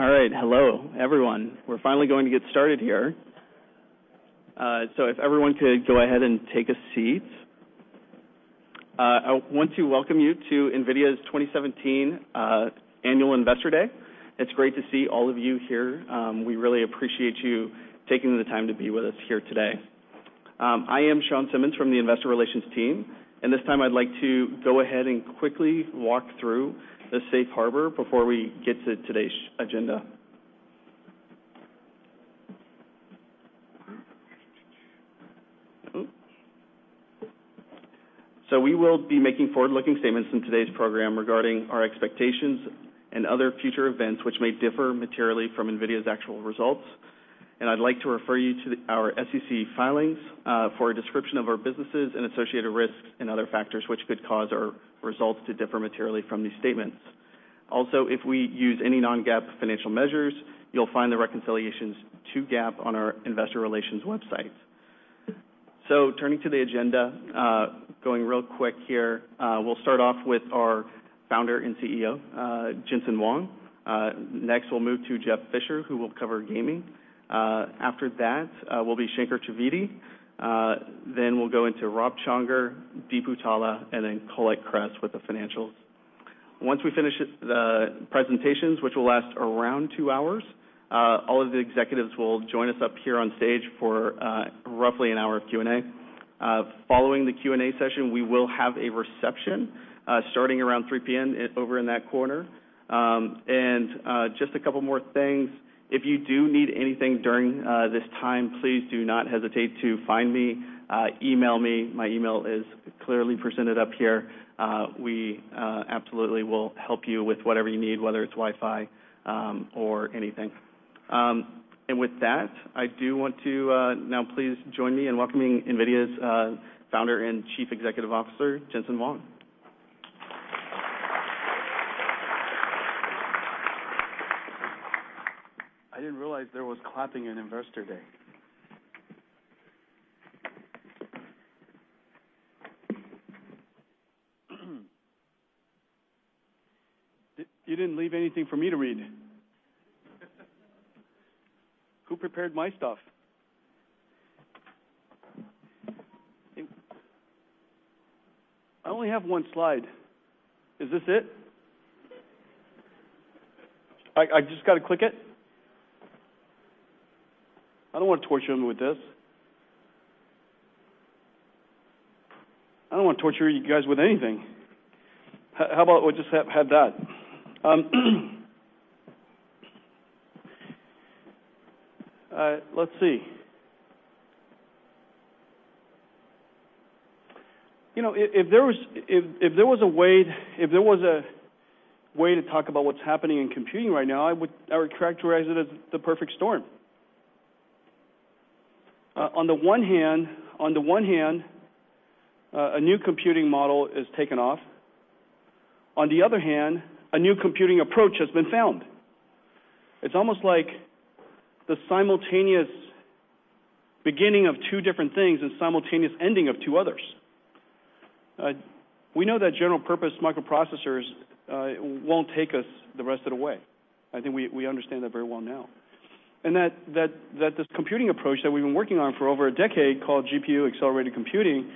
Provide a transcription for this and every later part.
Hello, everyone. We're finally going to get started here. If everyone could go ahead and take a seat. I want to welcome you to NVIDIA's 2017 Annual Investor Day. It's great to see all of you here. We really appreciate you taking the time to be with us here today. I am Shawn Simmons from the investor relations team. This time I'd like to go ahead and quickly walk through the safe harbor before we get to today's agenda. We will be making forward-looking statements in today's program regarding our expectations and other future events, which may differ materially from NVIDIA's actual results. I'd like to refer you to our SEC filings for a description of our businesses and associated risks and other factors which could cause our results to differ materially from these statements. If we use any non-GAAP financial measures, you'll find the reconciliations to GAAP on our investor relations website. Turning to the agenda, going real quick here, we'll start off with our founder and CEO, Jensen Huang. Next, we'll move to Jeff Fisher, who will cover gaming. After that, will be Shankar Trivedi. We'll go into Rob Csongor, Deepu Talla, and Colette Kress with the financials. Once we finish the presentations, which will last around 2 hours, all of the executives will join us up here on stage for roughly one hour of Q&A. Following the Q&A session, we will have a reception starting around 3:00 P.M. over in that corner. Just a couple more things. If you do need anything during this time, please do not hesitate to find me, email me. My email is clearly presented up here. We absolutely will help you with whatever you need, whether it's Wi-Fi or anything. With that, I do want to now please join me in welcoming NVIDIA's founder and chief executive officer, Jensen Huang. I didn't realize there was clapping at Investor Day. You didn't leave anything for me to read. Who prepared my stuff? I only have one slide. Is this it? I just got to click it? I don't want to torture them with this. I don't want to torture you guys with anything. How about we just have that? Let's see. If there was a way to talk about what's happening in computing right now, I would characterize it as the perfect storm. On the one hand, a new computing model has taken off. On the other hand, a new computing approach has been found. It's almost like the simultaneous beginning of two different things and simultaneous ending of two others. We know that general purpose microprocessors won't take us the rest of the way. I think we understand that very well now. That this computing approach that we've been working on for over a decade called GPU-accelerated computing,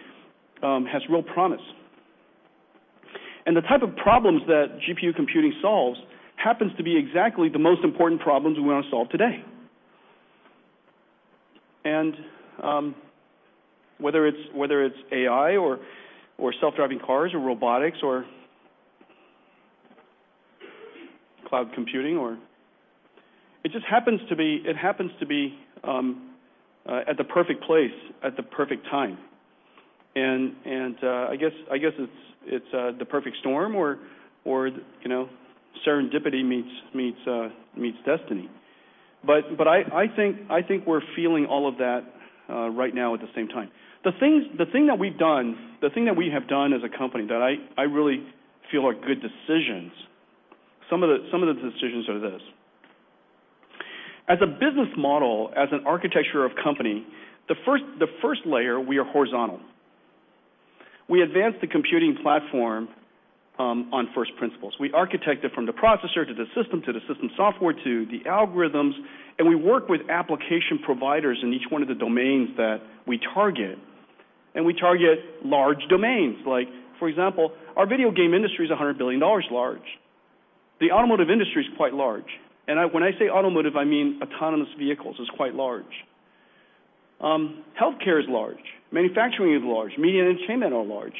has real promise. The type of problems that GPU computing solves happens to be exactly the most important problems we want to solve today. Whether it's AI or self-driving cars or robotics or cloud computing, it happens to be at the perfect place at the perfect time. I guess it's the perfect storm or serendipity meets destiny. I think we're feeling all of that right now at the same time. The thing that we have done as a company that I really feel are good decisions, some of the decisions are this. As a business model, as an architecture of company, the first layer, we are horizontal. We advance the computing platform on first principles. We architect it from the processor to the system, to the system software, to the algorithms, we work with application providers in each one of the domains that we target. We target large domains like, for example, our video game industry is $100 billion large. The automotive industry is quite large. When I say automotive, I mean autonomous vehicles is quite large. Healthcare is large. Manufacturing is large. Media and entertainment are large.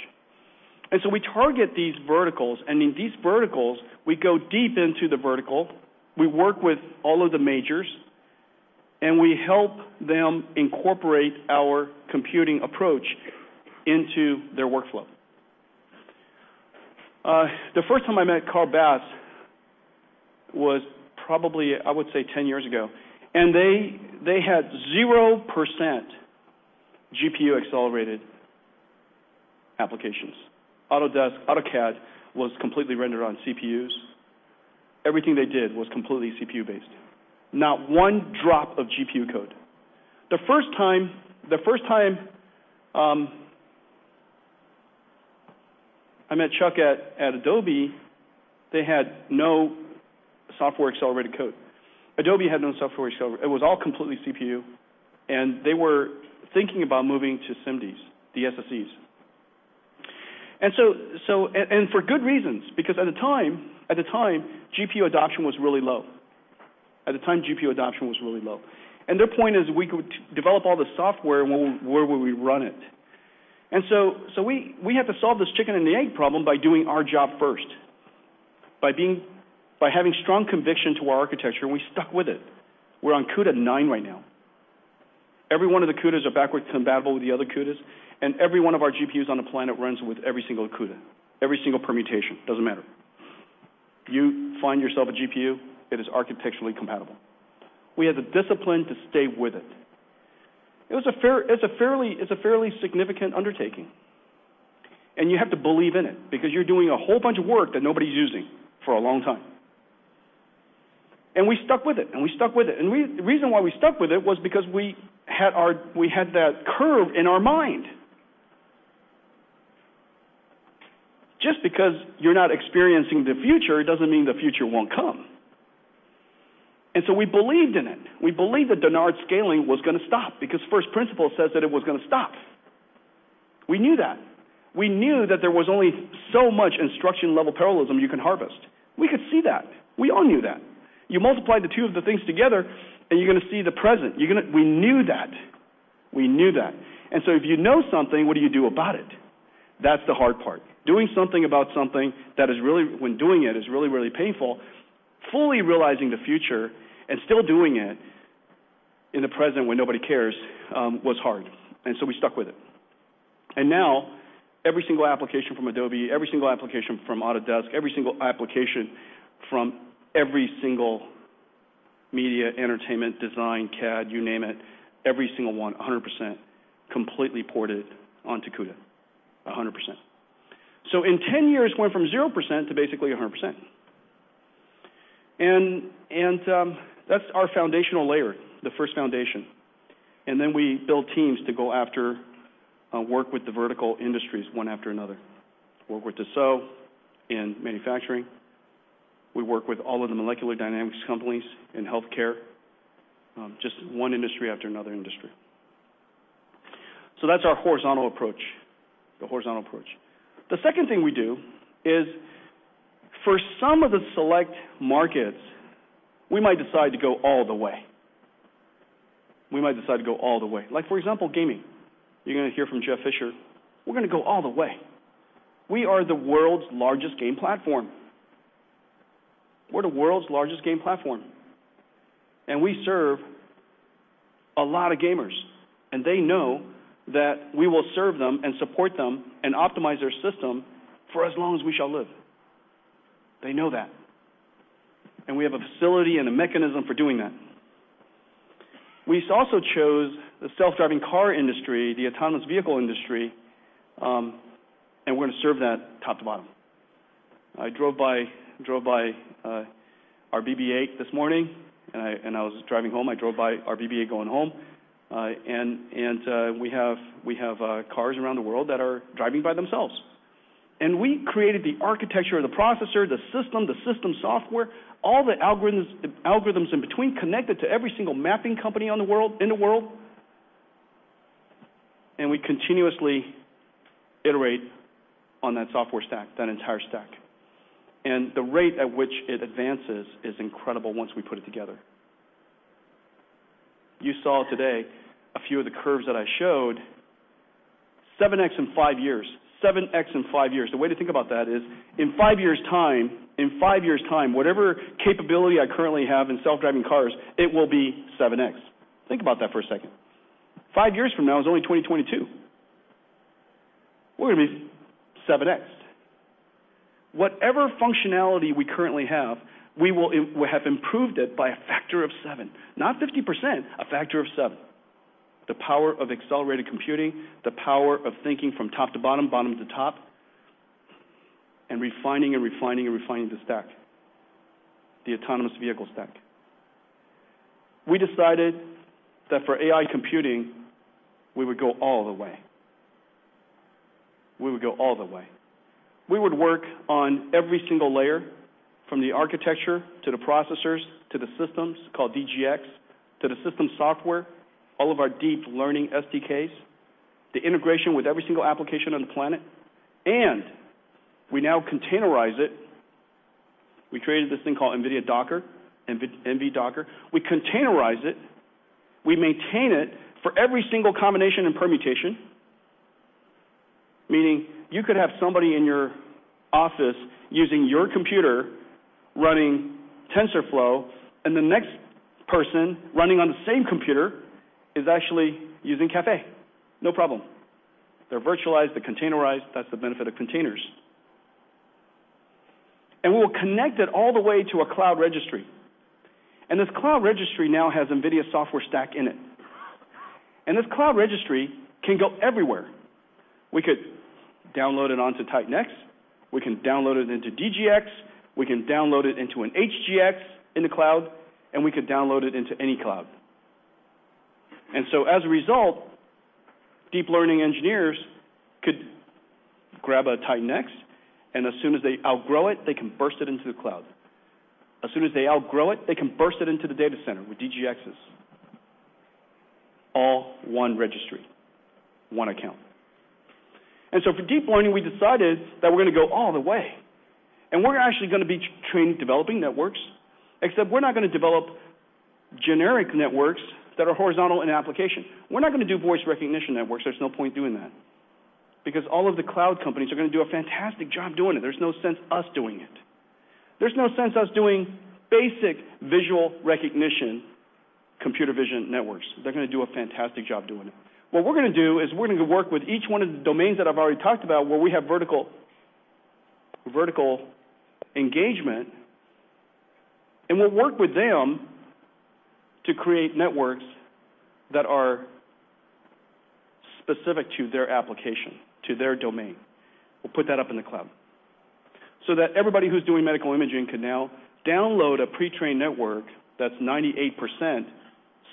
We target these verticals, in these verticals, we go deep into the vertical. We work with all of the majors, and we help them incorporate our computing approach into their workflow. The first time I met Carl Bass was probably, I would say, 10 years ago, and they had 0% GPU-accelerated applications. Autodesk AutoCAD was completely rendered on CPUs. Everything they did was completely CPU-based. Not one drop of GPU code. I met Chuck at Adobe. They had no software-accelerated code. Adobe had no software-accelerated. It was all completely CPU, and they were thinking about moving to SIMDs, the SSEs. For good reasons, because at the time, GPU adoption was really low. At the time, GPU adoption was really low. Their point is we could develop all the software, where would we run it? We had to solve this chicken and the egg problem by doing our job first. By having strong conviction to our architecture, and we stuck with it. We're on CUDA 9 right now. Every one of the CUDAs are backwards compatible with the other CUDAs, and every one of our GPUs on the planet runs with every single CUDA. Every single permutation, doesn't matter. You find yourself a GPU, it is architecturally compatible. We had the discipline to stay with it. It's a fairly significant undertaking. You have to believe in it because you're doing a whole bunch of work that nobody's using for a long time. We stuck with it, and we stuck with it. The reason why we stuck with it was because we had that curve in our mind. Just because you're not experiencing the future, it doesn't mean the future won't come. We believed in it. We believed that Dennard scaling was going to stop because first principle says that it was going to stop. We knew that. We knew that there was only so much instruction-level parallelism you can harvest. We could see that. We all knew that. You multiply the two of the things together, and you're going to see the present. We knew that. We knew that. If you know something, what do you do about it? That's the hard part. Doing something about something, when doing it, is really, really painful. Fully realizing the future and still doing it in the present when nobody cares, was hard. We stuck with it. Now every single application from Adobe, every single application from Autodesk, every single application from every single media, entertainment, design, CAD, you name it, every single one, 100% completely ported onto CUDA, 100%. In 10 years, it went from 0% to basically 100%. That's our foundational layer, the first foundation. Then we build teams to go after work with the vertical industries one after another. Work with Dassault in manufacturing. We work with all of the molecular dynamics companies in healthcare. Just one industry after another industry. That's our horizontal approach, the horizontal approach. The second thing we do is, for some of the select markets, we might decide to go all the way. We might decide to go all the way. Like, for example, gaming. You're going to hear from Jeff Fisher. We're going to go all the way. We are the world's largest game platform. We're the world's largest game platform. We serve a lot of gamers, and they know that we will serve them and support them and optimize their system for as long as we shall live. They know that. We have a facility and a mechanism for doing that. We also chose the self-driving car industry, the autonomous vehicle industry, and we're going to serve that top to bottom. I drove by our BB8 this morning, and I was driving home. I drove by our BB8 going home. We have cars around the world that are driving by themselves. We created the architecture of the processor, the system, the system software, all the algorithms in between, connected to every single mapping company in the world, and we continuously iterate on that software stack, that entire stack. The rate at which it advances is incredible once we put it together. You saw today a few of the curves that I showed. 7x in five years. 7x in five years. The way to think about that is in five years' time, whatever capability I currently have in self-driving cars, it will be 7x. Think about that for a second. Five years from now is only 2022. We're going to be 7x. Whatever functionality we currently have, we will have improved it by a factor of seven. Not 50%, a factor of seven. The power of accelerated computing, the power of thinking from top to bottom to top, and refining and refining and refining the stack. The autonomous vehicle stack. We decided that for AI computing, we would go all the way. We would go all the way. We would work on every single layer, from the architecture to the processors to the systems, called DGX, to the system software, all of our deep learning SDKs, the integration with every single application on the planet. We now containerize it. We created this thing called NVIDIA Docker, nv-docker. We containerize it. We maintain it for every single combination and permutation, meaning you could have somebody in your office using your computer running TensorFlow, and the next person running on the same computer is actually using Caffe. No problem. They're virtualized. They're containerized. That's the benefit of containers. We'll connect it all the way to a cloud registry. This cloud registry now has NVIDIA software stack in it. This cloud registry can go everywhere. We could download it onto Titan X, we can download it into DGX, we can download it into an HGX in the cloud, and we could download it into any cloud. As a result, deep learning engineers could grab a Titan X, and as soon as they outgrow it, they can burst it into the cloud. As soon as they outgrow it, they can burst it into the data center with DGXs. All one registry, one account. For deep learning, we decided that we're going to go all the way, and we're actually going to be training, developing networks, except we're not going to develop generic networks that are horizontal in application. We're not going to do voice recognition networks. There's no point doing that because all of the cloud companies are going to do a fantastic job doing it. There's no sense us doing it. There's no sense us doing basic visual recognition, computer vision networks. They're going to do a fantastic job doing it. What we're going to do is we're going to work with each one of the domains that I've already talked about, where we have vertical engagement, and we'll work with them to create networks that are specific to their application, to their domain. We'll put that up in the cloud so that everybody who's doing medical imaging can now download a pre-trained network that's 98%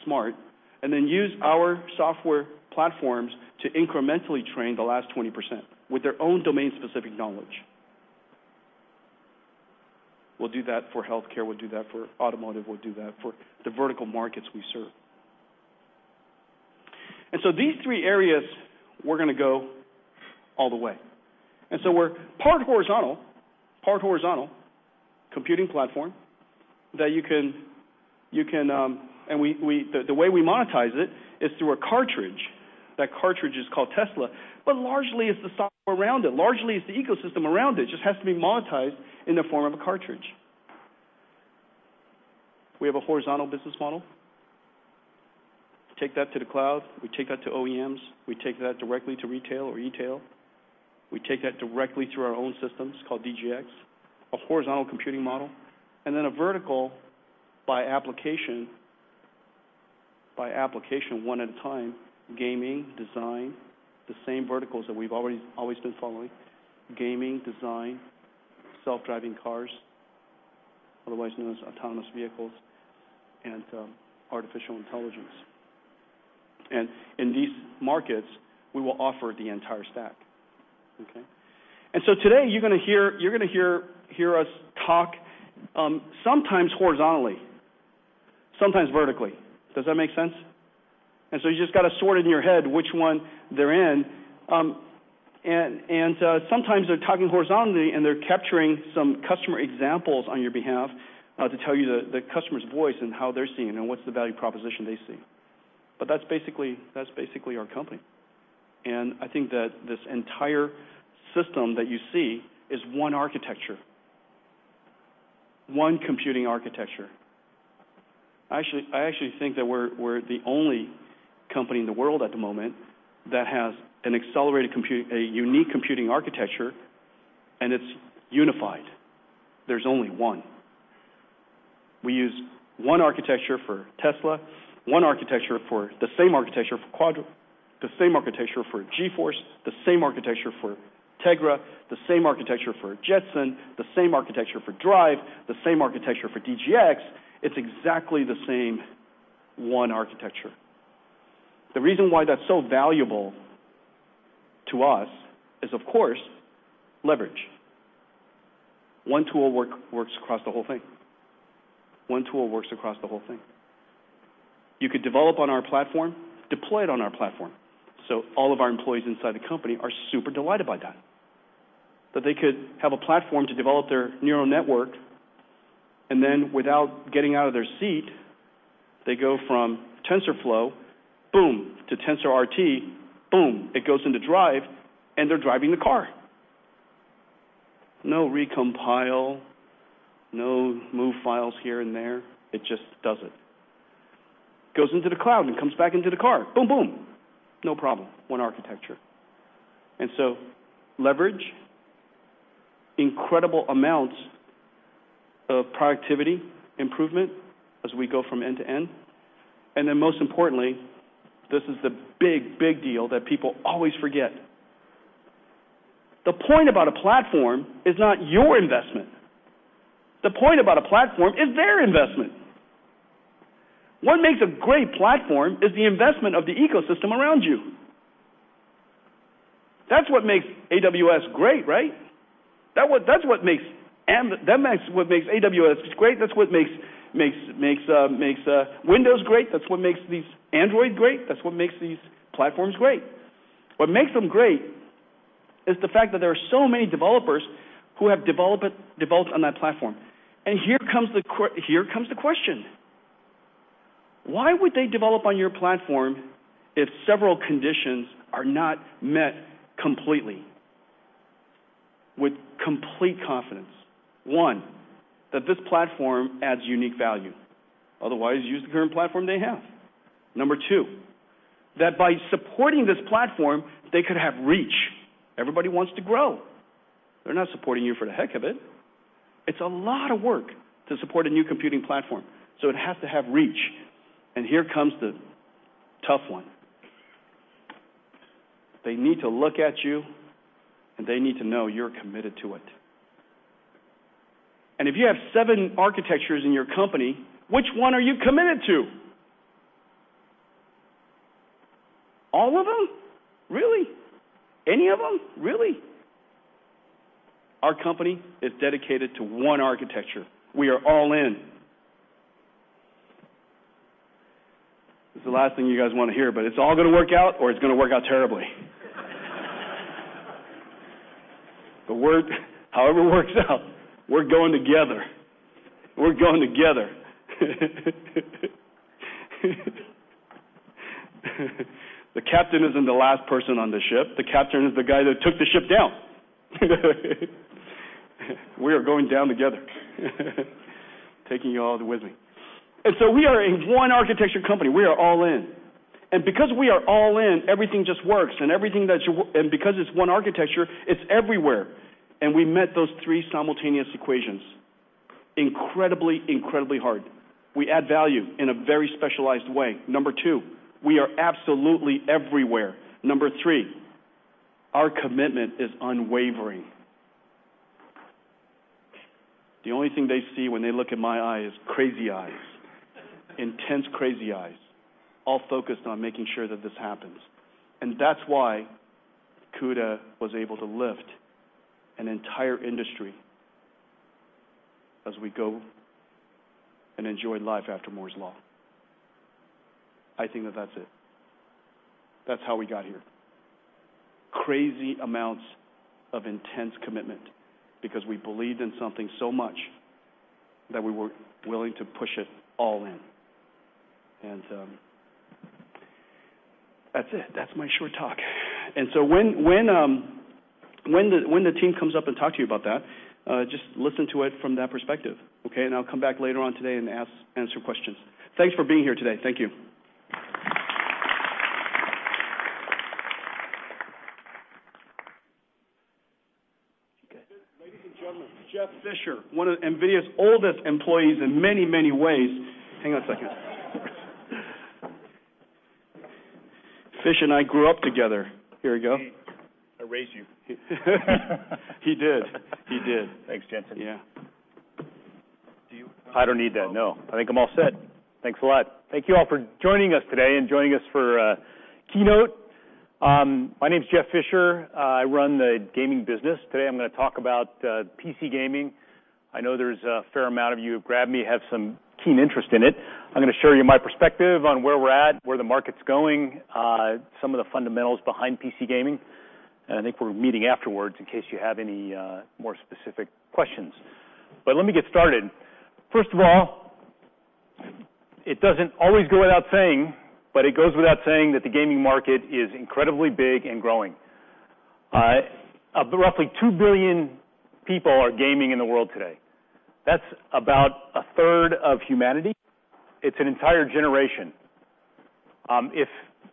smart, and then use our software platforms to incrementally train the last 20% with their own domain-specific knowledge. We'll do that for healthcare, we'll do that for automotive, we'll do that for the vertical markets we serve. These three areas, we're going to go all the way. We're part horizontal computing platform. The way we monetize it is through a cartridge. That cartridge is called Tesla. Largely, it's the software around it, largely, it's the ecosystem around it. It just has to be monetized in the form of a cartridge. We have a horizontal business model. We take that to the cloud, we take that to OEMs, we take that directly to retail or e-tail. We take that directly through our own systems called DGX, a horizontal computing model, and then a vertical by application, one at a time, gaming, design, the same verticals that we've always been following. Gaming, design, self-driving cars, otherwise known as autonomous vehicles, and artificial intelligence. In these markets, we will offer the entire stack. Okay? Today, you're going to hear us talk sometimes horizontally, sometimes vertically. Does that make sense? You've just got to sort in your head which one they're in. Sometimes they're talking horizontally, and they're capturing some customer examples on your behalf to tell you the customer's voice and how they're seeing it and what's the value proposition they see. That's basically our company. I think that this entire system that you see is one architecture, one computing architecture. I actually think that we're the only company in the world at the moment that has a unique computing architecture, and it's unified. There's only one. We use one architecture for Tesla, the same architecture for Quadro, the same architecture for GeForce, the same architecture for Tegra, the same architecture for Jetson, the same architecture for Drive, the same architecture for DGX. It's exactly the same one architecture. The reason why that's so valuable to us is, of course, leverage. One tool works across the whole thing. You could develop on our platform, deploy it on our platform. All of our employees inside the company are super delighted by that they could have a platform to develop their neural network, and then without getting out of their seat, they go from TensorFlow, boom, to TensorRT, boom. It goes into Drive, and they're driving the car. No recompile, no move files here and there. It just does it. Goes into the cloud and comes back into the car. Boom, boom. No problem. One architecture. Leverage incredible amounts of productivity improvement as we go from end to end. Most importantly, this is the big deal that people always forget. The point about a platform is not your investment. The point about a platform is their investment. What makes a great platform is the investment of the ecosystem around you. That's what makes AWS great, right? That's what makes AWS great, that's what makes Windows great, that's what makes these Android great. That's what makes these platforms great. What makes them great is the fact that there are so many developers who have developed on that platform. Here comes the question: Why would they develop on your platform if several conditions are not met completely, with complete confidence? One, that this platform adds unique value. Otherwise, use the current platform they have. Number two, that by supporting this platform, they could have reach. Everybody wants to grow. They're not supporting you for the heck of it. It's a lot of work to support a new computing platform, so it has to have reach. Here comes the tough one. They need to look at you, and they need to know you're committed to it. If you have seven architectures in your company, which one are you committed to? All of them? Really? Any of them? Really? Our company is dedicated to one architecture. We are all in. This is the last thing you guys want to hear, but it's all going to work out, or it's going to work out terribly. However it works out, we're going together. We're going together. The captain isn't the last person on the ship. The captain is the guy that took the ship down. We are going down together, taking you all with me. We are a one-architecture company. We are all in. Because we are all in, everything just works, and because it's one architecture, it's everywhere. We met those three simultaneous equations. Incredibly, incredibly hard. We add value in a very specialized way. Number two, we are absolutely everywhere. Number three, our commitment is unwavering. The only thing they see when they look in my eye is crazy eyes. Intense, crazy eyes, all focused on making sure that this happens. That's why CUDA was able to lift an entire industry as we go and enjoy life after Moore's Law. I think that that's it. That's how we got here. Crazy amounts of intense commitment because we believed in something so much that we were willing to push it all in. That's it. That's my short talk. When the team comes up and talks to you about that, just listen to it from that perspective, okay? I'll come back later on today and answer questions. Thanks for being here today. Thank you. Okay. Ladies and gentlemen, Jeff Fisher, one of NVIDIA's oldest employees in many, many ways. Hang on a second. Fish and I grew up together. Here we go. Hey. I raised you. He did. He did. Thanks, Jensen. Yeah. I don't need that, no. I think I'm all set. Thanks a lot. Thank you all for joining us today and joining us for keynote. My name's Jeff Fisher. I run the gaming business. Today, I'm going to talk about PC gaming. I know there's a fair amount of you who grabbed me, have some keen interest in it. I'm going to share you my perspective on where we're at, where the market's going, some of the fundamentals behind PC gaming. I think we're meeting afterwards in case you have any more specific questions. Let me get started. First of all, it doesn't always go without saying, but it goes without saying that the gaming market is incredibly big and growing. Roughly 2 billion people are gaming in the world today. That's about a third of humanity. It's an entire generation.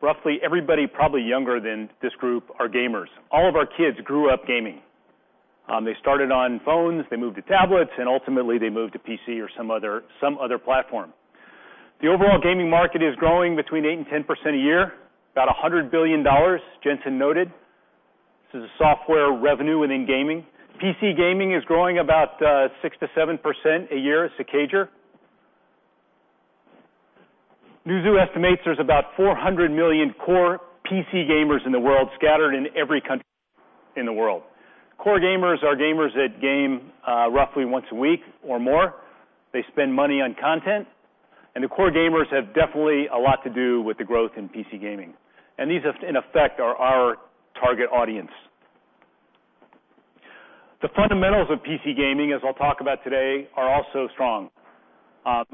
Roughly everybody probably younger than this group are gamers. All of our kids grew up gaming. They started on phones, they moved to tablets, and ultimately, they moved to PC or some other platform. The overall gaming market is growing between 8% and 10% a year. About $100 billion, Jensen noted. This is software revenue within gaming. PC gaming is growing about 6%-7% a year as a CAGR. Newzoo estimates there's about 400 million core PC gamers in the world, scattered in every country in the world. Core gamers are gamers that game roughly one a week or more. They spend money on content, the core gamers have definitely a lot to do with the growth in PC gaming. These, in effect, are our target audience. The fundamentals of PC gaming, as I'll talk about today, are also strong.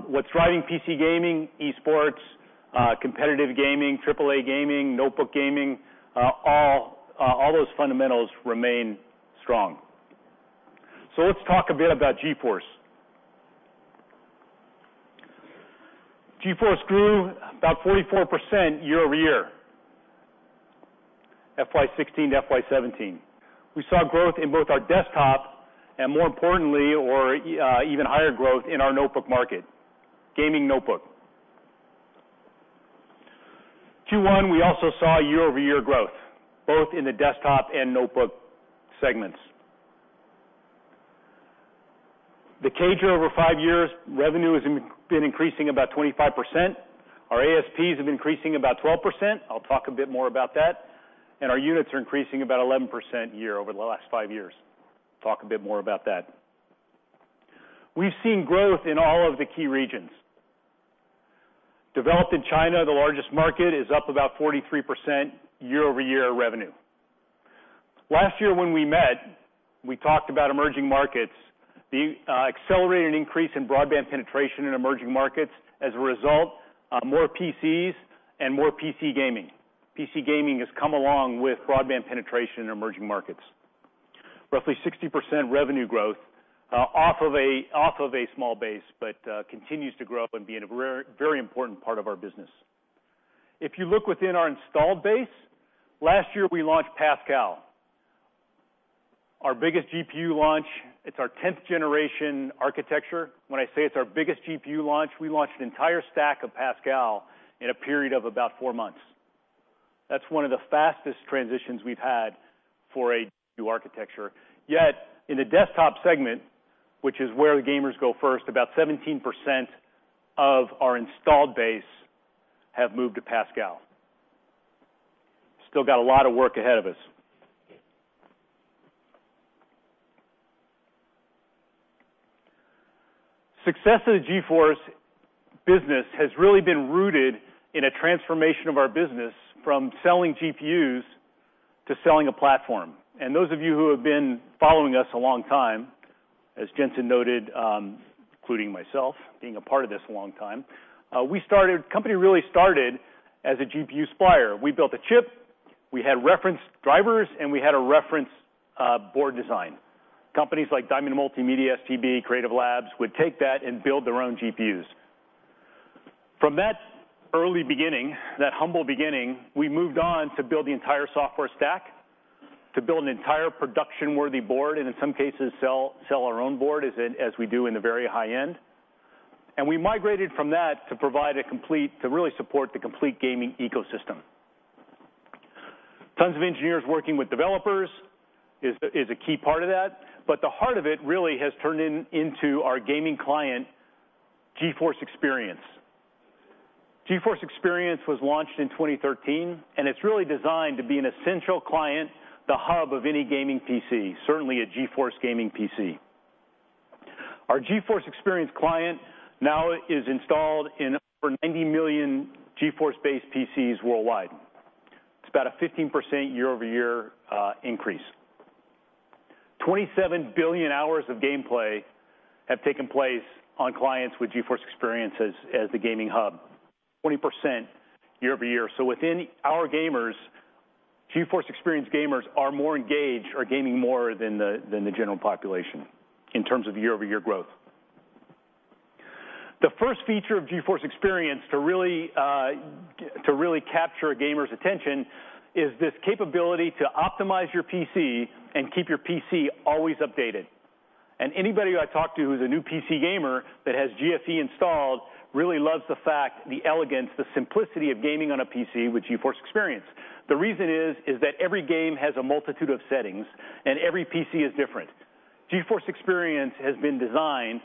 What's driving PC gaming, esports, competitive gaming, AAA gaming, notebook gaming, all those fundamentals remain strong. Let's talk a bit about GeForce. GeForce grew about 44% year-over-year, FY 2016 to FY 2017. We saw growth in both our desktop and, more importantly, or even higher growth in our notebook market, gaming notebook. Q1, we also saw year-over-year growth, both in the desktop and notebook segments. The CAGR over 5 years, revenue has been increasing about 25%. Our ASPs have been increasing about 12%. I'll talk a bit more about that. Our units are increasing about 11% year over the last 5 years. Talk a bit more about that. We've seen growth in all of the key regions. Developed in China, the largest market is up about 43% year-over-year revenue. Last year when we met, we talked about emerging markets. The accelerated increase in broadband penetration in emerging markets. As a result, more PCs and more PC gaming. PC gaming has come along with broadband penetration in emerging markets. Roughly 60% revenue growth off of a small base, continues to grow up and be a very important part of our business. If you look within our installed base, last year, we launched Pascal. Our biggest GPU launch, it's our 10th generation architecture. When I say it's our biggest GPU launch, we launched an entire stack of Pascal in a period of about four months. That's one of the fastest transitions we've had for a GPU architecture. Yet, in the desktop segment, which is where the gamers go first, about 17% of our installed base have moved to Pascal. Still got a lot of work ahead of us. Success of the GeForce business has really been rooted in a transformation of our business from selling GPUs to selling a platform. Those of you who have been following us a long time, as Jensen noted, including myself being a part of this a long time, the company really started as a GPU supplier. We built a chip, we had reference drivers, and we had a reference board design. Companies like Diamond Multimedia, STB, Creative Labs, would take that and build their own GPUs. From that early beginning, that humble beginning, we moved on to build the entire software stack, to build an entire production-worthy board, and in some cases, sell our own board, as we do in the very high end. We migrated from that to really support the complete gaming ecosystem. Tons of engineers working with developers is a key part of that, but the heart of it really has turned into our gaming client, GeForce Experience. GeForce Experience was launched in 2013, it's really designed to be an essential client, the hub of any gaming PC, certainly a GeForce gaming PC. Our GeForce Experience client now is installed in over 90 million GeForce-based PCs worldwide. It's about a 15% year-over-year increase. 27 billion hours of gameplay have taken place on clients with GeForce Experience as the gaming hub. 20% year-over-year. Within our gamers, GeForce Experience gamers are more engaged or gaming more than the general population in terms of year-over-year growth. The first feature of GeForce Experience to really capture a gamer's attention is this capability to optimize your PC and keep your PC always updated. Anybody who I talk to who's a new PC gamer that has GFE installed really loves the fact, the elegance, the simplicity of gaming on a PC with GeForce Experience. The reason is that every game has a multitude of settings, every PC is different. GeForce Experience has been designed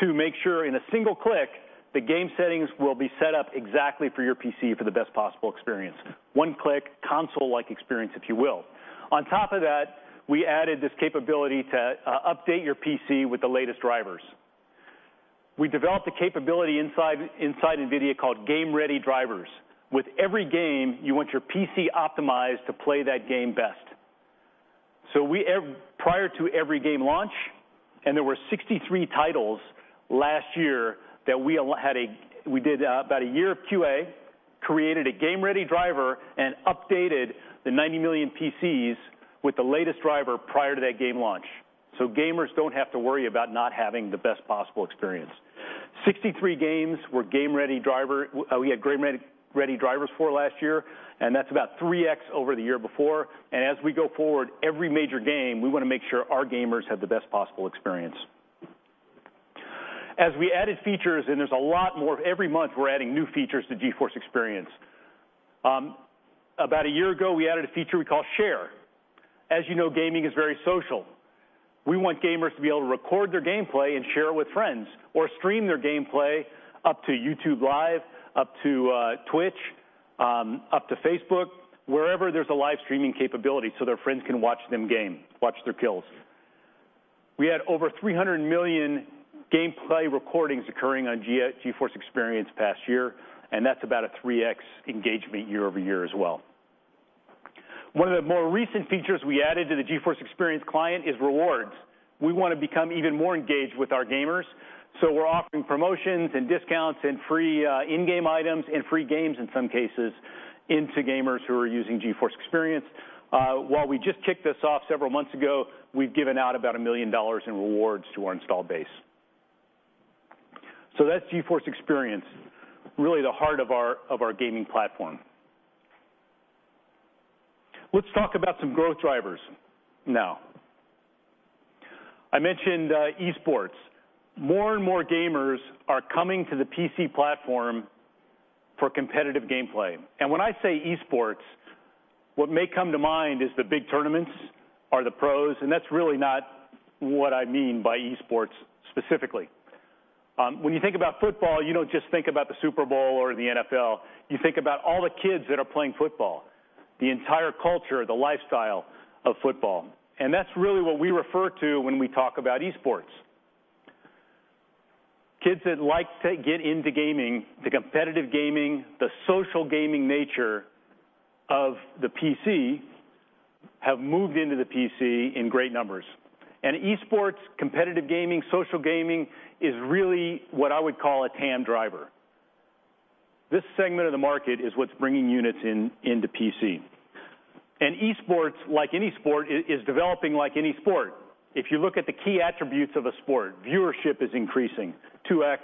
to make sure in a single click, the game settings will be set up exactly for your PC for the best possible experience. One-click console-like experience, if you will. On top of that, we added this capability to update your PC with the latest drivers. We developed a capability inside NVIDIA called game-ready drivers. With every game, you want your PC optimized to play that game best. Prior to every game launch, and there were 63 titles last year that we did about a year of QA, created a game-ready driver, and updated the 90 million PCs with the latest driver prior to that game launch, so gamers don't have to worry about not having the best possible experience. 63 games we had game-ready drivers for last year, and that's about 3x over the year before. As we go forward, every major game, we want to make sure our gamers have the best possible experience. As we added features, and there's a lot more. Every month, we're adding new features to GeForce Experience. About a year ago, we added a feature we call Share. As you know, gaming is very social. We want gamers to be able to record their gameplay and share it with friends, or stream their gameplay up to YouTube Live, up to Twitch, up to Facebook, wherever there's a live streaming capability, so their friends can watch them game, watch their kills. We had over 300 million gameplay recordings occurring on GeForce Experience the past year, and that's about a 3x engagement year-over-year as well. One of the more recent features we added to the GeForce Experience client is Rewards. We want to become even more engaged with our gamers, so we're offering promotions and discounts and free in-game items and free games in some cases into gamers who are using GeForce Experience. While we just kicked this off several months ago, we've given out about $1 million in rewards to our installed base. That's GeForce Experience, really the heart of our gaming platform. Let's talk about some growth drivers now. I mentioned esports. More and more gamers are coming to the PC platform for competitive gameplay. When I say esports, what may come to mind is the big tournaments or the pros, and that's really not what I mean by esports specifically. When you think about football, you don't just think about the Super Bowl or the NFL. You think about all the kids that are playing football, the entire culture, the lifestyle of football. That's really what we refer to when we talk about esports. Kids that like to get into gaming, the competitive gaming, the social gaming nature of the PC have moved into the PC in great numbers. Esports, competitive gaming, social gaming, is really what I would call a TAM driver. This segment of the market is what's bringing units into PC. Esports, like any sport, is developing like any sport. If you look at the key attributes of a sport, viewership is increasing 2x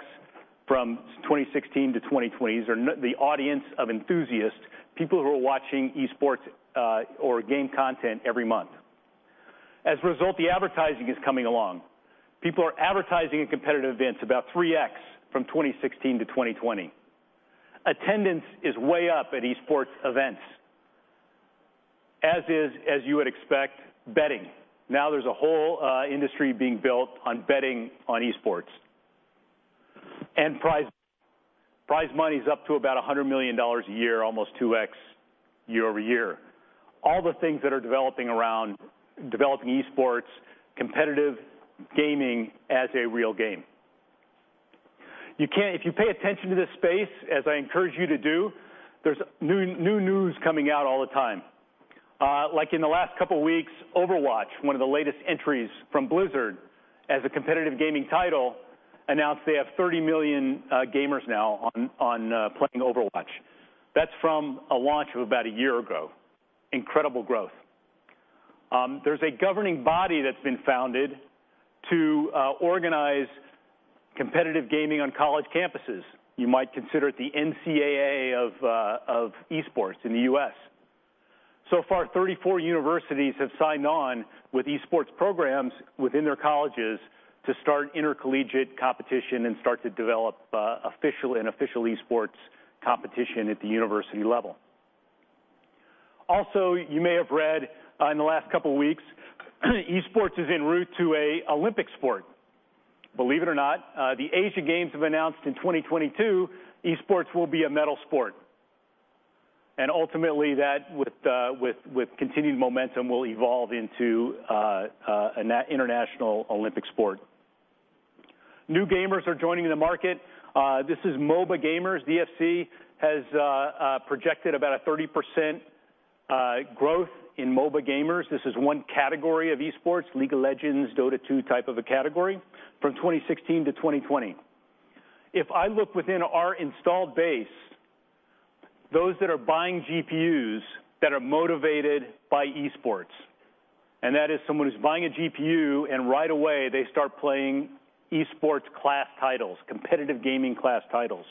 From 2016 to 2020, these are the audience of enthusiasts, people who are watching esports or game content every month. As a result, the advertising is coming along. People are advertising at competitive events about 3x from 2016 to 2020. Attendance is way up at esports events. As is, as you would expect, betting. Now there's a whole industry being built on betting on esports. Prize money is up to about $100 million a year, almost 2X year-over-year. All the things that are developing around developing esports, competitive gaming as a real game. If you pay attention to this space, as I encourage you to do, there's new news coming out all the time. Like in the last couple of weeks, Overwatch, one of the latest entries from Blizzard as a competitive gaming title, announced they have 30 million gamers now on playing Overwatch. That's from a launch of about a year ago. Incredible growth. There's a governing body that's been founded to organize competitive gaming on college campuses. You might consider it the NCAA of esports in the U.S. So far, 34 universities have signed on with esports programs within their colleges to start intercollegiate competition and start to develop an official esports competition at the university level. You may have read in the last couple of weeks, esports is en route to an Olympic sport. Believe it or not, the Asian Games have announced in 2022, esports will be a medal sport. Ultimately that, with continued momentum, will evolve into an international Olympic sport. New gamers are joining the market. This is MOBA gamers. DFC has projected about a 30% growth in MOBA gamers. This is one category of esports, League of Legends, Dota 2 type of a category, from 2016 to 2020. If I look within our installed base, those that are buying GPUs that are motivated by esports, and that is someone who's buying a GPU and right away they start playing esports class titles, competitive gaming class titles.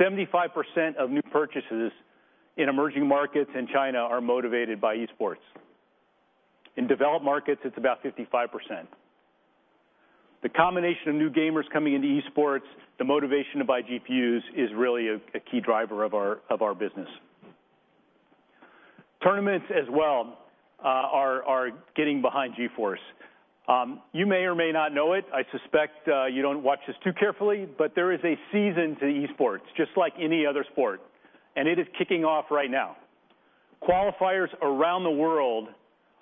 75% of new purchases in emerging markets and China are motivated by esports. In developed markets, it's about 55%. The combination of new gamers coming into esports, the motivation to buy GPUs is really a key driver of our business. Tournaments as well are getting behind GeForce. You may or may not know it. I suspect you don't watch this too carefully, there is a season to esports, just like any other sport, it is kicking off right now. Qualifiers around the world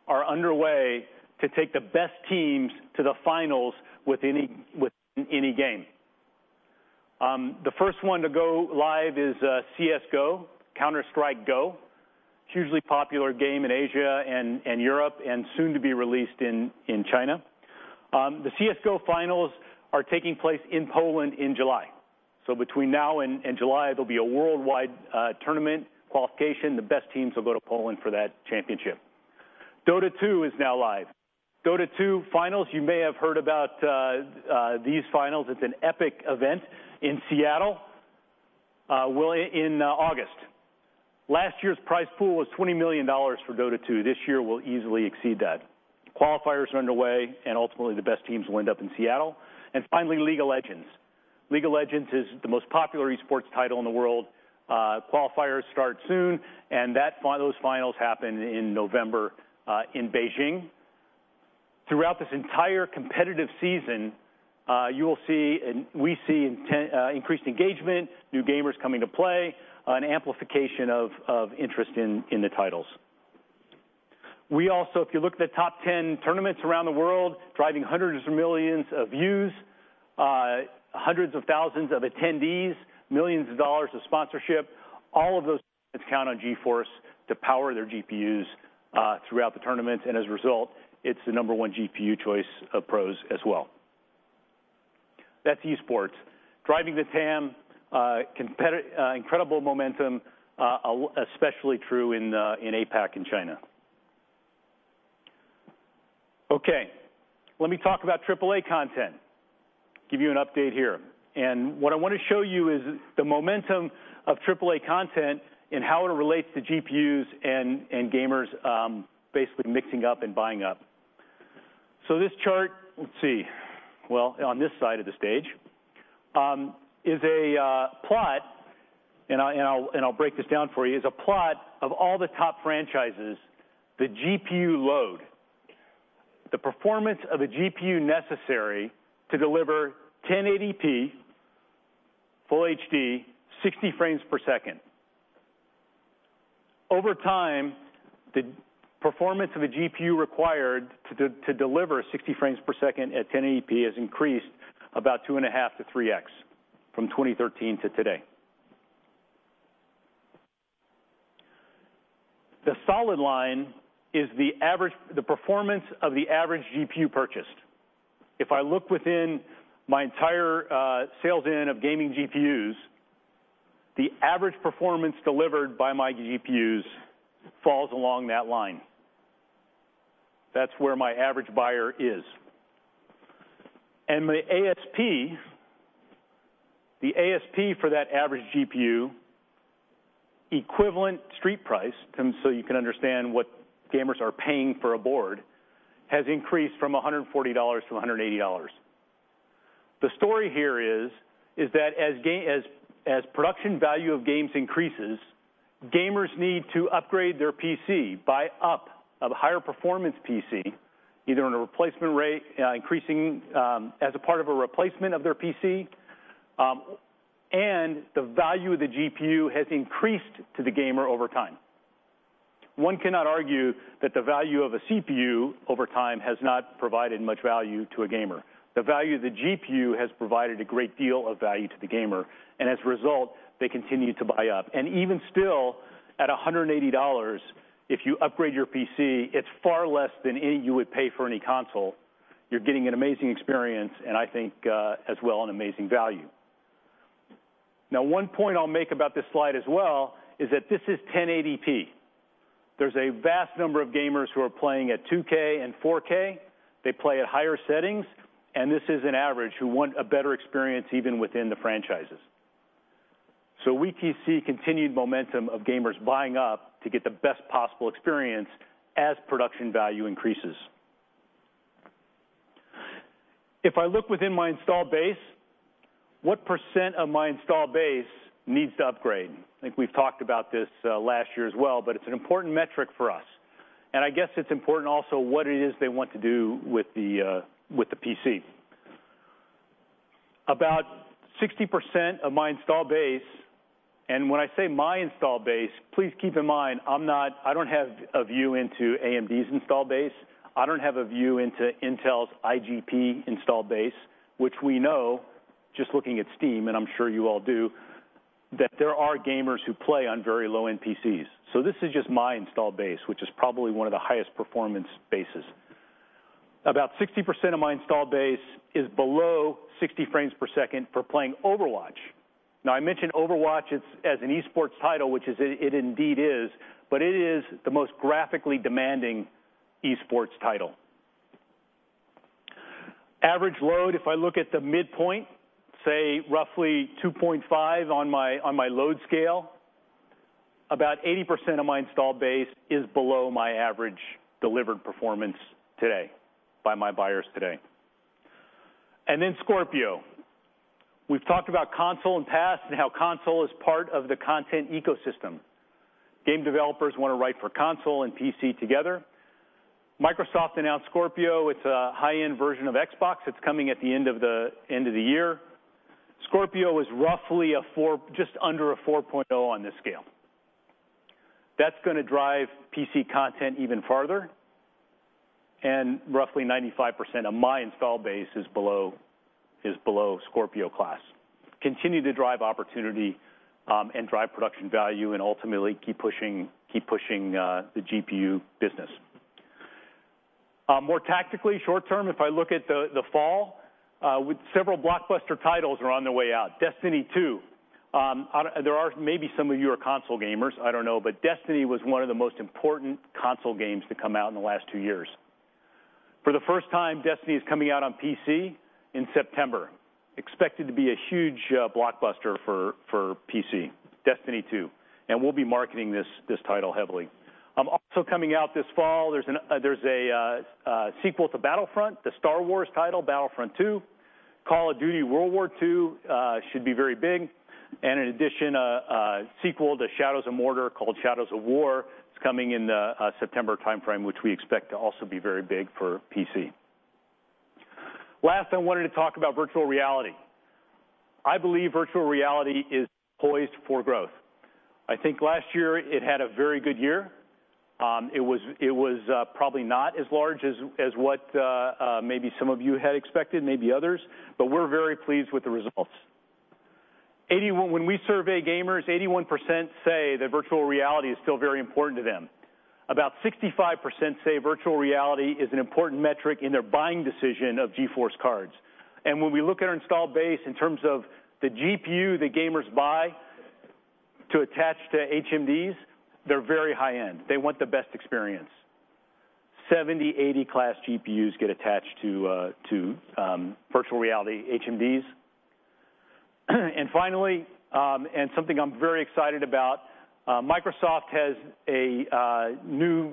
are underway to take the best teams to the finals with any game. The first one to go live is CS:GO, Counter-Strike GO, hugely popular game in Asia and Europe, soon to be released in China. The CS:GO finals are taking place in Poland in July. Between now and July, there'll be a worldwide tournament qualification. The best teams will go to Poland for that championship. Dota 2 is now live. Dota 2 finals, you may have heard about these finals. It's an epic event in Seattle in August. Last year's prize pool was $20 million for Dota 2. This year will easily exceed that. Qualifiers are underway ultimately the best teams will end up in Seattle. Finally, League of Legends. League of Legends is the most popular esports title in the world. Qualifiers start soon those finals happen in November in Beijing. Throughout this entire competitive season, you will see, we see increased engagement, new gamers coming to play, an amplification of interest in the titles. We also, if you look at the top 10 tournaments around the world, driving hundreds of millions of views, hundreds of thousands of attendees, millions of dollars of sponsorship, all of those count on GeForce to power their GPUs throughout the tournament. As a result, it's the number one GPU choice of pros as well. That's esports. Driving the TAM, incredible momentum, especially true in APAC and China. Okay, let me talk about AAA content. Give you an update here. What I want to show you is the momentum of AAA content and how it relates to GPUs and gamers basically mixing up and buying up. This chart, let's see, well, on this side of the stage, is a plot, and I'll break this down for you, is a plot of all the top franchises, the GPU load. The performance of a GPU necessary to deliver 1080p, full HD, 60 frames per second. Over time, the performance of a GPU required to deliver 60 frames per second at 1080p has increased about two and a half to 3X, from 2013 to today. The solid line is the performance of the average GPU purchased. If I look within my entire sales in of gaming GPUs, the average performance delivered by my GPUs falls along that line. That's where my average buyer is. The ASP for that average GPU equivalent street price, so you can understand what gamers are paying for a board, has increased from $140 to $180. The story here is that as production value of games increases, gamers need to upgrade their PC, buy up a higher performance PC, either as a part of a replacement of their PC, the value of the GPU has increased to the gamer over time. One cannot argue that the value of a CPU over time has not provided much value to a gamer. The value of the GPU has provided a great deal of value to the gamer, as a result, they continue to buy up. Even still, at $180, if you upgrade your PC, it's far less than you would pay for any console. You're getting an amazing experience and I think, as well, an amazing value. One point I'll make about this slide as well is that this is 1080p. There's a vast number of gamers who are playing at 2K and 4K. They play at higher settings, this is an average who want a better experience even within the franchises. We can see continued momentum of gamers buying up to get the best possible experience as production value increases. If I look within my install base, what percent of my install base needs to upgrade? I think we've talked about this last year as well, but it's an important metric for us. I guess it's important also what it is they want to do with the PC. About 60% of my install base, when I say my install base, please keep in mind, I don't have a view into AMD's install base. I don't have a view into Intel's IGP install base, which we know just looking at Steam, I'm sure you all do, that there are gamers who play on very low-end PCs. This is just my install base, which is probably one of the highest performance bases. About 60% of my install base is below 60 frames per second for playing Overwatch. I mentioned Overwatch as an esports title, which it indeed is, it is the most graphically demanding esports title. Average load, if I look at the midpoint, say roughly 2.5 on my load scale, about 80% of my install base is below my average delivered performance today by my buyers today. Then Scorpio. We've talked about console in past and how console is part of the content ecosystem. Game developers want to write for console and PC together. Microsoft announced Scorpio. It's a high-end version of Xbox. It's coming at the end of the year. Scorpio is roughly just under a 4.0 on this scale. That's going to drive PC content even farther, and roughly 95% of my install base is below Scorpio class. Continue to drive opportunity and drive production value and ultimately keep pushing the GPU business. More tactically short-term, if I look at the fall, several blockbuster titles are on the way out. Destiny 2. Maybe some of you are console gamers, I don't know, but Destiny was one of the most important console games to come out in the last two years. For the first time, Destiny is coming out on PC in September. Expected to be a huge blockbuster for PC, Destiny 2. We'll be marketing this title heavily. Also coming out this fall, there's a sequel to Battlefront, the Star Wars title, Battlefront 2. Call of Duty: WWII should be very big. In addition, a sequel to Shadows of Mordor called Shadows of War. It's coming in the September timeframe, which we expect to also be very big for PC. Last, I wanted to talk about virtual reality. I believe virtual reality is poised for growth. I think last year it had a very good year. It was probably not as large as what maybe some of you had expected, maybe others, but we're very pleased with the results. When we survey gamers, 81% say that virtual reality is still very important to them. About 65% say virtual reality is an important metric in their buying decision of GeForce cards. When we look at our install base in terms of the GPU that gamers buy to attach to HMDs, they're very high-end. They want the best experience. 70, 80 class GPUs get attached to virtual reality HMDs. Finally, something I'm very excited about, Microsoft has a new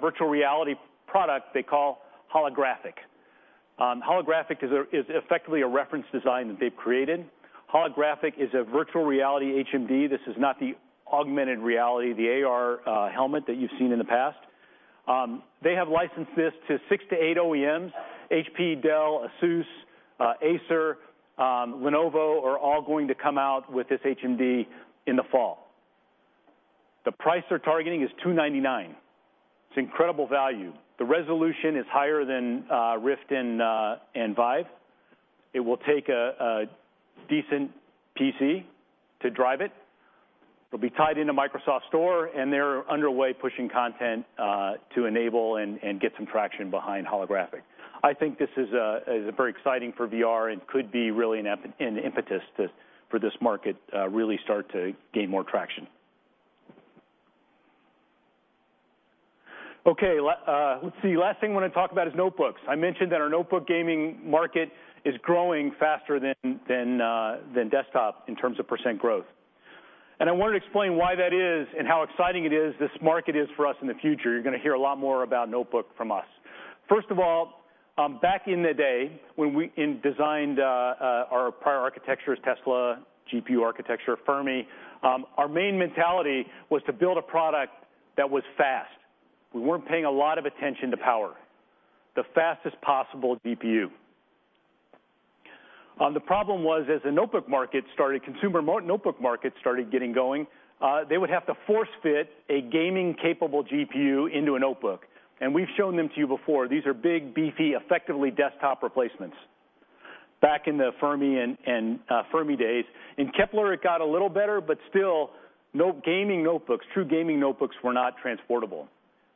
virtual reality product they call Holographic. Holographic is effectively a reference design that they've created. Holographic is a virtual reality HMD. This is not the augmented reality, the AR helmet that you've seen in the past. They have licensed this to six to eight OEMs. HP, Dell, ASUS, Acer, Lenovo, are all going to come out with this HMD in the fall. The price they're targeting is $299. It's incredible value. The resolution is higher than Rift and Vive. It will take a decent PC to drive it. It'll be tied into Microsoft Store, and they're underway pushing content, to enable and get some traction behind Holographic. I think this is very exciting for VR and could be really an impetus for this market really start to gain more traction. Okay. Let's see. Last thing I want to talk about is notebooks. I mentioned that our notebook gaming market is growing faster than desktop in terms of % growth. I wanted to explain why that is and how exciting it is, this market is for us in the future. You're going to hear a lot more about notebook from us. First of all, back in the day, when we designed our prior architectures, Tesla, GPU architecture, Fermi, our main mentality was to build a product that was fast. We weren't paying a lot of attention to power. The fastest possible GPU. The problem was, as the consumer notebook market started getting going, they would have to force fit a gaming-capable GPU into a notebook, and we've shown them to you before. These are big, beefy, effectively desktop replacements back in the Fermi days. In Kepler, it got a little better, but still, true gaming notebooks were not transportable.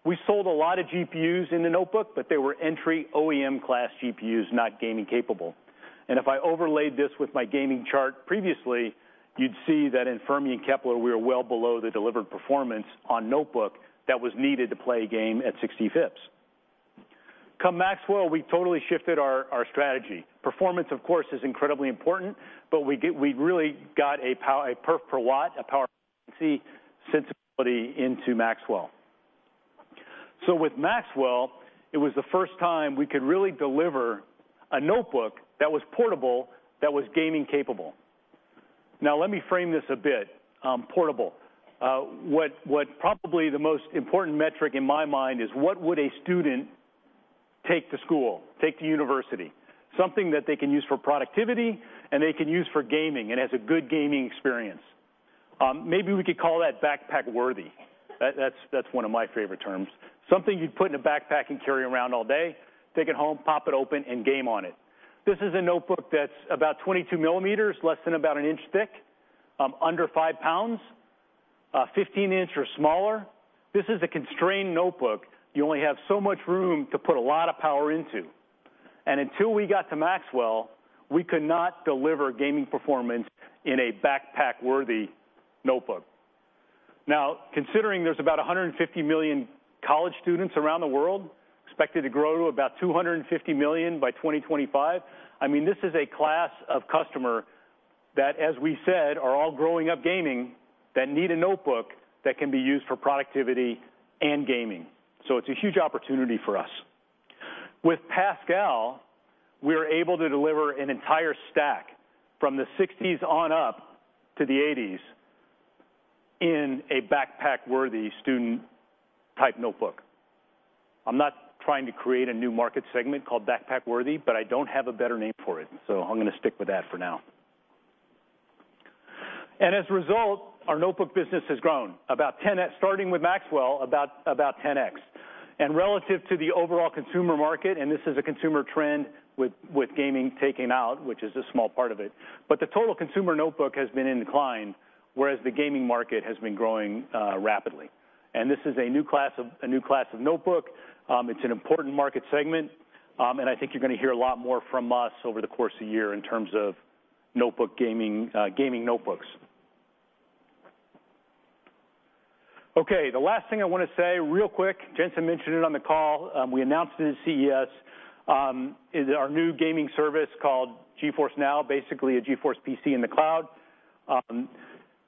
We sold a lot of GPUs in the notebook, but they were entry OEM-class GPUs, not gaming capable. If I overlaid this with my gaming chart previously, you'd see that in Fermi and Kepler, we are well below the delivered performance on notebook that was needed to play a game at 60 fps. Come Maxwell, we totally shifted our strategy. Performance, of course, is incredibly important, but we really got a power, a perf per watt, a power efficiency sensibility into Maxwell. With Maxwell, it was the first time we could really deliver a notebook that was portable, that was gaming capable. Now let me frame this a bit. Portable. What probably the most important metric in my mind is: what would a student take to school, take to university? Something that they can use for productivity and they can use for gaming, and has a good gaming experience. Maybe we could call that backpack worthy. That's one of my favorite terms. Something you'd put in a backpack and carry around all day, take it home, pop it open, and game on it. This is a notebook that's about 22 millimeters, less than about an inch thick, under 5 pounds, 15-inch or smaller. This is a constrained notebook. You only have so much room to put a lot of power into. Until we got to Maxwell, we could not deliver gaming performance in a backpack-worthy notebook. Considering there's about 150 million college students around the world, expected to grow to about 250 million by 2025, this is a class of customer that, as we said, are all growing up gaming, that need a notebook that can be used for productivity and gaming. It's a huge opportunity for us. With Pascal, we are able to deliver an entire stack from the 60s on up to the 80s in a backpack-worthy student-type notebook. I'm not trying to create a new market segment called backpack worthy, but I don't have a better name for it, so I'm going to stick with that for now. As a result, our notebook business has grown, starting with Maxwell, about 10x. Relative to the overall consumer market, and this is a consumer trend with gaming taken out, which is a small part of it, but the total consumer notebook has been inclined, whereas the gaming market has been growing rapidly. This is a new class of notebook. It's an important market segment, and I think you're going to hear a lot more from us over the course of the year in terms of gaming notebooks. The last thing I want to say real quick, Jensen mentioned it on the call, we announced it at CES, is our new gaming service called GeForce NOW, basically a GeForce PC in the cloud.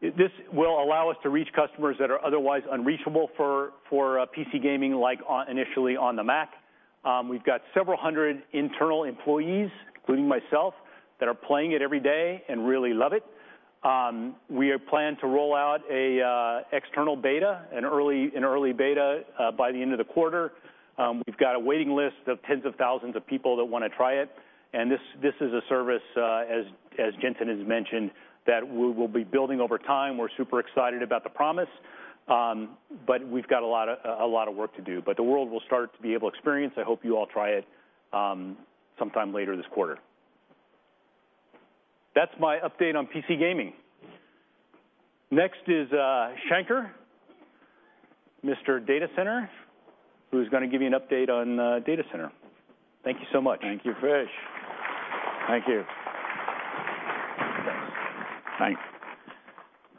This will allow us to reach customers that are otherwise unreachable for PC gaming, like initially on the Mac. We've got several hundred internal employees, including myself, that are playing it every day and really love it. We plan to roll out an external beta, an early beta, by the end of the quarter. We've got a waiting list of tens of thousands of people that want to try it, and this is a service, as Jensen has mentioned, that we will be building over time. We're super excited about the promise, but we've got a lot of work to do. The world will start to be able to experience. I hope you all try it sometime later this quarter. That's my update on PC gaming. Next is Shankar, Mr. Data Center, who's going to give you an update on data center. Thank you so much. Thank you, Fish. Thank you. Thanks.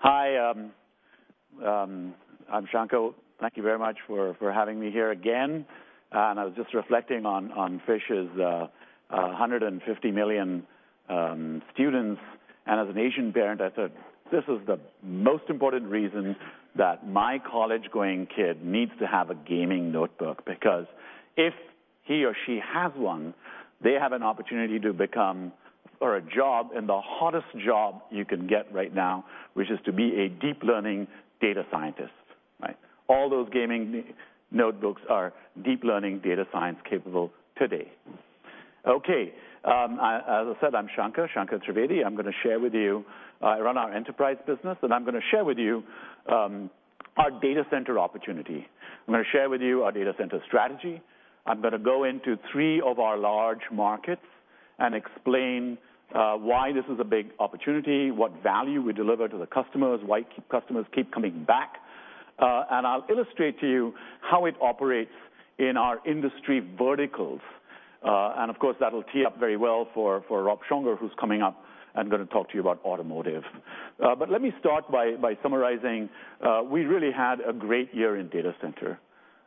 Hi, I'm Shanker. Thank you very much for having me here again. I was just reflecting on Fish's 150 million students, and as an Asian parent, I thought, "This is the most important reason that my college-going kid needs to have a gaming notebook." Because if he or she has one, they have an opportunity to get a job in the hottest job you can get right now, which is to be a deep learning data scientist. Right? All those gaming notebooks are deep learning data science capable today. Okay. As I said, I'm Shanker Trivedi. I run our enterprise business. I'm going to share with you our data center opportunity. I'm going to share with you our data center strategy. I'm going to go into three of our large markets and explain why this is a big opportunity, what value we deliver to the customers, why customers keep coming back. I'll illustrate to you how it operates in our industry verticals. Of course, that'll tee up very well for Rob Csongor, who's coming up and going to talk to you about automotive. Let me start by summarizing. We really had a great year in data center.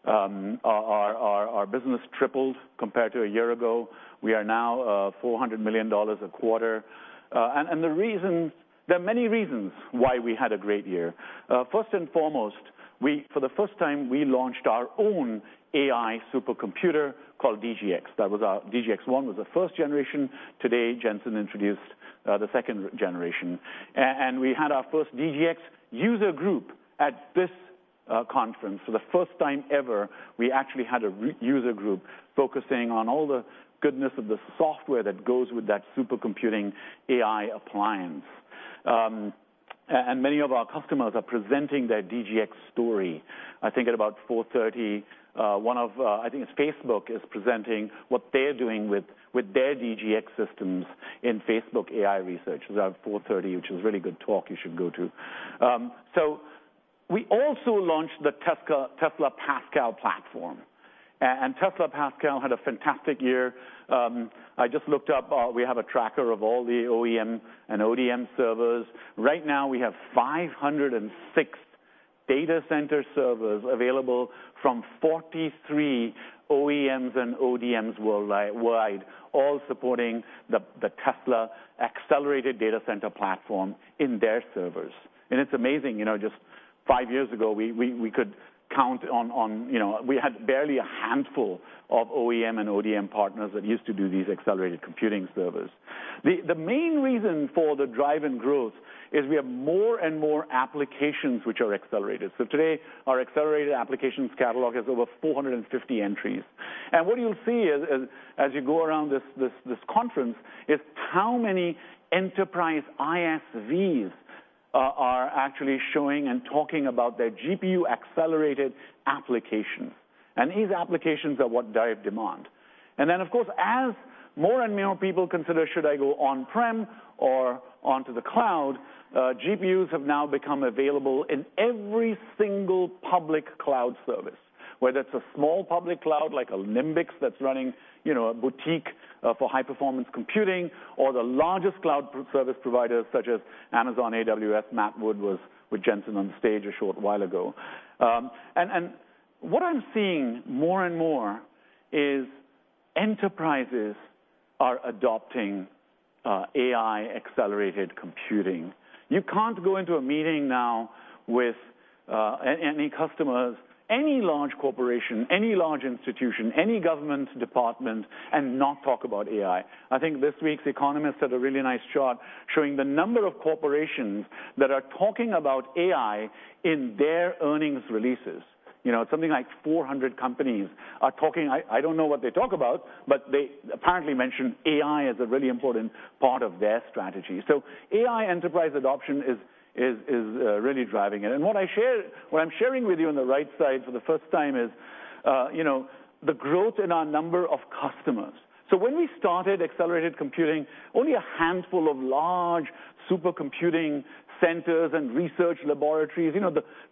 Our business tripled compared to a year ago. We are now $400 million a quarter. There are many reasons why we had a great year. First and foremost, for the first time, we launched our own AI supercomputer called DGX. DGX-1 was the first generation. Today, Jensen introduced the second generation. We had our first DGX user group at this conference. For the first time ever, we actually had a user group focusing on all the goodness of the software that goes with that supercomputing AI appliance. Many of our customers are presenting their DGX story. I think at about 4:30, I think it's Facebook, is presenting what they're doing with their DGX systems in Facebook AI Research. It's at 4:30, which is a really good talk you should go to. We also launched the Tesla Pascal platform, and Tesla Pascal had a fantastic year. I just looked up. We have a tracker of all the OEM and ODM servers. Right now, we have 506 data center servers available from 43 OEMs and ODMs worldwide, all supporting the Tesla accelerated data center platform in their servers. It's amazing. Just five years ago, we had barely a handful of OEM and ODM partners that used to do these accelerated computing servers. The main reason for the drive in growth is we have more and more applications which are accelerated. Today, our accelerated applications catalog has over 450 entries. What you'll see as you go around this conference is how many enterprise ISVs are actually showing and talking about their GPU-accelerated applications. These applications are what drive demand. Of course, as more and more people consider should I go on-prem or onto the cloud, GPUs have now become available in every single public cloud service, whether it's a small public cloud, like a Nimbix that's running a boutique for high-performance computing, or the largest cloud service providers such as Amazon AWS. Matt Wood was with Jensen on stage a short while ago. What I'm seeing more and more is enterprises are adopting AI-accelerated computing. You can't go into a meeting now with any customers, any large corporation, any large institution, any government department, and not talk about AI. I think this week's The Economist had a really nice chart showing the number of corporations that are talking about AI in their earnings releases. It's something like 400 companies are talking. I don't know what they talk about, they apparently mention AI as a really important part of their strategy. AI enterprise adoption is really driving it. What I'm sharing with you on the right side for the first time is the growth in our number of customers. When we started accelerated computing, only a handful of large supercomputing centers and research laboratories,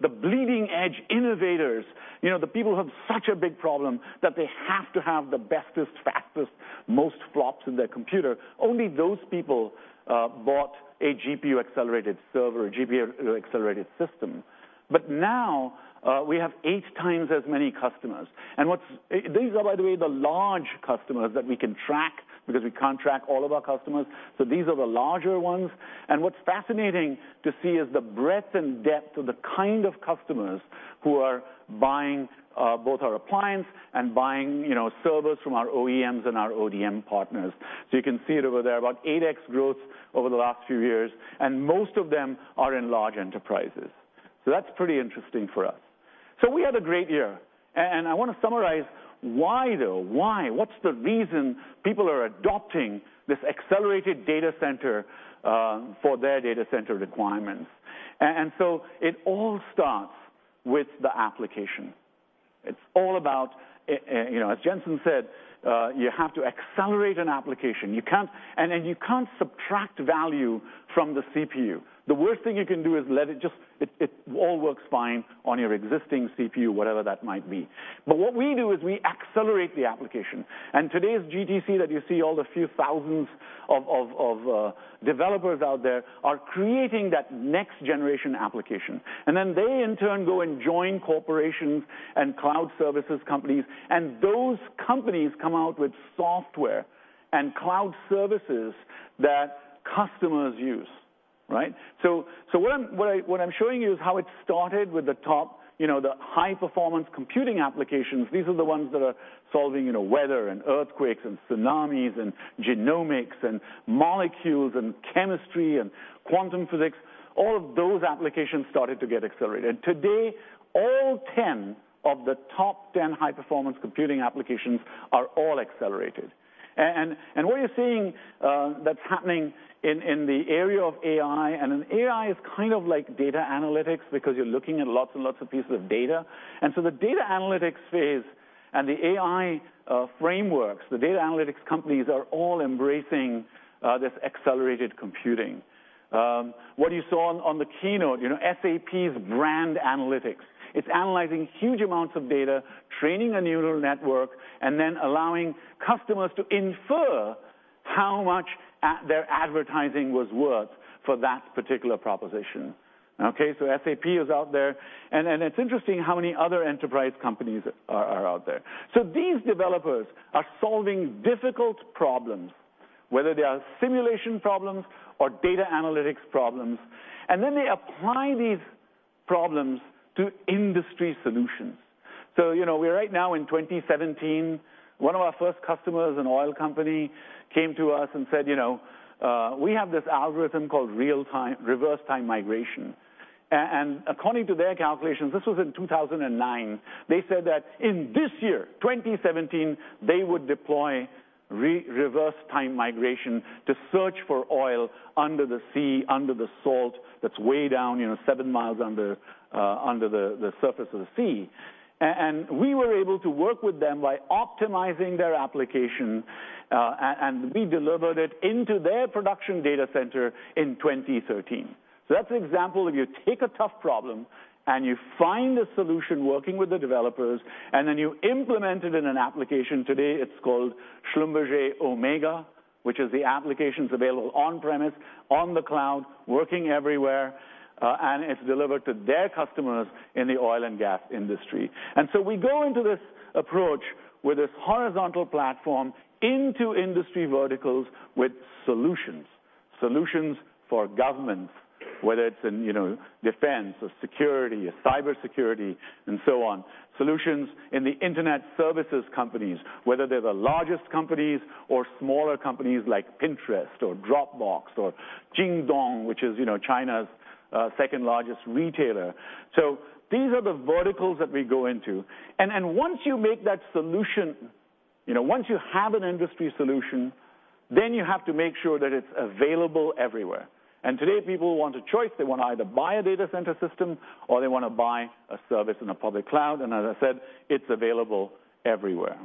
the bleeding edge innovators, the people who have such a big problem that they have to have the bestest, fastest, most flops in their computer. Only those people bought a GPU-accelerated server, a GPU-accelerated system. Now, we have eight times as many customers. These are, by the way, the large customers that we can track because we can't track all of our customers. These are the larger ones. What's fascinating to see is the breadth and depth of the kind of customers who are buying both our appliance and buying servers from our OEMs and our ODM partners. You can see it over there, about 8x growth over the last few years, and most of them are in large enterprises. That's pretty interesting for us. We had a great year, and I want to summarize why, though. Why? What's the reason people are adopting this accelerated data center for their data center requirements? It all starts with the application. It's all about, as Jensen said, you have to accelerate an application. You can't subtract value from the CPU. The worst thing you can do is it all works fine on your existing CPU, whatever that might be. What we do is we accelerate the application, and today's GTC that you see all the few thousands of developers out there are creating that next-generation application. They, in turn, go and join corporations and cloud services companies, and those companies come out with software and cloud services that customers use. Right? What I'm showing you is how it started with the top, the high-performance computing applications. These are the ones that are solving weather and earthquakes and tsunamis and genomics and molecules and chemistry and quantum physics. All of those applications started to get accelerated. Today, all 10 of the top 10 high-performance computing applications are all accelerated. What you're seeing that's happening in the area of AI, an AI is like data analytics because you're looking at lots and lots of pieces of data. The data analytics phase and the AI frameworks, the data analytics companies are all embracing this accelerated computing. What you saw on the keynote, SAP's Brand Analytics. It's analyzing huge amounts of data, training a neural network, and then allowing customers to infer how much their advertising was worth for that particular proposition. SAP is out there, and it's interesting how many other enterprise companies are out there. These developers are solving difficult problems, whether they are simulation problems or data analytics problems, and then they apply these problems to industry solutions. We're right now in 2017. One of our first customers, an oil company, came to us and said, "We have this algorithm called reverse time migration." According to their calculations, this was in 2009, they said that in this year, 2017, they would deploy reverse time migration to search for oil under the sea, under the salt that's way down seven miles under the surface of the sea. We were able to work with them by optimizing their application, and we delivered it into their production data center in 2013. That's an example of you take a tough problem, and you find a solution working with the developers, and then you implement it in an application. Today, it's called Schlumberger Omega, which is the application's available on premise, on the cloud, working everywhere, and it's delivered to their customers in the oil and gas industry. We go into this approach with this horizontal platform into industry verticals with solutions. Solutions for governments, whether it's in defense or security or cybersecurity and so on. Solutions in the internet services companies, whether they're the largest companies or smaller companies like Pinterest or Dropbox or Jingdong, which is China's second-largest retailer. These are the verticals that we go into. Once you make that solution, once you have an industry solution, then you have to make sure that it's available everywhere. Today, people want a choice. They want to either buy a data center system or they want to buy a service in a public cloud. As I said, it's available everywhere.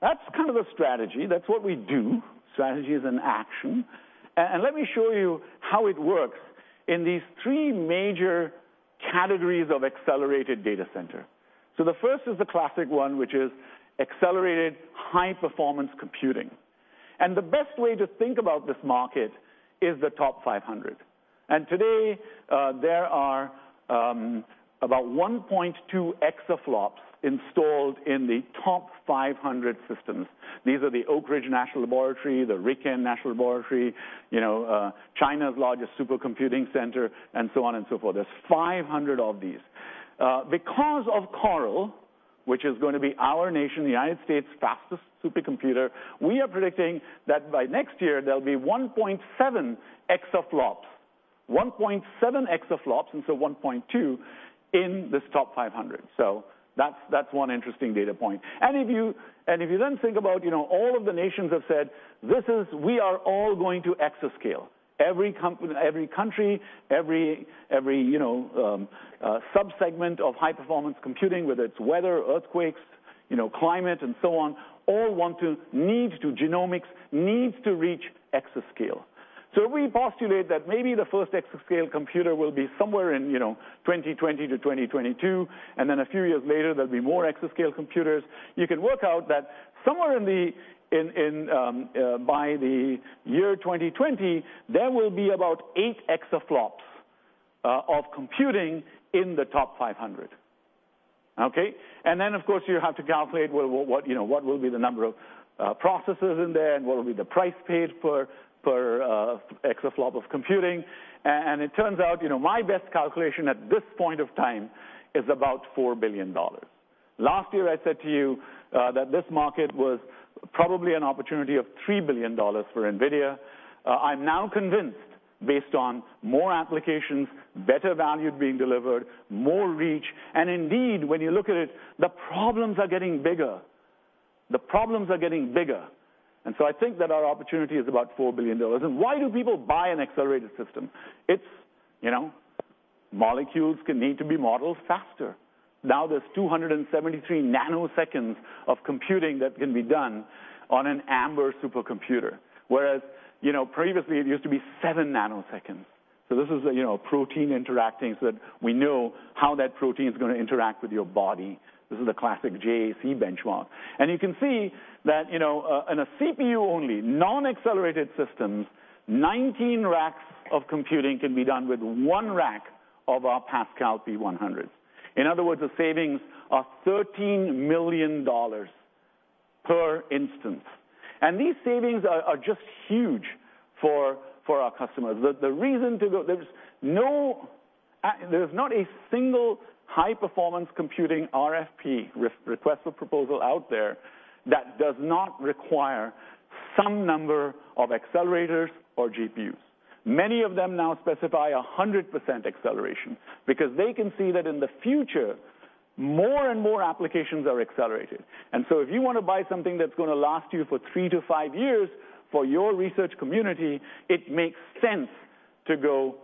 That's the strategy. That's what we do. Strategy is an action. Let me show you how it works in these three major categories of accelerated data center. The first is the classic one, which is accelerated high-performance computing. The best way to think about this market is the TOP500. Today, there are about 1.2 exaflops installed in the TOP500 systems. These are the Oak Ridge National Laboratory, the RIKEN National Laboratory, China's largest supercomputing center, and so on and so forth. There's 500 of these. Because of CORAL, which is going to be our nation, the U.S.'s fastest supercomputer, we are predicting that by next year, there'll be 1.7 exaflops. 1.7 exaflops instead of 1.2 in this TOP500. That's one interesting data point. If you then think about all of the nations have said, we are all going to exascale. Every country, every subsegment of high-performance computing, whether it is weather, earthquakes, climate, and so on, all want to, need to, genomics needs to reach exascale. We postulate that maybe the first exascale computer will be somewhere in 2020 to 2022, then a few years later, there will be more exascale computers. You can work out that somewhere by the year 2020, there will be about eight exaflops of computing in the TOP500. Okay. Then, of course, you have to calculate what will be the number of processes in there, and what will be the price paid per exaflop of computing. It turns out, my best calculation at this point of time is about $4 billion. Last year, I said to you that this market was probably an opportunity of $3 billion for NVIDIA. I am now convinced based on more applications, better value being delivered, more reach, and indeed, when you look at it, the problems are getting bigger. The problems are getting bigger. I think that our opportunity is about $4 billion. Why do people buy an accelerated system? Molecules need to be modeled faster. Now there is 273 nanoseconds of computing that can be done on an AMBER supercomputer. Whereas previously it used to be seven nanoseconds. This is protein interacting so that we know how that protein is going to interact with your body. This is a classic JAC benchmark. You can see that in a CPU-only, non-accelerated systems, 19 racks of computing can be done with one rack of our Pascal P100. In other words, the savings are $13 million per instance. These savings are just huge for our customers. There is not a single high-performance computing RFP, request for proposal, out there that does not require some number of accelerators or GPUs. Many of them now specify 100% acceleration because they can see that in the future, more and more applications are accelerated. If you want to buy something that is going to last you for three to five years for your research community, it makes sense to go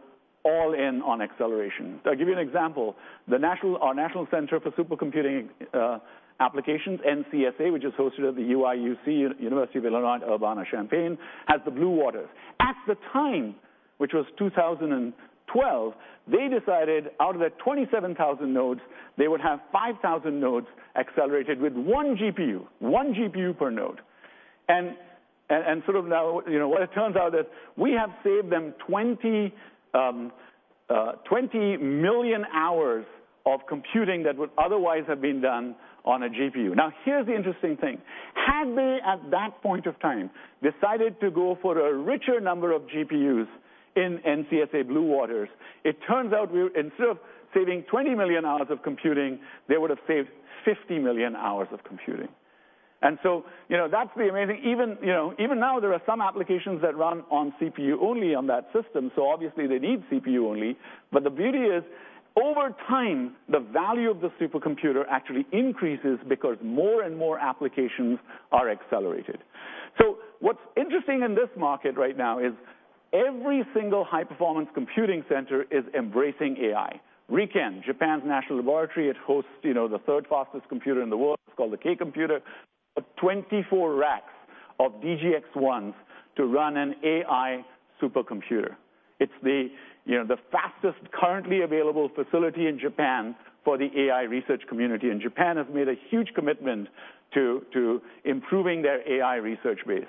all in on acceleration. I will give you an example. Our National Center for Supercomputing Applications, NCSA, which is hosted at the UIUC, University of Illinois Urbana-Champaign, has the Blue Waters. At the time, which was 2012, they decided out of that 27,000 nodes, they would have 5,000 nodes accelerated with one GPU per node. Now, it turns out that we have saved them 20 million hours of computing that would otherwise have been done on a GPU. Now, here is the interesting thing. Had they, at that point of time, decided to go for a richer number of GPUs in NCSA Blue Waters, it turns out instead of saving 20 million hours of computing, they would have saved 50 million hours of computing. That is the amazing thing. Even now, there are some applications that run on CPU-only on that system, so obviously, they need CPU-only. The beauty is, over time, the value of the supercomputer actually increases because more and more applications are accelerated. What is interesting in this market right now is every single high-performance computing center is embracing AI. RIKEN, Japan's national laboratory, it hosts the third fastest computer in the world. It is called the K computer, 24 racks of DGX-1s to run an AI supercomputer. It is the fastest currently available facility in Japan for the AI research community. Japan has made a huge commitment to improving their AI research base.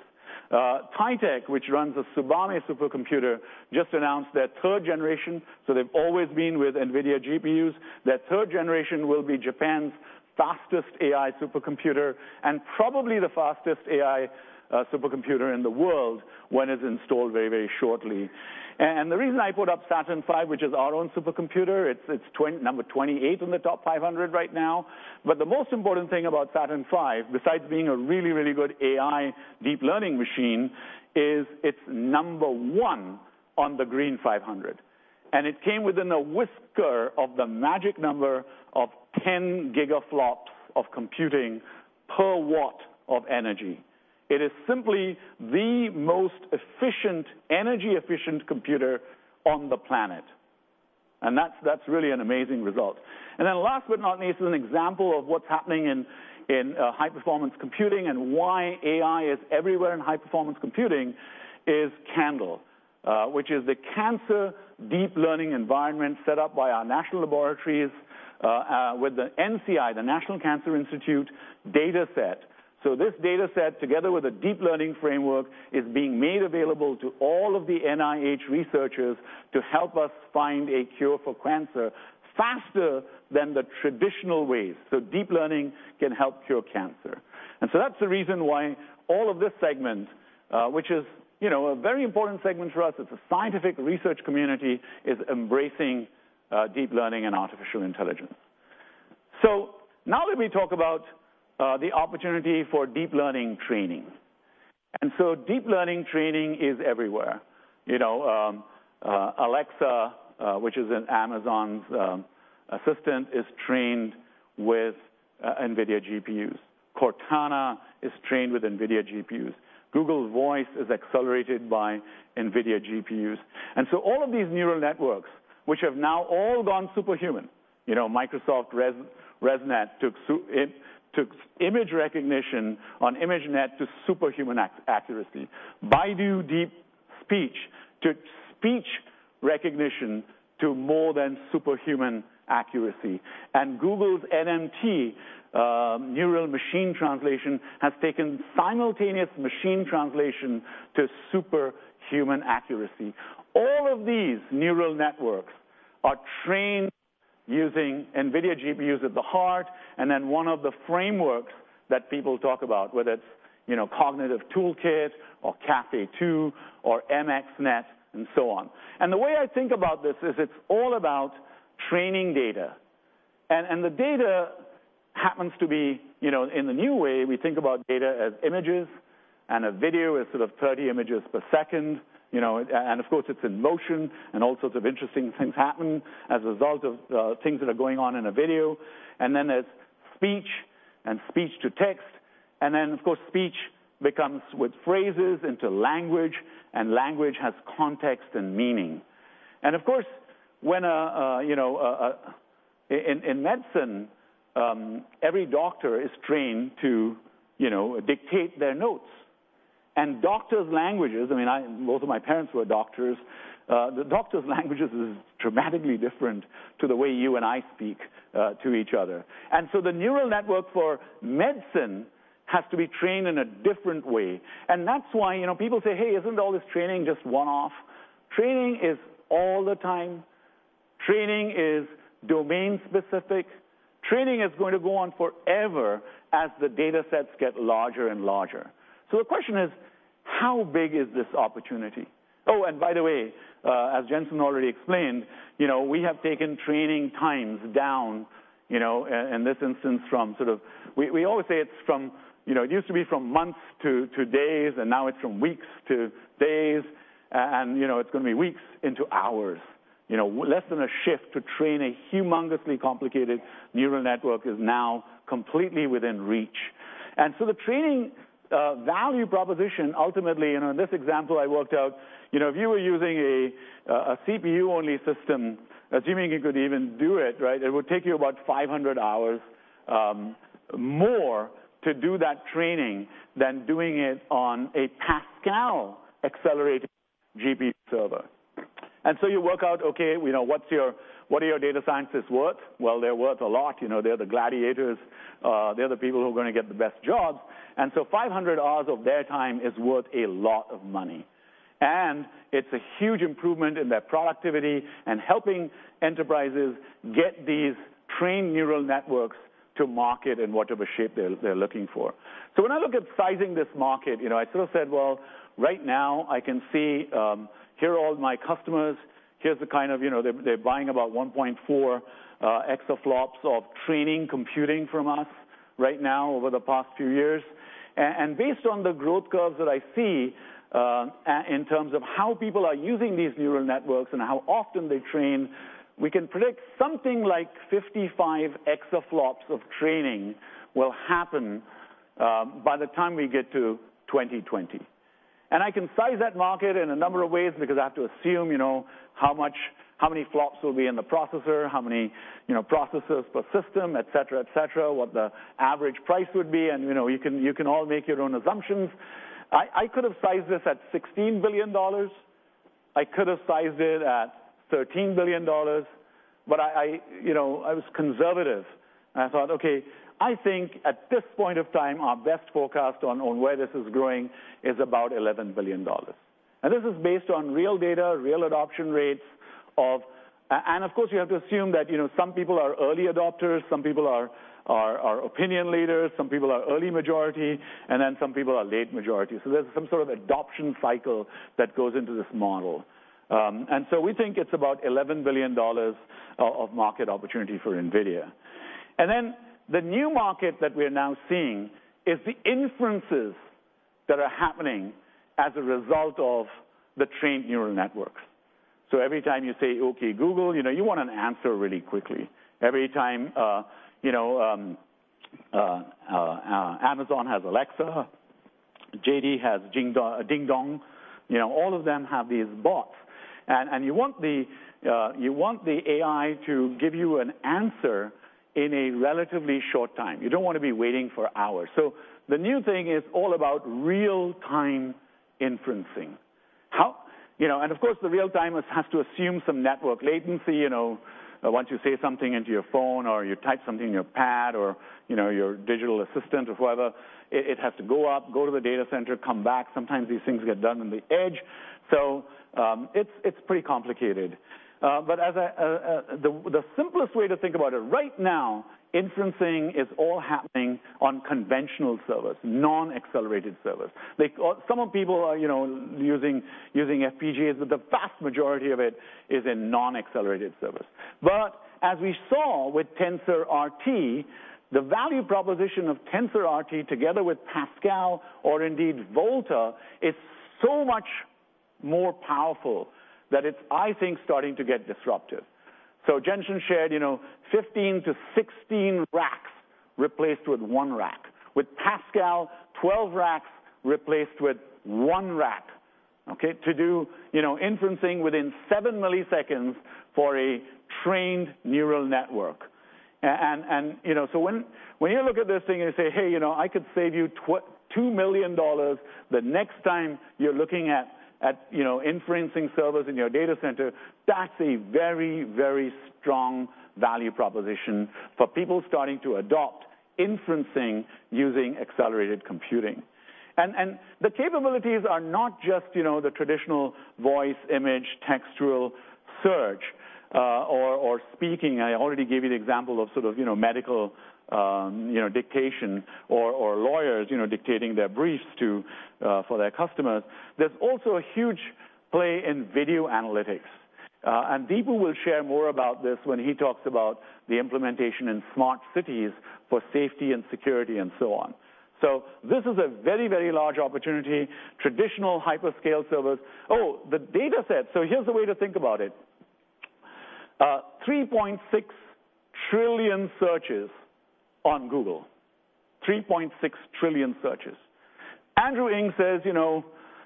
Tokyo Tech, which runs the Tsubame supercomputer, just announced their third generation. They have always been with NVIDIA GPUs. Their third generation will be Japan's fastest AI supercomputer and probably the fastest AI supercomputer in the world when it is installed very shortly. The reason I put up SaturnV, which is our own supercomputer, it is number 28 in the top 100 right now. The most important thing about SaturnV, besides being a really good AI deep learning machine, is it is number 1 on the Green500, and it came within a whisker of the magic number of 10 gigaflops of computing per watt of energy. It is simply the most energy-efficient computer on the planet, and that is really an amazing result. Last but not least, is an example of what is happening in high-performance computing and why AI is everywhere in high-performance computing is CANDLE, which is the Cancer Distributed Learning Environment set up by our national laboratories, with the NCI, the National Cancer Institute data set. This data set, together with a deep learning framework, is being made available to all of the NIH researchers to help us find a cure for cancer faster than the traditional ways. Deep learning can help cure cancer. That is the reason why all of this segment, which is a very important segment for us, it is a scientific research community, is embracing deep learning and artificial intelligence. Now let me talk about the opportunity for deep learning training. Deep learning training is everywhere. Alexa, which is an Amazon's assistant, is trained with NVIDIA GPUs. Cortana is trained with NVIDIA GPUs. Google Voice is accelerated by NVIDIA GPUs. All of these neural networks, which have now all gone superhuman. Microsoft ResNet took image recognition on ImageNet to superhuman accuracy. Baidu DeepSpeech took speech recognition to more than superhuman accuracy. Google's NMT, Neural Machine Translation, has taken simultaneous machine translation to superhuman accuracy. All of these neural networks are trained using NVIDIA GPUs at the heart, and then one of the frameworks that people talk about, whether it is Cognitive Toolkit or Caffe2 or MXNet and so on. The way I think about this is it is all about training data. The data happens to be, in the new way, we think about data as images and a video as sort of 30 images per second. Of course, it is in motion and all sorts of interesting things happen as a result of things that are going on in a video. Then there is speech and speech to text. Then, of course, speech becomes with phrases into language, and language has context and meaning. Of course, in medicine, every doctor is trained to dictate their notes. Doctors' languages, both of my parents were doctors, the doctors' languages is dramatically different to the way you and I speak to each other. The neural network for medicine has to be trained in a different way. That is why people say, "Hey, isn't all this training just one-off?" Training is all the time. Training is domain-specific. Training is going to go on forever as the data sets get larger and larger. The question is: How big is this opportunity? By the way, as Jensen already explained, we have taken training times down, in this instance. We always say it used to be from months to days, and now it's from weeks to days, and it's going to be weeks into hours. Less than a shift to train a humongously complicated neural network is now completely within reach. The training value proposition, ultimately, in this example I worked out, if you were using a CPU-only system, assuming you could even do it would take you about 500 hours more to do that training than doing it on a Pascal-accelerated GPU server. You work out, okay, what are your data scientists worth? Well, they're worth a lot. They're the gladiators. They're the people who are going to get the best jobs. 500 hours of their time is worth a lot of money, and it's a huge improvement in their productivity and helping enterprises get these trained neural networks to market in whatever shape they're looking for. When I look at sizing this market, I said, well, right now I can see here are all my customers. They're buying about 1.4 exaflops of training computing from us right now over the past few years. Based on the growth curves that I see in terms of how people are using these neural networks and how often they train, we can predict something like 55 exaflops of training will happen by the time we get to 2020. I can size that market in a number of ways because I have to assume how many FLOPS will be in the processor, how many processes per system, et cetera. What the average price would be, and you can all make your own assumptions. I could have sized this at $16 billion. I could have sized it at $13 billion. I was conservative, and I thought, okay, I think at this point of time, our best forecast on where this is growing is about $11 billion. This is based on real data, real adoption rates of. Of course, you have to assume that some people are early adopters, some people are opinion leaders, some people are early majority, and then some people are late majority. There's some sort of adoption cycle that goes into this model. We think it's about $11 billion of market opportunity for NVIDIA. The new market that we are now seeing is the inferences that are happening as a result of the trained neural networks. Every time you say, "Okay, Google," you want an answer really quickly. Every time Amazon has Alexa, JD has DingDong, all of them have these bots, and you want the AI to give you an answer in a relatively short time. You don't want to be waiting for hours. The new thing is all about real-time inferencing. How? Of course, the real time has to assume some network latency. Once you say something into your phone or you type something in your pad or your digital assistant or whatever, it has to go up, go to the data center, come back. Sometimes these things get done on the edge. It's pretty complicated. The simplest way to think about it, right now, inferencing is all happening on conventional servers, non-accelerated servers. Some of people are using FPGAs, but the vast majority of it is in non-accelerated servers. As we saw with TensorRT, the value proposition of TensorRT together with Pascal or indeed Volta, it's so much more powerful that it's, I think, starting to get disruptive. Jensen shared 15 to 16 racks replaced with one rack. With Pascal, 12 racks replaced with one rack, okay? To do inferencing within seven milliseconds for a trained neural network. When you look at this thing and you say, "Hey, I could save you $2 million the next time you're looking at inferencing servers in your data center," that's a very strong value proposition for people starting to adopt inferencing using accelerated computing. The capabilities are not just the traditional voice, image, textual search, or speaking. I already gave you the example of sort of medical dictation or lawyers dictating their briefs for their customers. There's also a huge play in video analytics. Deepu will share more about this when he talks about the implementation in smart cities for safety and security and so on. This is a very large opportunity. Traditional hyperscale servers. Oh, the data set. Here's the way to think about it. 3.6 trillion searches on Google. 3.6 trillion searches. Andrew Ng says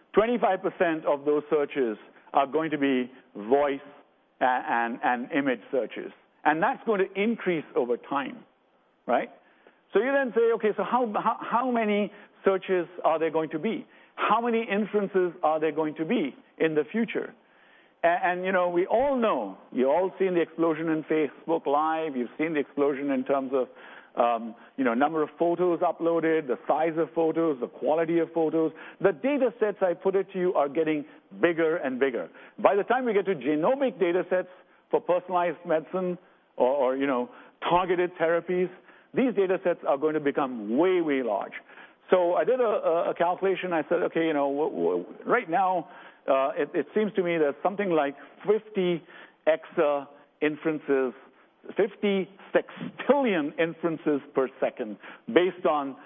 25% of those searches are going to be voice and image searches, and that's going to increase over time. Right? You then say, okay, how many searches are there going to be? How many inferences are there going to be in the future? We all know, you've all seen the explosion in Facebook Live. You've seen the explosion in terms of number of photos uploaded, the size of photos, the quality of photos. The data sets, I put it to you, are getting bigger and bigger. By the time we get to genomic data sets for personalized medicine or targeted therapies, these data sets are going to become way large. I did a calculation. I said, okay, right now, it seems to me that something like 50 exa inferences, 50 sextillion inferences per second based on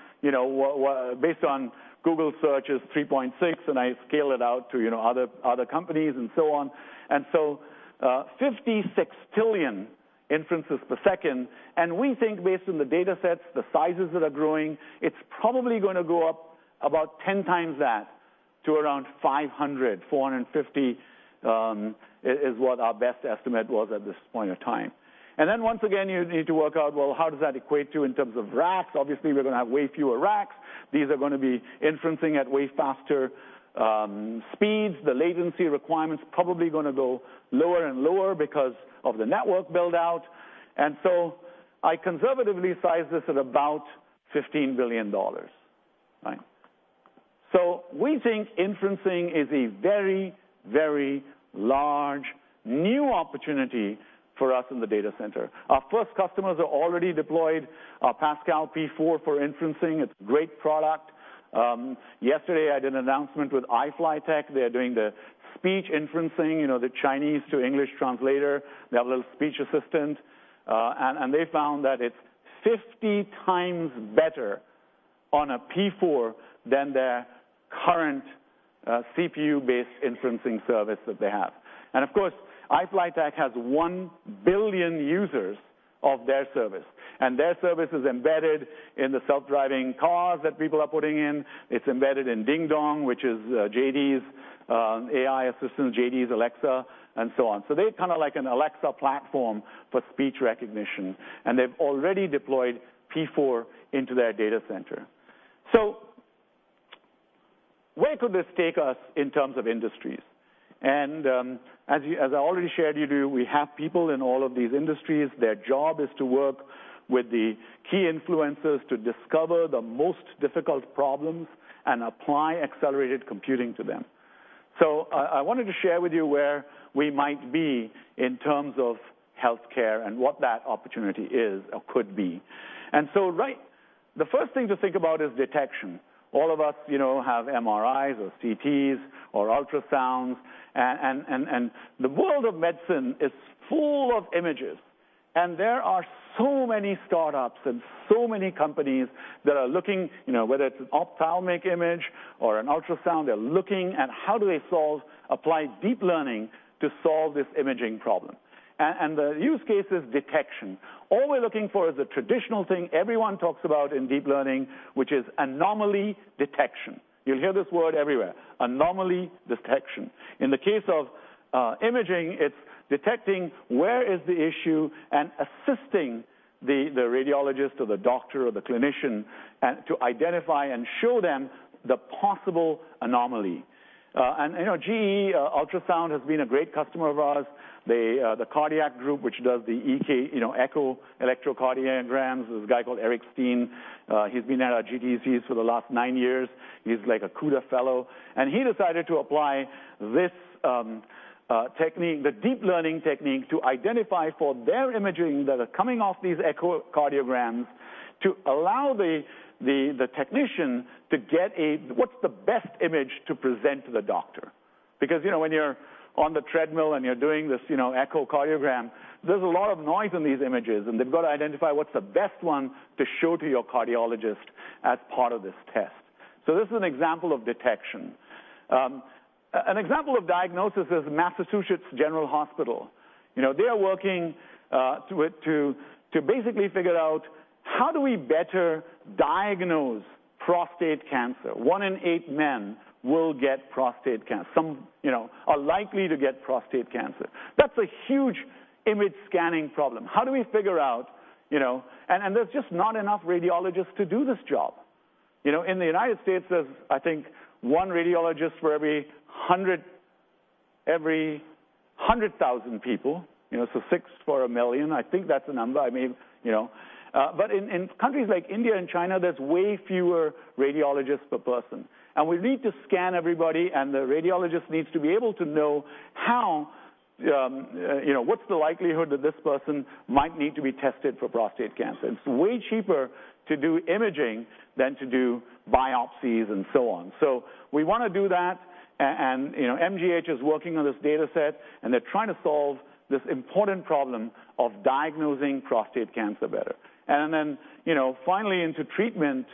Google searches 3.6, and I scale it out to other companies and so on. 50 sextillion inferences per second, and we think based on the data sets, the sizes that are growing, it's probably going to go up about 10 times that to around 500. 450 is what our best estimate was at this point of time. Once again, you need to work out, well, how does that equate to in terms of racks? Obviously, we're going to have way fewer racks. These are going to be inferencing at way faster speeds. The latency requirement's probably going to go lower and lower because of the network build-out. I conservatively size this at about $15 billion. We think inferencing is a very, very large, new opportunity for us in the data center. Our first customers are already deployed, our Pascal P4 for inferencing. It's a great product. Yesterday, I did an announcement with iFlytek. They are doing the speech inferencing, the Chinese to English translator. They have a little speech assistant. They found that it's 50 times better on a P4 than their current CPU-based inferencing service that they have. Of course, iFlytek has 1 billion users of their service, and their service is embedded in the self-driving cars that people are putting in. It's embedded in DingDong, which is JD's AI assistant, JD's Alexa, and so on. They're like an Alexa platform for speech recognition, and they've already deployed P4 into their data center. Where could this take us in terms of industries? As I already shared with you, we have people in all of these industries. Their job is to work with the key influencers to discover the most difficult problems and apply accelerated computing to them. I wanted to share with you where we might be in terms of healthcare and what that opportunity is or could be. Right, the first thing to think about is detection. All of us have MRIs or CTs or ultrasounds, and the world of medicine is full of images, and there are so many startups and so many companies that are looking, whether it's an ophthalmic image or an ultrasound, they're looking at how do they apply deep learning to solve this imaging problem. The use case is detection. All we're looking for is a traditional thing everyone talks about in deep learning, which is anomaly detection. You'll hear this word everywhere, anomaly detection. In the case of imaging, it's detecting where is the issue and assisting the radiologist or the doctor or the clinician, to identify and show them the possible anomaly. GE HealthCare Ultrasound has been a great customer of ours. The cardiac group, which does the EKG electrocardiograms. There's a guy called Eric Stein. He's been at our GTCs for the last nine years. He's like a CUDA fellow. He decided to apply the deep learning technique to identify for their imaging that are coming off these echocardiograms to allow the technician to get what's the best image to present to the doctor. Because when you're on the treadmill and you're doing this echocardiogram, there's a lot of noise in these images, and they've got to identify what's the best one to show to your cardiologist as part of this test. This is an example of detection. An example of diagnosis is Massachusetts General Hospital. They are working to basically figure out how do we better diagnose prostate cancer. One in eight men will get prostate cancer. Some are likely to get prostate cancer. That's a huge image scanning problem. There's just not enough radiologists to do this job. In the U.S., there's, I think, one radiologist for every 100,000 people, so six for 1 million. I think that's the number. In countries like India and China, there's way fewer radiologists per person. We need to scan everybody, and the radiologist needs to be able to know what's the likelihood that this person might need to be tested for prostate cancer. It's way cheaper to do imaging than to do biopsies and so on. We want to do that, and MGH is working on this data set, and they're trying to solve this important problem of diagnosing prostate cancer better. Finally into treatment,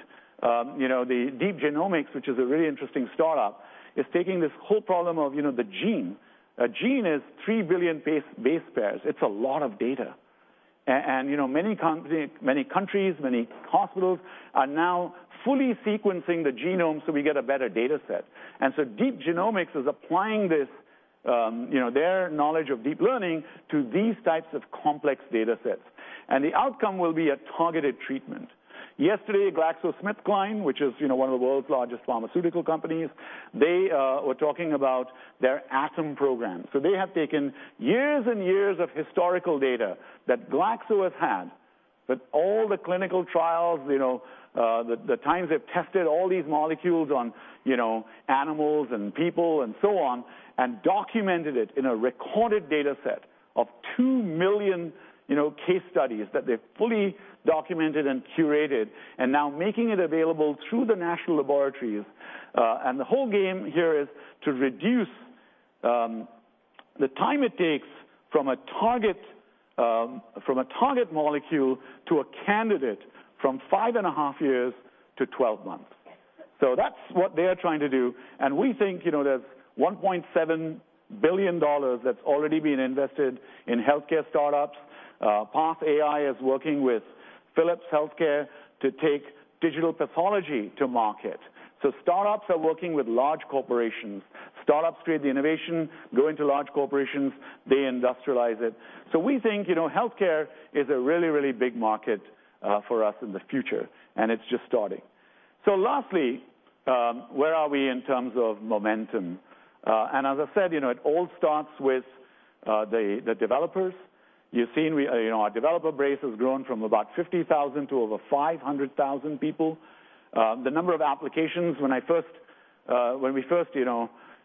the Deep Genomics, which is a really interesting startup, is taking this whole problem of the gene. A gene is 3 billion base pairs. It's a lot of data. Many countries, many hospitals are now fully sequencing the genome so we get a better data set. Deep Genomics is applying their knowledge of deep learning to these types of complex data sets. The outcome will be a targeted treatment. Yesterday, GlaxoSmithKline, which is one of the world's largest pharmaceutical companies, they were talking about their ATOM program. They have taken years and years of historical data that Glaxo has had, all the clinical trials, the times they've tested all these molecules on animals and people and so on, and documented it in a recorded data set of 2 million case studies that they've fully documented and curated and now making it available through the national laboratories. The whole game here is to reduce the time it takes from a target molecule to a candidate from five and a half years to 12 months. That's what they're trying to do, we think there's $1.7 billion that's already been invested in healthcare startups. PathAI is working with Philips Healthcare to take digital pathology to market. Startups are working with large corporations. Startups create the innovation, go into large corporations, they industrialize it. We think healthcare is a really, really big market for us in the future, and it's just starting. Lastly, where are we in terms of momentum? As I said, it all starts with the developers. You've seen our developer base has grown from about 50,000 to over 500,000 people. The number of applications when we first,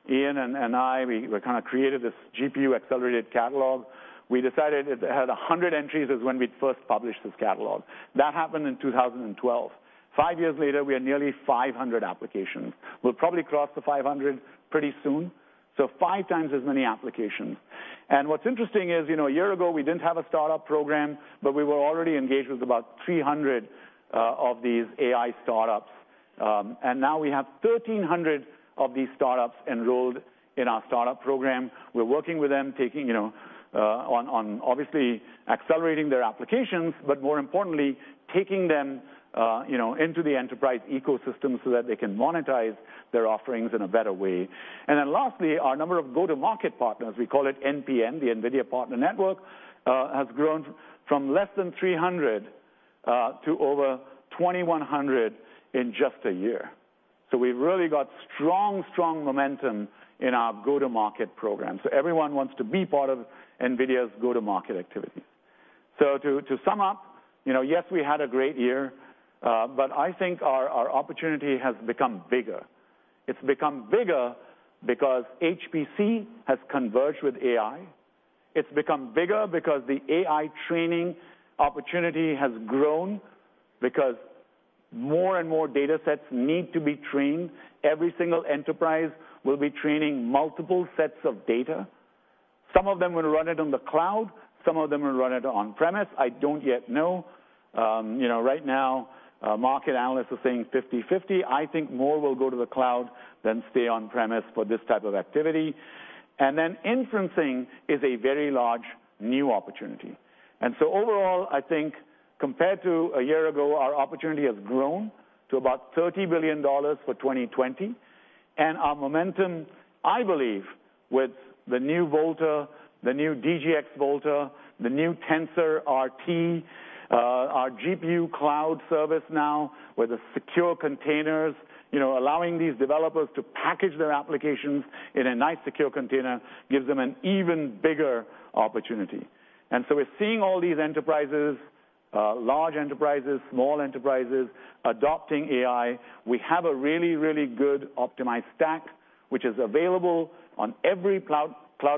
Ian and I, we created this GPU-accelerated catalog. We decided it had 100 entries is when we first published this catalog. That happened in 2012. Five years later, we had nearly 500 applications. We'll probably cross the 500 pretty soon. Five times as many applications. What's interesting is, a year ago, we didn't have a startup program, but we were already engaged with about 300 of these AI startups. Now we have 1,300 of these startups enrolled in our startup program. We're working with them on obviously accelerating their applications, but more importantly, taking them into the enterprise ecosystem so that they can monetize their offerings in a better way. Lastly, our number of go-to-market partners, we call it NPN, the NVIDIA Partner Network, has grown from less than 300 to over 2,100 in just a year. We've really got strong momentum in our go-to-market program. Everyone wants to be part of NVIDIA's go-to-market activity. To sum up, yes, we had a great year, but I think our opportunity has become bigger. It's become bigger because HPC has converged with AI. It's become bigger because the AI training opportunity has grown because more and more data sets need to be trained. Every single enterprise will be training multiple sets of data. Some of them will run it on the cloud, some of them will run it on-premise. I don't yet know. Right now, market analysts are saying 50/50. I think more will go to the cloud than stay on-premise for this type of activity. Inferencing is a very large new opportunity. Overall, I think compared to a year ago, our opportunity has grown to about $30 billion for 2020. Our momentum, I believe, with the new Volta, the new DGX Volta, the new TensorRT, our GPU cloud service now with the secure containers, allowing these developers to package their applications in a nice secure container gives them an even bigger opportunity. We're seeing all these enterprises, large enterprises, small enterprises, adopting AI. We have a really good optimized stack, which is available on every cloud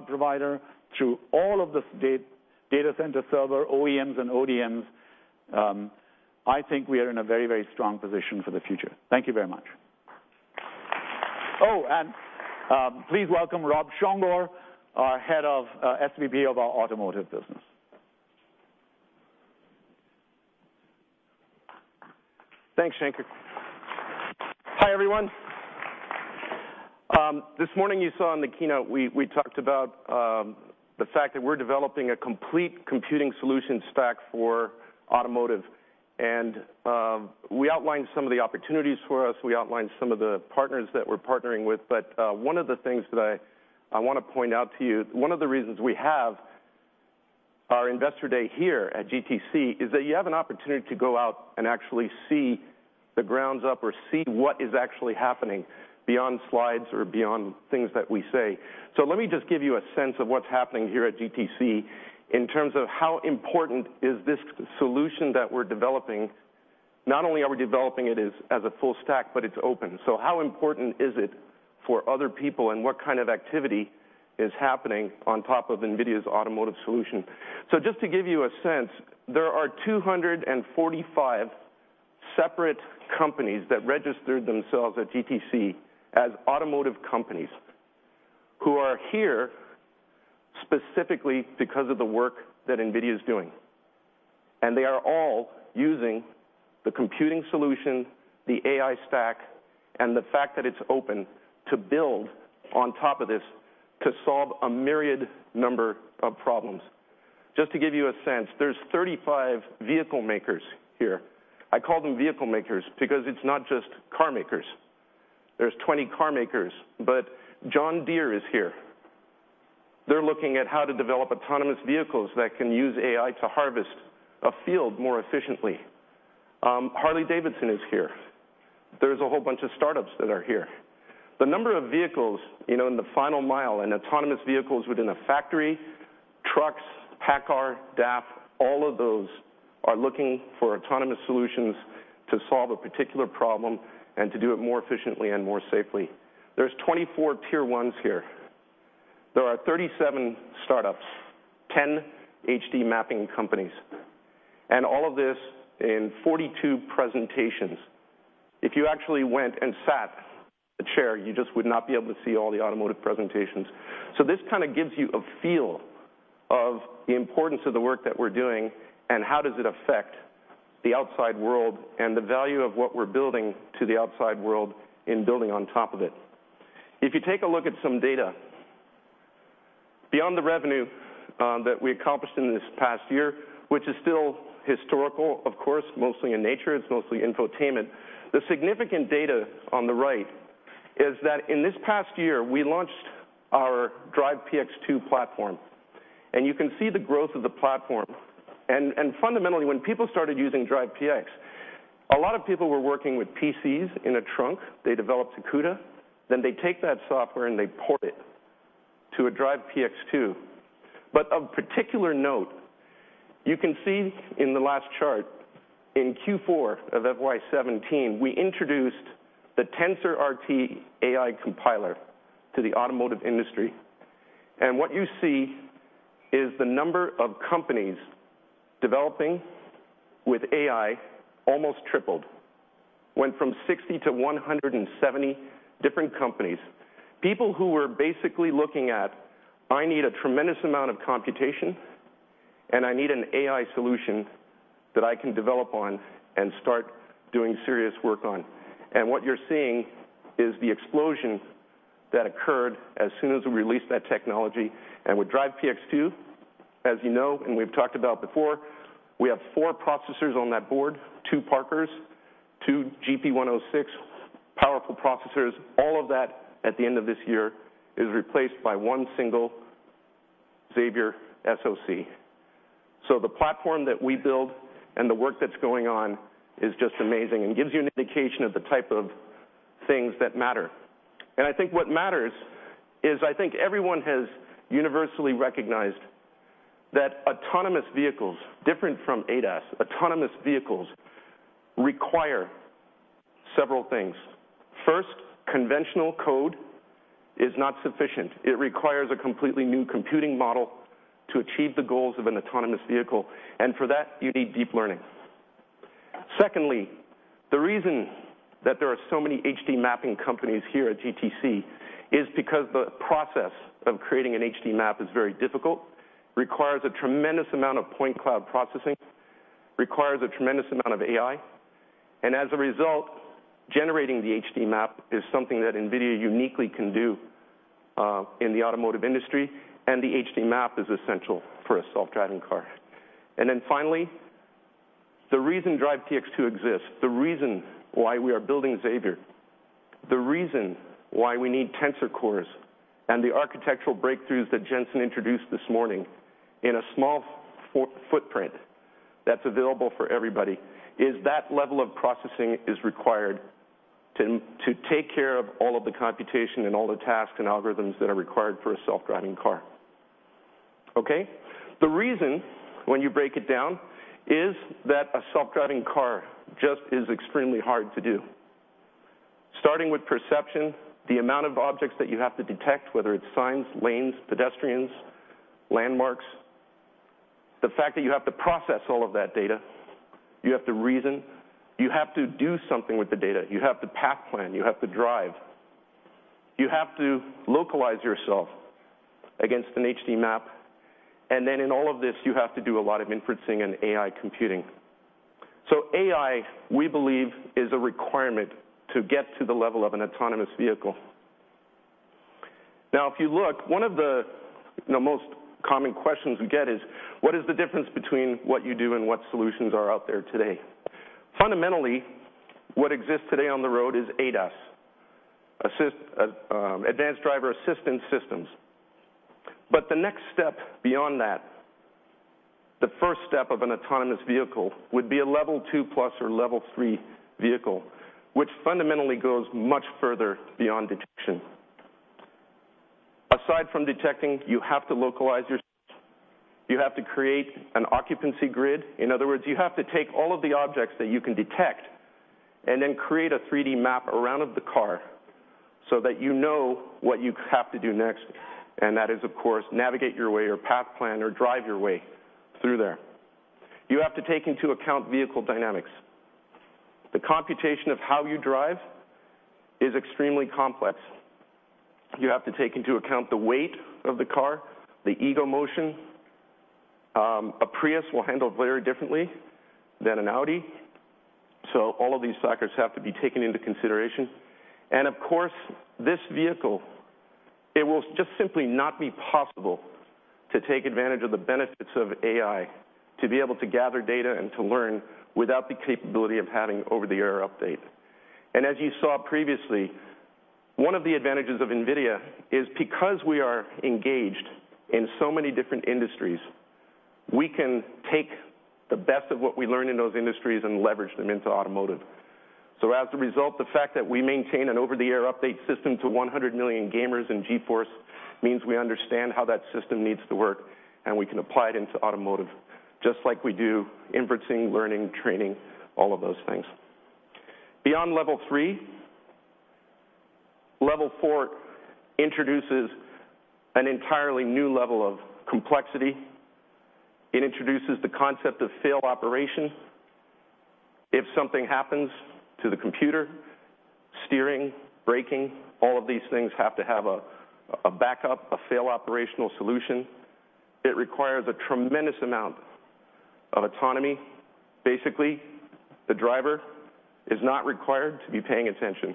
provider through all of this data center server OEMs and ODMs. I think we are in a very strong position for the future. Thank you very much. Oh, please welcome Rob Schonger, our head of SVP of our automotive business. Thanks, Shankar. Hi, everyone. This morning you saw in the keynote we talked about the fact that we're developing a complete computing solution stack for automotive. We outlined some of the opportunities for us. We outlined some of the partners that we're partnering with. One of the things that I want to point out to you, one of the reasons we have our investor day here at GTC is that you have an opportunity to go out and actually see the grounds up or see what is actually happening beyond slides or beyond things that we say. Let me just give you a sense of what's happening here at GTC in terms of how important is this solution that we're developing. Not only are we developing it as a full stack, but it's open. How important is it for other people, and what kind of activity is happening on top of NVIDIA's automotive solution? Just to give you a sense, there are 245 separate companies that registered themselves at GTC as automotive companies who are here specifically because of the work that NVIDIA's doing. They are all using the computing solution, the AI stack, and the fact that it's open to build on top of this to solve a myriad number of problems. Just to give you a sense, there's 35 vehicle makers here. I call them vehicle makers because it's not just car makers. There's 20 car makers, but John Deere is here. They're looking at how to develop autonomous vehicles that can use AI to harvest a field more efficiently. Harley-Davidson is here. There's a whole bunch of startups that are here. The number of vehicles in the final mile and autonomous vehicles within a factory, trucks, PACCAR, DAF, all of those are looking for autonomous solutions to solve a particular problem and to do it more efficiently and more safely. There's 24 tier 1s here. There are 37 startups, 10 HD mapping companies, and all of this in 42 presentations. If you actually went and sat a chair, you just would not be able to see all the automotive presentations. This gives you a feel of the importance of the work that we're doing and how does it affect the outside world, and the value of what we're building to the outside world in building on top of it. If you take a look at some data, beyond the revenue that we accomplished in this past year, which is still historical, of course, mostly in nature, it's mostly infotainment. The significant data on the right is that in this past year, we launched our DRIVE PX 2 platform. You can see the growth of the platform. Fundamentally, when people started using DRIVE PX, a lot of people were working with PCs in a trunk. They developed a CUDA. They take that software and they port it to a DRIVE PX 2. Of particular note, you can see in the last chart, in Q4 of FY 2017, we introduced the TensorRT AI compiler to the automotive industry. What you see is the number of companies developing with AI almost tripled. Went from 60 to 170 different companies. People who were basically looking at, "I need a tremendous amount of computation, and I need an AI solution that I can develop on and start doing serious work on." What you're seeing is the explosion that occurred as soon as we released that technology. With DRIVE PX 2, as you know, and we've talked about before, we have four processors on that board, two Parkers, two GP106 powerful processors. All of that, at the end of this year, is replaced by one single Xavier SoC. The platform that we build and the work that's going on is just amazing and gives you an indication of the type of things that matter. I think what matters is I think everyone has universally recognized that autonomous vehicles, different from ADAS, autonomous vehicles require several things. First, conventional code is not sufficient. It requires a completely new computing model to achieve the goals of an autonomous vehicle, for that, you need deep learning. Secondly, the reason that there are so many HD mapping companies here at GTC is because the process of creating an HD map is very difficult, requires a tremendous amount of point cloud processing, requires a tremendous amount of AI, as a result, generating the HD map is something that NVIDIA uniquely can do, in the automotive industry. The HD map is essential for a self-driving car. Finally, the reason DRIVE PX 2 exists, the reason why we are building Xavier, the reason why we need tensor cores and the architectural breakthroughs that Jensen introduced this morning in a small footprint that's available for everybody is that level of processing is required to take care of all of the computation and all the tasks and algorithms that are required for a self-driving car. Okay. The reason, when you break it down, is that a self-driving car just is extremely hard to do. Starting with perception, the amount of objects that you have to detect, whether it's signs, lanes, pedestrians, landmarks. The fact that you have to process all of that data. You have to reason. You have to do something with the data. You have to path plan. You have to drive. You have to localize yourself against an HD map. In all of this, you have to do a lot of inferencing and AI computing. AI, we believe, is a requirement to get to the level of an autonomous vehicle. If you look, one of the most common questions we get is, what is the difference between what you do and what solutions are out there today? Fundamentally, what exists today on the road is ADAS, Advanced Driver Assistance Systems. The next step beyond that, the first step of an autonomous vehicle, would be a level 2 plus or level 3 vehicle, which fundamentally goes much further beyond detection. Aside from detecting, you have to localize yourself. You have to create an occupancy grid. In other words, you have to take all of the objects that you can detect and then create a 3D map around the car so that you know what you have to do next, and that is, of course, navigate your way or path plan or drive your way through there. You have to take into account vehicle dynamics. The computation of how you drive is extremely complex. You have to take into account the weight of the car, the ego motion. A Prius will handle very differently than an Audi, all of these factors have to be taken into consideration. Of course, this vehicle, it will just simply not be possible to take advantage of the benefits of AI to be able to gather data and to learn without the capability of having over-the-air update. As you saw previously, one of the advantages of NVIDIA is because we are engaged in so many different industries, we can take the best of what we learn in those industries and leverage them into automotive. As a result, the fact that we maintain an over-the-air update system to 100 million gamers in GeForce means we understand how that system needs to work, and we can apply it into automotive, just like we do inferencing, learning, training, all of those things. Beyond level 3, level 4 introduces an entirely new level of complexity. It introduces the concept of fail operation. If something happens to the computer, steering, braking, all of these things have to have a backup, a fail operational solution. It requires a tremendous amount of autonomy. Basically, the driver is not required to be paying attention,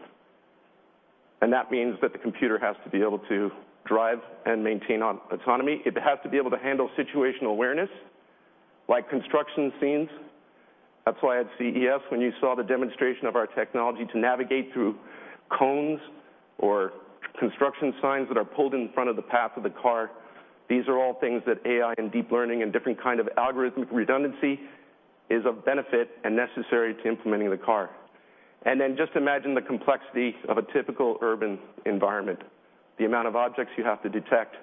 and that means that the computer has to be able to drive and maintain autonomy. It has to be able to handle situational awareness, like construction scenes. That's why at CES, when you saw the demonstration of our technology to navigate through cones or construction signs that are pulled in front of the path of the car, these are all things that AI and deep learning and different kind of algorithm redundancy is of benefit and necessary to implementing the car. Just imagine the complexity of a typical urban environment, the amount of objects you have to detect,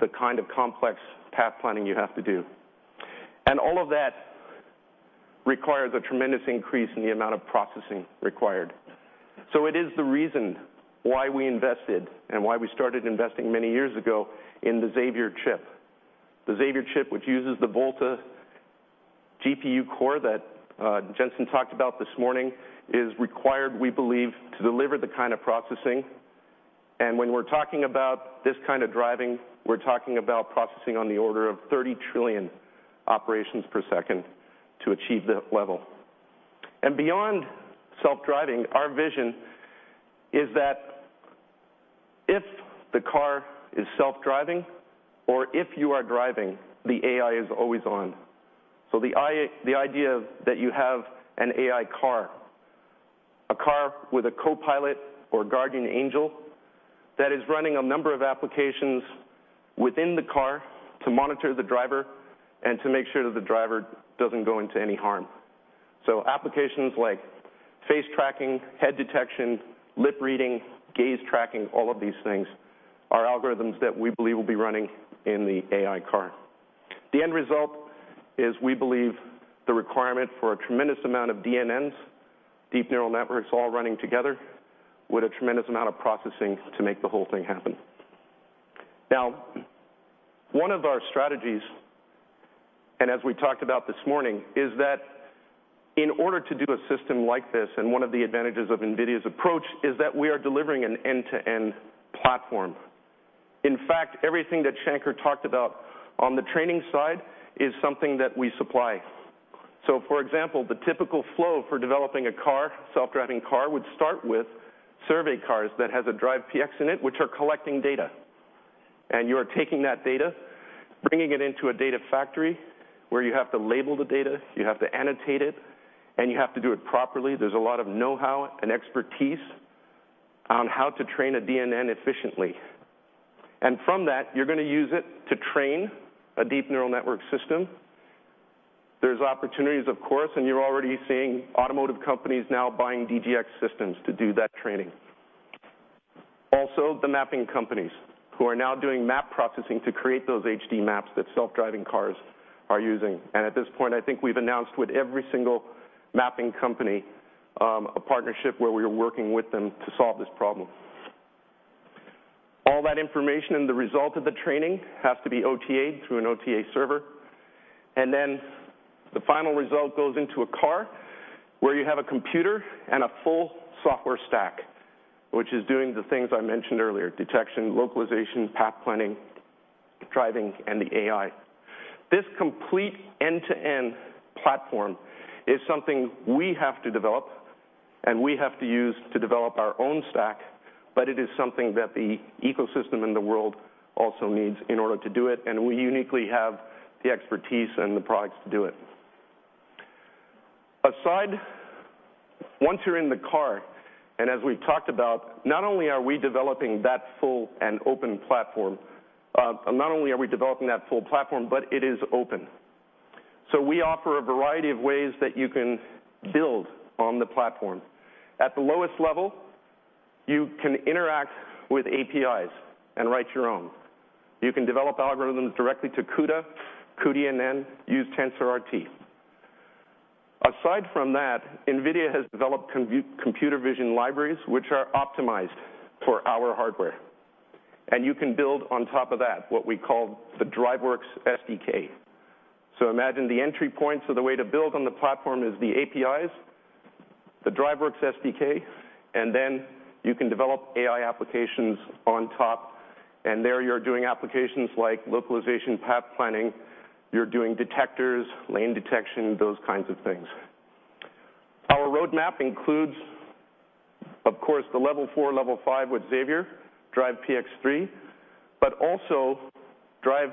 the kind of complex path planning you have to do. All of that requires a tremendous increase in the amount of processing required. It is the reason why we invested and why we started investing many years ago in the Xavier chip. The Xavier chip, which uses the Volta GPU core that Jensen talked about this morning, is required, we believe, to deliver the kind of processing. When we're talking about this kind of driving, we're talking about processing on the order of 30 trillion operations per second to achieve that level. Beyond self-driving, our vision is that if the car is self-driving or if you are driving, the AI is always on. The idea that you have an AI car, a car with a co-pilot or guardian angel that is running a number of applications within the car to monitor the driver and to make sure that the driver doesn't go into any harm. Applications like face tracking, head detection, lip reading, gaze tracking, all of these things, are algorithms that we believe will be running in the AI car. The end result is we believe the requirement for a tremendous amount of DNNs, deep neural networks, all running together with a tremendous amount of processing to make the whole thing happen. One of our strategies, and as we talked about this morning, is that in order to do a system like this, and one of the advantages of NVIDIA's approach is that we are delivering an end-to-end platform. In fact, everything that Shanker talked about on the training side is something that we supply. For example, the typical flow for developing a self-driving car would start with survey cars that has a DRIVE PX in it, which are collecting data. You are taking that data, bringing it into a data factory where you have to label the data, you have to annotate it, and you have to do it properly. There's a lot of know-how and expertise on how to train a DNN efficiently. From that, you're going to use it to train a deep neural network system. There's opportunities, of course, and you're already seeing automotive companies now buying DGX systems to do that training. Also, the mapping companies who are now doing map processing to create those HD maps that self-driving cars are using. At this point, I think we've announced with every single mapping company, a partnership where we are working with them to solve this problem. All that information and the result of the training has to be OTA'd through an OTA server. The final result goes into a car where you have a computer and a full software stack, which is doing the things I mentioned earlier, detection, localization, path planning, driving, and the AI. This complete end-to-end platform is something we have to develop and we have to use to develop our own stack, but it is something that the ecosystem and the world also needs in order to do it, and we uniquely have the expertise and the products to do it. Once you're in the car, and as we've talked about, not only are we developing that full and open platform, not only are we developing that full platform, but it is open. We offer a variety of ways that you can build on the platform. At the lowest level, you can interact with APIs and write your own. You can develop algorithms directly to CUDA, cuDNN, use TensorRT. Aside from that, NVIDIA has developed computer vision libraries, which are optimized for our hardware. You can build on top of that, what we call the DriveWorks SDK. Imagine the entry points are the way to build on the platform is the APIs, the DriveWorks SDK, and then you can develop AI applications on top, and there you're doing applications like localization, path planning, you're doing detectors, lane detection, those kinds of things. Our roadmap includes, of course, the level 4, level 5 with Xavier, Drive PX 3, but also Drive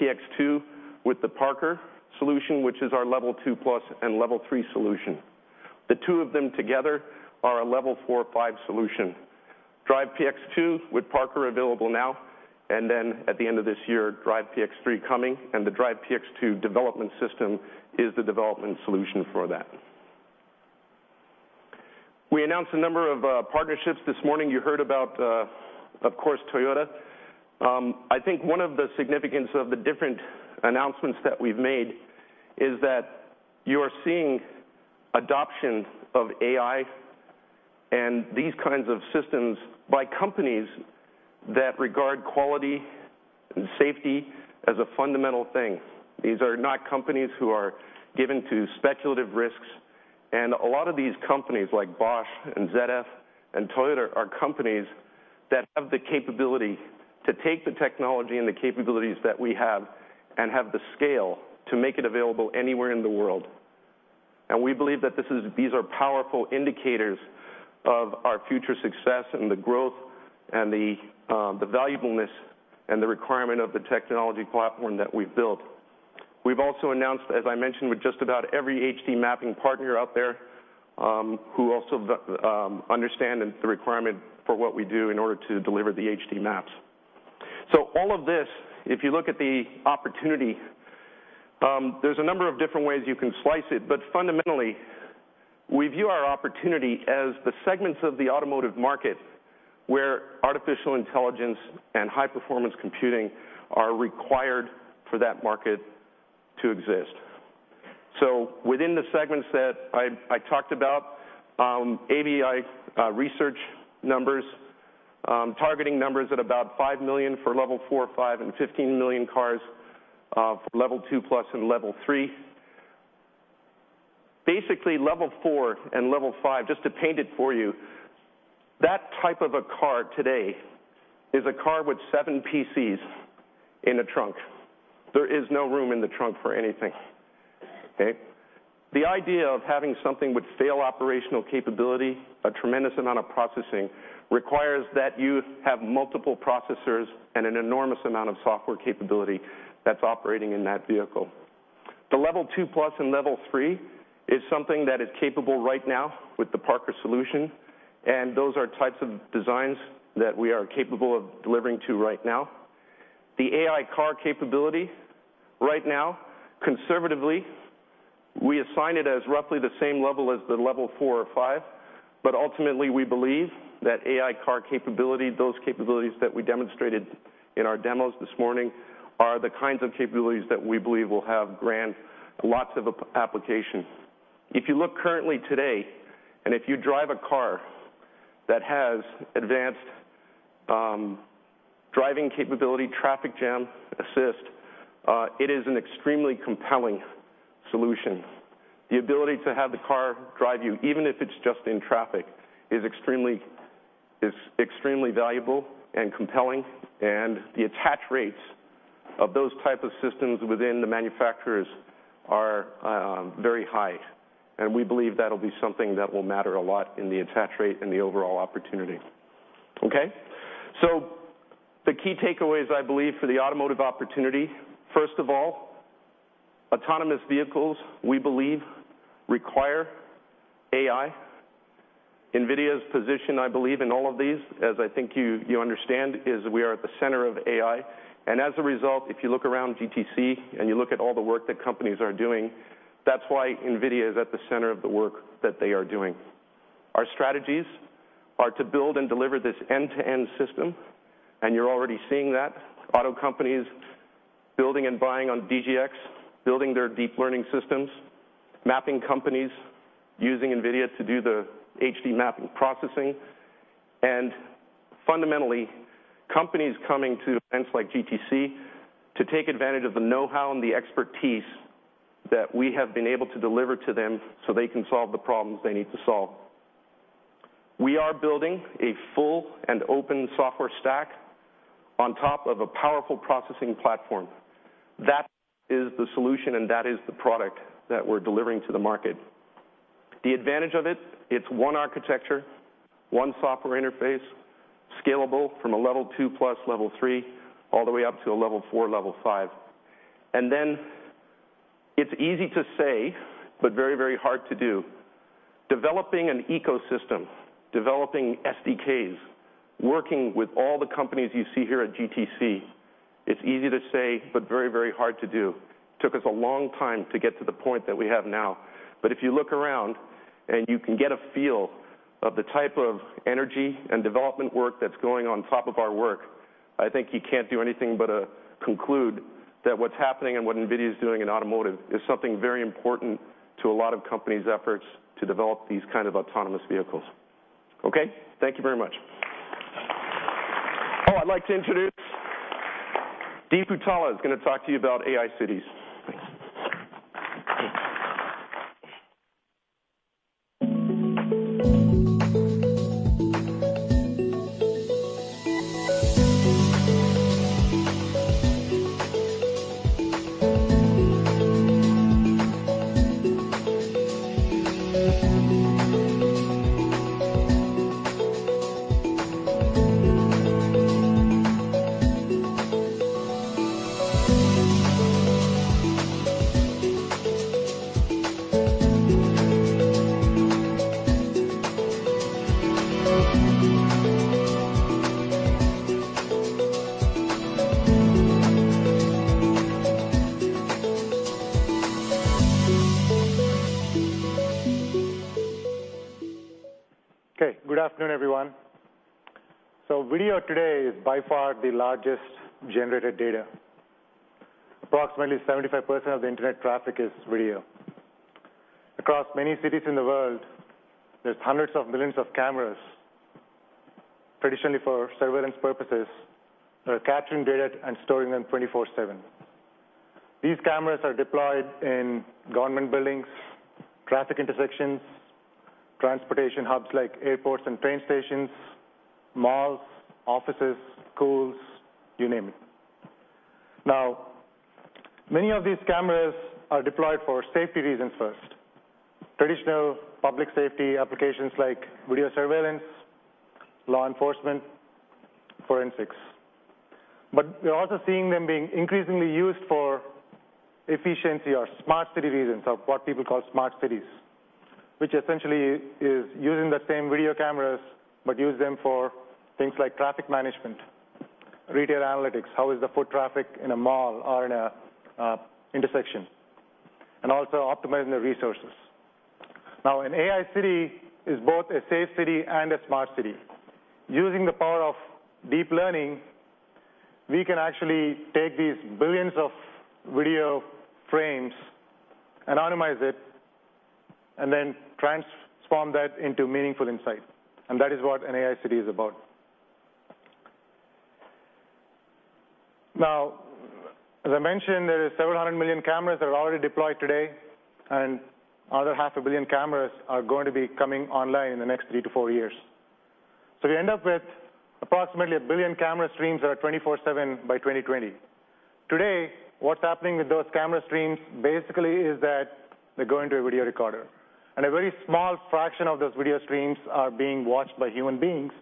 PX 2 with the Parker solution, which is our level 2+ and level 3 solution. The two of them together are a level 4, 5 solution. Drive PX 2 with Parker available now, and then at the end of this year, Drive PX 3 coming, and the Drive PX 2 development system is the development solution for that. We announced a number of partnerships this morning. You heard about, of course, Toyota. One of the significance of the different announcements that we've made is that you are seeing adoption of AI and these kinds of systems by companies that regard quality and safety as a fundamental thing. These are not companies who are given to speculative risks. A lot of these companies, like Bosch and ZF and Toyota, are companies that have the capability to take the technology and the capabilities that we have and have the scale to make it available anywhere in the world. We believe that these are powerful indicators of our future success and the growth and the valuableness and the requirement of the technology platform that we've built. We've also announced, as I mentioned, with just about every HD mapping partner out there who also understand the requirement for what we do in order to deliver the HD maps. All of this, if you look at the opportunity, there's a number of different ways you can slice it, but fundamentally, we view our opportunity as the segments of the automotive market where artificial intelligence and high-performance computing are required for that market to exist. Within the segments that I talked about, ABI Research numbers, targeting numbers at about 5 million for level 4 or 5 and 15 million cars for level 2+ and level 3. Basically, level 4 and level 5, just to paint it for you, that type of a car today is a car with seven PCs in the trunk. There is no room in the trunk for anything. Okay. The idea of having something with fail-operational capability, a tremendous amount of processing, requires that you have multiple processors and an enormous amount of software capability that's operating in that vehicle. The level 2+ and level 3 is something that is capable right now with the Parker solution, and those are types of designs that we are capable of delivering to right now. The AI car capability right now, conservatively, we assign it as roughly the same level as the level 4 or 5. Ultimately, we believe that AI car capability, those capabilities that we demonstrated in our demos this morning, are the kinds of capabilities that we believe will have lots of application. If you look currently today, if you drive a car that has advanced driving capability, traffic jam assist, it is an extremely compelling solution. The ability to have the car drive you, even if it's just in traffic, is extremely valuable and compelling, and the attach rates of those type of systems within the manufacturers are very high. We believe that'll be something that will matter a lot in the attach rate and the overall opportunity. Okay. The key takeaways, I believe, for the automotive opportunity, first of all, autonomous vehicles, we believe require AI. NVIDIA's position, I believe, in all of these, as I think you understand, is we are at the center of AI. As a result, if you look around GTC, you look at all the work that companies are doing, that's why NVIDIA is at the center of the work that they are doing. Our strategies are to build and deliver this end-to-end system, you're already seeing that. Auto companies building and buying on DGX, building their deep learning systems. Mapping companies using NVIDIA to do the HD mapping processing. Fundamentally, companies coming to events like GTC to take advantage of the knowhow and the expertise that we have been able to deliver to them so they can solve the problems they need to solve. We are building a full and open software stack on top of a powerful processing platform. That is the solution, that is the product that we're delivering to the market. The advantage of it's one architecture, one software interface, scalable from a level 2 plus, level 3, all the way up to a level 4 or level 5. Then it's easy to say, but very, very hard to do. Developing an ecosystem, developing SDKs, working with all the companies you see here at GTC, it's easy to say, but very, very hard to do. Took us a long time to get to the point that we have now. If you look around and you can get a feel of the type of energy and development work that's going on top of our work, I think you can't do anything but conclude that what's happening and what NVIDIA's doing in automotive is something very important to a lot of companies' efforts to develop these kind of autonomous vehicles. Okay. Thank you very much. Now I'd like to introduce Deepu Talla is going to talk to you about AI cities. Thanks. Good afternoon, everyone. Video today is by far the largest generated data. Approximately 75% of the internet traffic is video. Across many cities in the world, there's hundreds of millions of cameras, traditionally for surveillance purposes. They are capturing data and storing them 24/7. These cameras are deployed in government buildings, traffic intersections, transportation hubs like airports and train stations, malls, offices, schools, you name it. Many of these cameras are deployed for safety reasons first. Traditional public safety applications like video surveillance, law enforcement, forensics. We are also seeing them being increasingly used for efficiency or smart city reasons, or what people call smart cities, which essentially is using the same video cameras, but use them for things like traffic management, retail analytics, how is the foot traffic in a mall or in an intersection, and also optimizing the resources. An AI city is both a safe city and a smart city. Using the power of deep learning, we can actually take these billions of video frames, anonymize it, and then transform that into meaningful insight, and that is what an AI city is about. As I mentioned, there are 700 million cameras that are already deployed today, and another half a billion cameras are going to be coming online in the next three to four years. We end up with approximately a billion camera streams that are 24/7 by 2020. Today, what is happening with those camera streams, basically, is that they are going to a video recorder, and a very small fraction of those video streams are being watched by human beings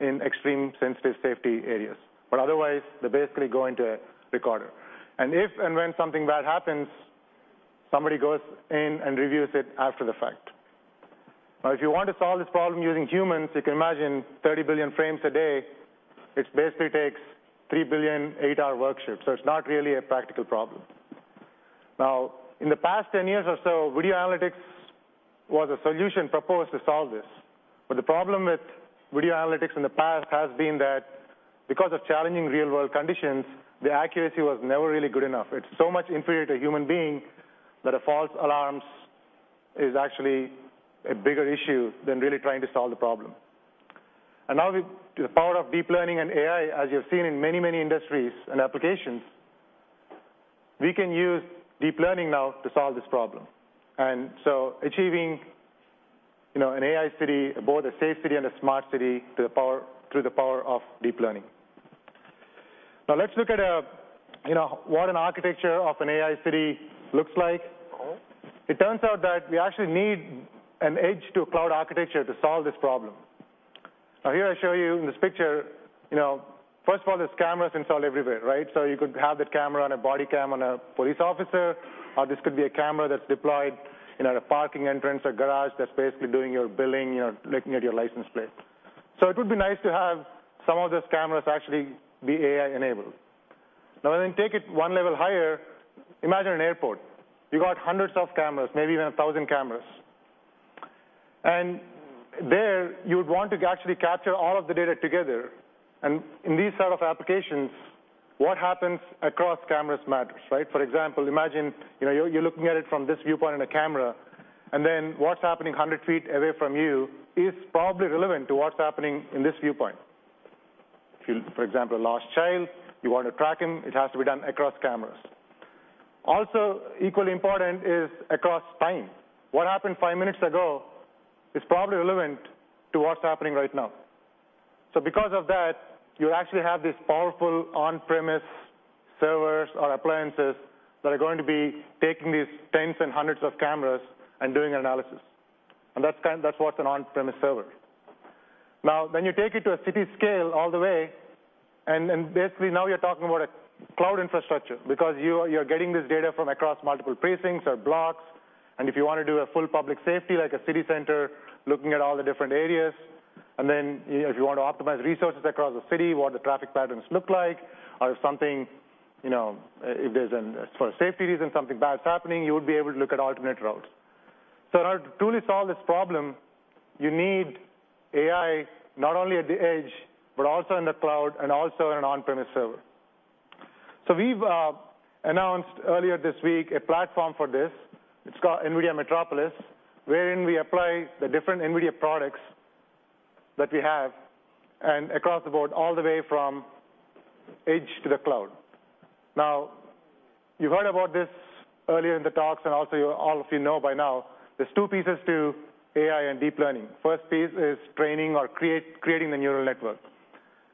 in extreme sensitive safety areas. Otherwise, they basically go into a recorder. If and when something bad happens, somebody goes in and reviews it after the fact. If you want to solve this problem using humans, you can imagine 30 billion frames a day. It basically takes 3 billion eight-hour work shifts. It is not really a practical problem. In the past 10 years or so, video analytics was a solution proposed to solve this. The problem with video analytics in the past has been that because of challenging real-world conditions, the accuracy was never really good enough. It is so much inferior to human beings that false alarms is actually a bigger issue than really trying to solve the problem. Now with the power of deep learning and AI, as you have seen in many industries and applications, we can use deep learning now to solve this problem. Achieving an AI city, both a safe city and a smart city, through the power of deep learning. Let us look at what an architecture of an AI city looks like. It turns out that we actually need an edge-to-cloud architecture to solve this problem. Here I show you in this picture, first of all, there's cameras installed everywhere. You could have that camera on a body cam on a police officer, or this could be a camera that is deployed in a parking entrance or garage that is basically doing your billing, looking at your license plate. It would be nice to have some of those cameras actually be AI-enabled. When we take it 1 level higher, imagine an airport. You have got hundreds of cameras, maybe even 1,000 cameras. There you would want to actually capture all of the data together. In these sort of applications, what happens across cameras matters. For example, imagine you're looking at it from this viewpoint in a camera, then what's happening 100 feet away from you is probably relevant to what's happening in this viewpoint. If you, for example, a lost child, you want to track him, it has to be done across cameras. Also, equally important is across time. What happened five minutes ago is probably relevant to what's happening right now. Because of that, you actually have these powerful on-premise servers or appliances that are going to be taking these tens and hundreds of cameras and doing analysis. That's what's an on-premise server. When you take it to a city scale all the way, basically now you're talking about a cloud infrastructure because you're getting this data from across multiple precincts or blocks. If you want to do a full public safety, like a city center, looking at all the different areas, then if you want to optimize resources across the city, what the traffic patterns look like, or if there's a safety reason, something bad is happening, you would be able to look at alternate routes. In order to truly solve this problem, you need AI not only at the edge, but also in the cloud, and also in an on-premise server. We've announced earlier this week a platform for this. It's called NVIDIA Metropolis, wherein we apply the different NVIDIA products that we have across the board, all the way from edge to the cloud. You've heard about this earlier in the talks, also all of you know by now, there's two pieces to AI and deep learning. First piece is training or creating the neural network.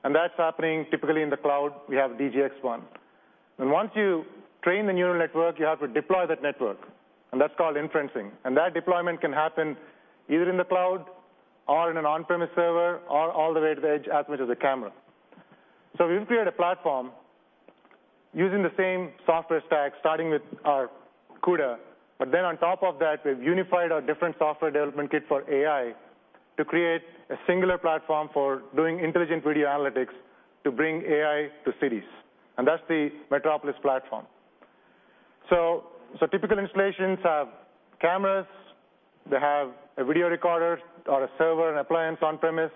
That's happening typically in the cloud, we have DGX-1. Once you train the neural network, you have to deploy that network, and that's called inferencing. That deployment can happen either in the cloud or in an on-premise server, or all the way to the edge, out to the camera. We've created a platform using the same software stack, starting with our CUDA. On top of that, we've unified our different software development kit for AI to create a singular platform for doing intelligent video analytics to bring AI to cities, and that's the Metropolis platform. Typical installations have cameras. They have a video recorder or a server, an appliance on premise.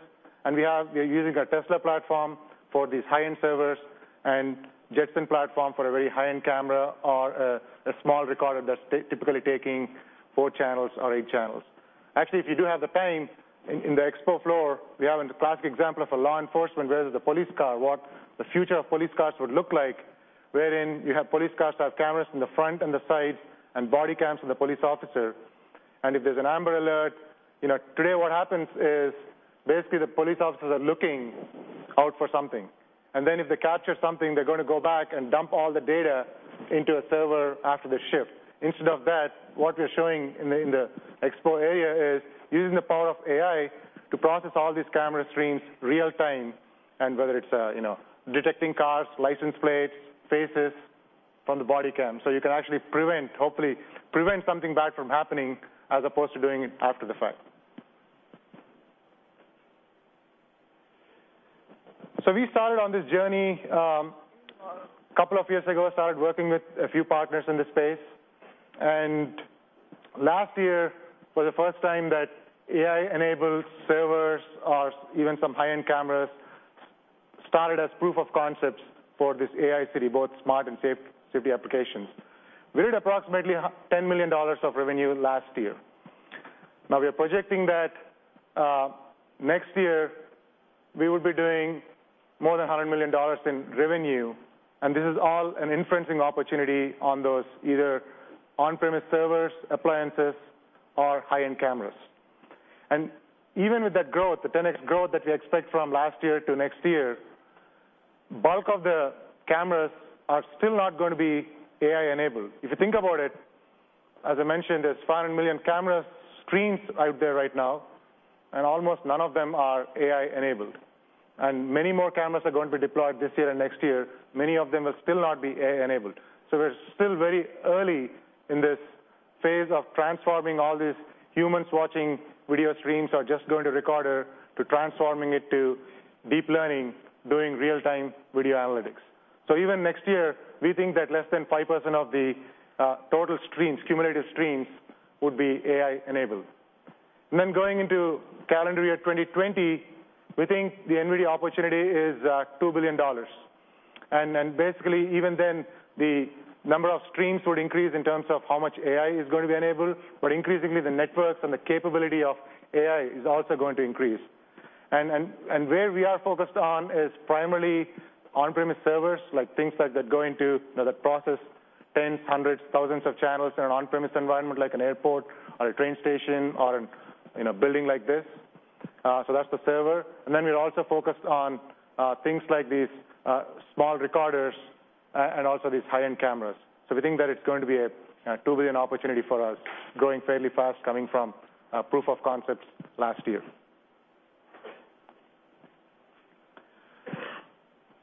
We are using our Tesla platform for these high-end servers and Jetson platform for a very high-end camera or a small recorder that's typically taking four channels or eight channels. Actually, if you do have the time, in the expo floor, we have a classic example of a law enforcement versus a police car, what the future of police cars would look like, wherein you have police cars that have cameras in the front and the sides and body cams on the police officer. If there's an Amber Alert, today what happens is basically the police officers are looking out for something, then if they capture something, they're going to go back and dump all the data into a server after their shift. Instead of that, what we're showing in the expo area is using the power of AI to process all these camera streams in real time, whether it's detecting cars, license plates, faces from the body cam. You can actually, hopefully, prevent something bad from happening as opposed to doing it after the fact. We started on this journey a couple of years ago, started working with a few partners in this space. Last year, for the first time, AI-enabled servers or even some high-end cameras started as proof of concepts for this AI City, both smart and safety applications. We did approximately $10 million of revenue last year. Now we are projecting that next year we will be doing more than $100 million in revenue, and this is all an inferencing opportunity on those either on-premise servers, appliances, or high-end cameras. Even with that growth, the 10x growth that we expect from last year to next year, the bulk of the cameras are still not going to be AI-enabled. If you think about it, as I mentioned, there's 500 million camera streams out there right now. Almost none of them are AI-enabled. Many more cameras are going to be deployed this year and next year. Many of them will still not be AI-enabled. We're still very early in this phase of transforming all these humans watching video streams or just going to recorder, to transforming it to deep learning, doing real-time video analytics. Even next year, we think that less than 5% of the total cumulative streams would be AI-enabled. Going into calendar year 2020, we think the NVIDIA opportunity is $2 billion. Even then, the number of streams would increase in terms of how much AI is going to be enabled. Increasingly the networks and the capability of AI is also going to increase. Where we are focused on is primarily on-premise servers, things that process tens, hundreds, thousands of channels in an on-premise environment, like an airport or a train station or in a building like this. That's the server. We're also focused on things like these small recorders and also these high-end cameras. We think that it's going to be a $2 billion opportunity for us, growing fairly fast, coming from proof of concepts last year.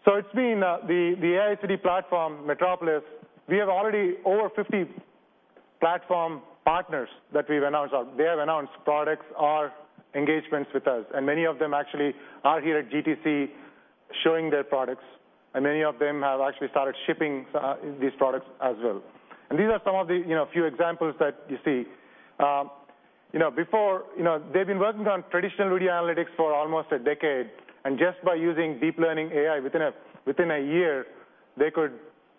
It's been the AI City platform, Metropolis. We have already over 50 platform partners that we've announced, or they have announced products or engagements with us. Many of them actually are here at GTC showing their products. Many of them have actually started shipping these products as well. These are some of the few examples that you see. They've been working on traditional video analytics for almost a decade. Just by using deep learning AI, within a year, they could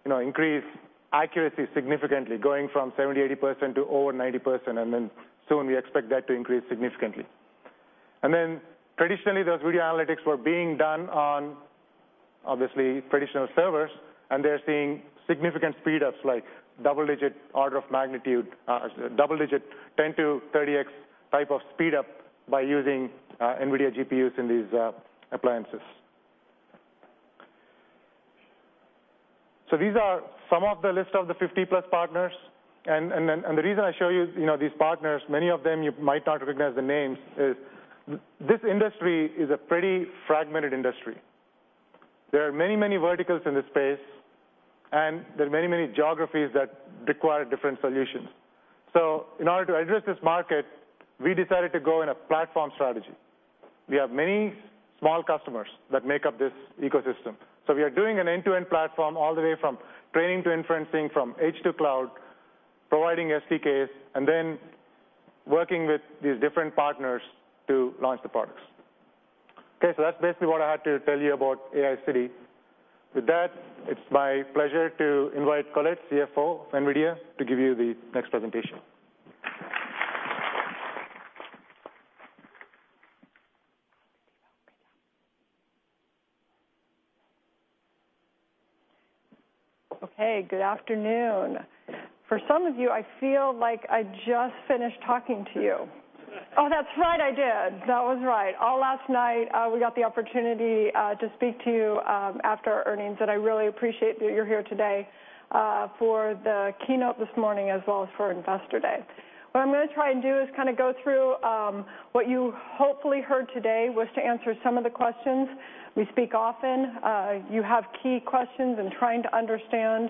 increase accuracy significantly, going from 70%-80% to over 90%. Soon we expect that to increase significantly. Traditionally, those video analytics were being done on, obviously, traditional servers. They're seeing significant speedups, like double-digit 10-30x type of speedup by using NVIDIA GPUs in these appliances. These are some of the list of the 50 plus partners. The reason I show you these partners, many of them you might not recognize the names, is this industry is a pretty fragmented industry. There are many verticals in this space, and there are many geographies that require different solutions. In order to address this market, we decided to go in a platform strategy. We have many small customers that make up this ecosystem. We are doing an end-to-end platform all the way from training to inferencing, from edge to cloud, providing SDKs, and then working with these different partners to launch the products. That's basically what I had to tell you about AI City. With that, it's my pleasure to invite Colette, CFO of NVIDIA, to give you the next presentation. Good afternoon. For some of you, I feel like I just finished talking to you. That's right, I did. That was right. All last night, we got the opportunity to speak to you after our earnings, and I really appreciate that you're here today for the keynote this morning, as well as for Investor Day. What I'm going to try and do is go through what you hopefully heard today, was to answer some of the questions. We speak often. You have key questions in trying to understand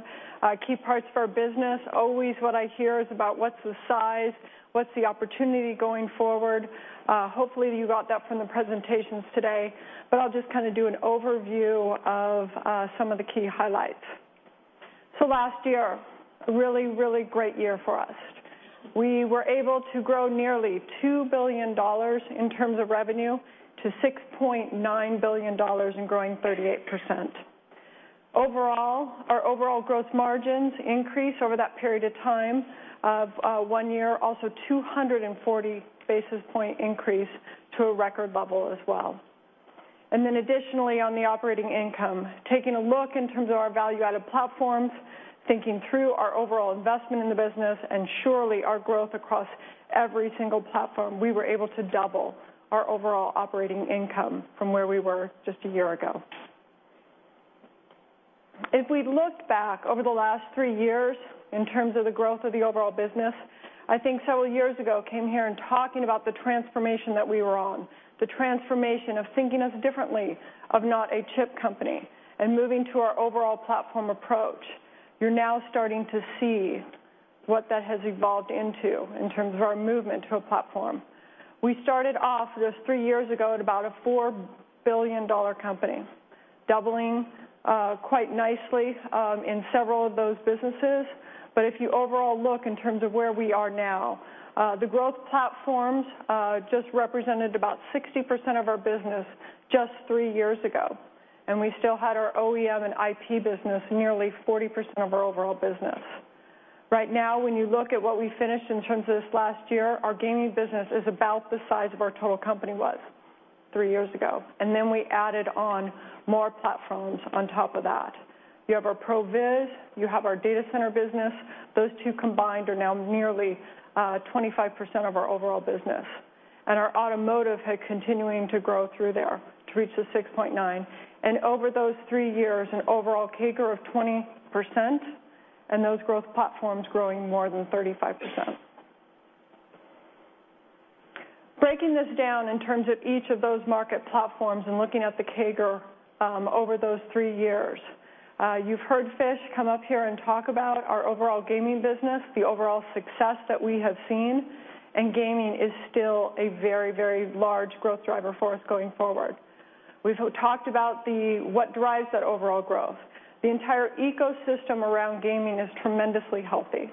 key parts of our business. Always what I hear is about what's the size, what's the opportunity going forward. Hopefully, you got that from the presentations today, I'll just do an overview of some of the key highlights. Last year, a really great year for us. We were able to grow nearly $2 billion in terms of revenue to $6.9 billion and growing 38%. Our overall growth margins increased over that period of time of one year. Also, 240 basis point increase to a record level as well. Additionally, on the operating income, taking a look in terms of our value-added platforms, thinking through our overall investment in the business, and surely our growth across every single platform, we were able to double our overall operating income from where we were just a year ago. If we look back over the last three years in terms of the growth of the overall business, I think several years ago, came here and talking about the transformation that we were on, the transformation of thinking of differently of not a chip company and moving to our overall platform approach. You're now starting to see what that has evolved into in terms of our movement to a platform. We started off just three years ago at about a $4 billion company, doubling quite nicely in several of those businesses. If you overall look in terms of where we are now, the growth platforms just represented about 60% of our business just three years ago, and we still had our OEM and IP business nearly 40% of our overall business. Right now, when you look at what we finished in terms of this last year, our gaming business is about the size of our total company was three years ago. We added on more platforms on top of that. You have our ProViz, you have our data center business. Those two combined are now nearly 25% of our overall business. Our automotive had continuing to grow through there to reach $6.9. Over those three years, an overall CAGR of 20%, and those growth platforms growing more than 35%. Breaking this down in terms of each of those market platforms and looking at the CAGR over those three years. You've heard Fish come up here and talk about our overall gaming business, the overall success that we have seen, and gaming is still a very, very large growth driver for us going forward. We've talked about what drives that overall growth. The entire ecosystem around gaming is tremendously healthy.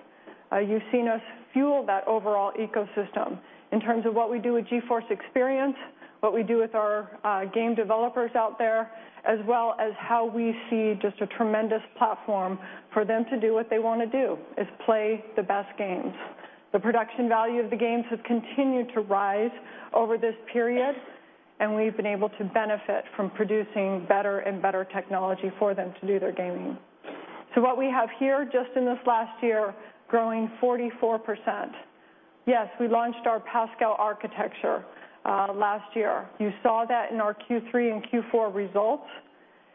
You've seen us fuel that overall ecosystem in terms of what we do with GeForce Experience, what we do with our game developers out there, as well as how we see just a tremendous platform for them to do what they want to do, is play the best games. The production value of the games has continued to rise over this period, and we've been able to benefit from producing better and better technology for them to do their gaming. What we have here, just in this last year, growing 44%. Yes, we launched our Pascal architecture last year. You saw that in our Q3 and Q4 results,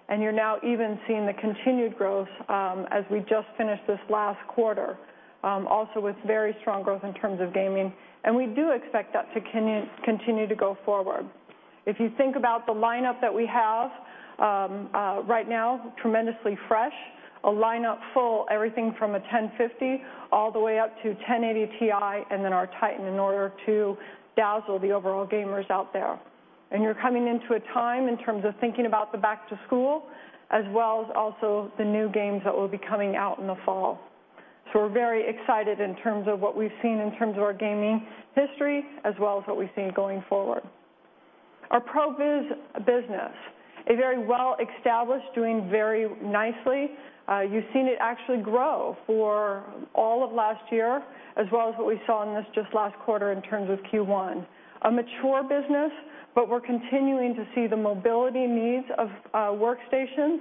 and you're now even seeing the continued growth as we just finished this last quarter, also with very strong growth in terms of gaming. We do expect that to continue to go forward. If you think about the lineup that we have right now, tremendously fresh. A lineup full, everything from a 1050 all the way up to 1080 Ti, and then our Titan in order to dazzle the overall gamers out there. You're coming into a time in terms of thinking about the back to school, as well as also the new games that will be coming out in the fall. We're very excited in terms of what we've seen in terms of our gaming history as well as what we've seen going forward. Our ProViz business, a very well-established, doing very nicely. You've seen it actually grow for all of last year, as well as what we saw in this just last quarter in terms of Q1. A mature business. We're continuing to see the mobility needs of workstations,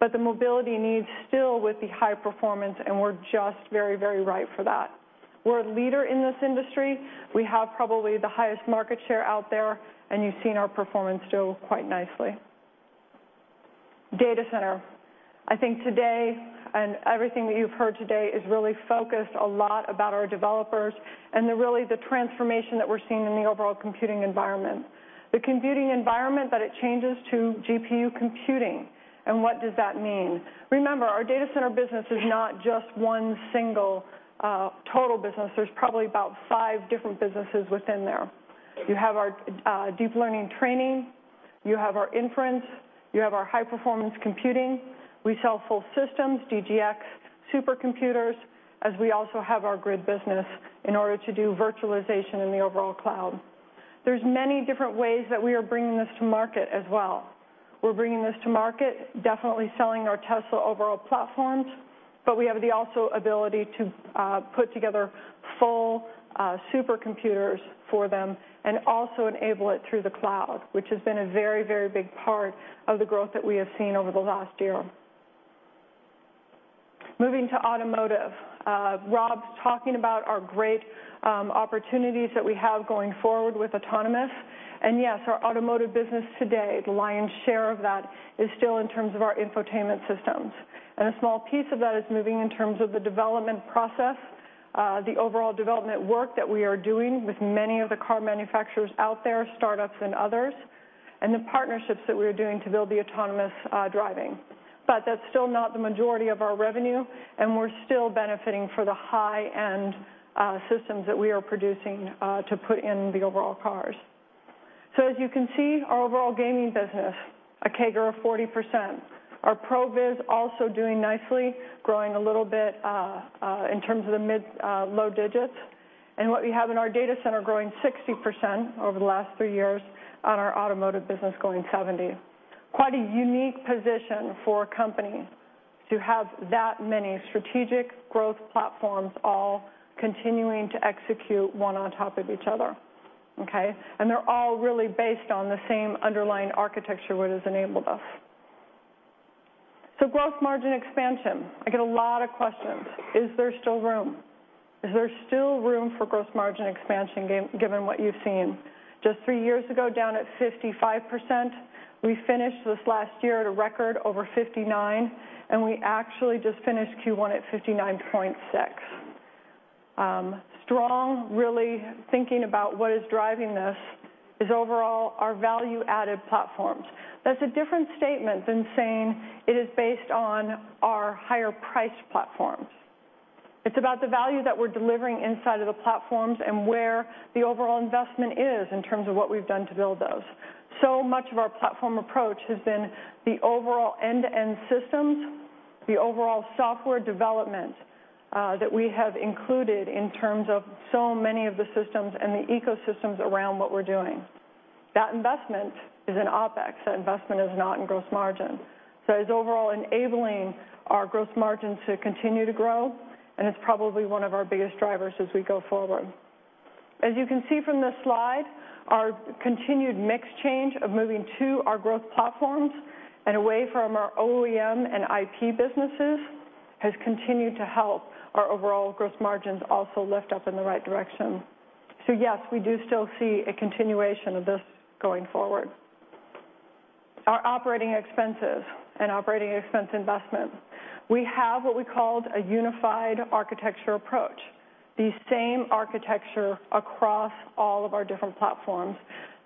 but the mobility needs still with the high performance, and we're just very right for that. We're a leader in this industry. We have probably the highest market share out there, and you've seen our performance do quite nicely. Data center. I think today, everything that you've heard today is really focused a lot about our developers and really the transformation that we're seeing in the overall computing environment. The computing environment, that it changes to GPU computing. What does that mean? Remember, our data center business is not just one single total business. There's probably about five different businesses within there. You have our deep learning training. You have our inference. You have our high-performance computing. We sell full systems, DGX supercomputers, as we also have our GRID business in order to do virtualization in the overall cloud. There's many different ways that we are bringing this to market as well. We're bringing this to market, definitely selling our Tesla overall platforms, but we have the also ability to put together full supercomputers for them and also enable it through the cloud, which has been a very big part of the growth that we have seen over the last year. Moving to automotive. Rob's talking about our great opportunities that we have going forward with autonomous. Yes, our automotive business today, the lion's share of that is still in terms of our infotainment systems. A small piece of that is moving in terms of the development process, the overall development work that we are doing with many of the car manufacturers out there, startups and others, and the partnerships that we are doing to build the autonomous driving. That's still not the majority of our revenue, and we're still benefiting for the high-end systems that we are producing to put in the overall cars. As you can see, our overall gaming business, a CAGR of 40%. Our ProViz also doing nicely, growing a little bit in terms of the mid-low digits. What we have in our data center growing 60% over the last three years on our automotive business going 70%. Quite a unique position for a company to have that many strategic growth platforms all continuing to execute one on top of each other. Okay? They're all really based on the same underlying architecture what has enabled us. Gross margin expansion, I get a lot of questions. Is there still room? Is there still room for gross margin expansion, given what you've seen? Just three years ago, down at 55%, we finished this last year at a record over 59%, and we actually just finished Q1 at 59.6%. Strong. Really thinking about what is driving this is overall our value-added platforms. That's a different statement than saying it is based on our higher priced platforms. It's about the value that we're delivering inside of the platforms and where the overall investment is in terms of what we've done to build those. Much of our platform approach has been the overall end-to-end systems, the overall software development, that we have included in terms of so many of the systems and the ecosystems around what we're doing. That investment is in OpEx. That investment is not in gross margin. It is overall enabling our gross margins to continue to grow, and it's probably one of our biggest drivers as we go forward. As you can see from this slide, our continued mix change of moving to our growth platforms and away from our OEM and IP businesses has continued to help our overall gross margins also lift up in the right direction. Yes, we do still see a continuation of this going forward. Our operating expenses and operating expense investment, we have what we called a unified architecture approach, the same architecture across all of our different platforms.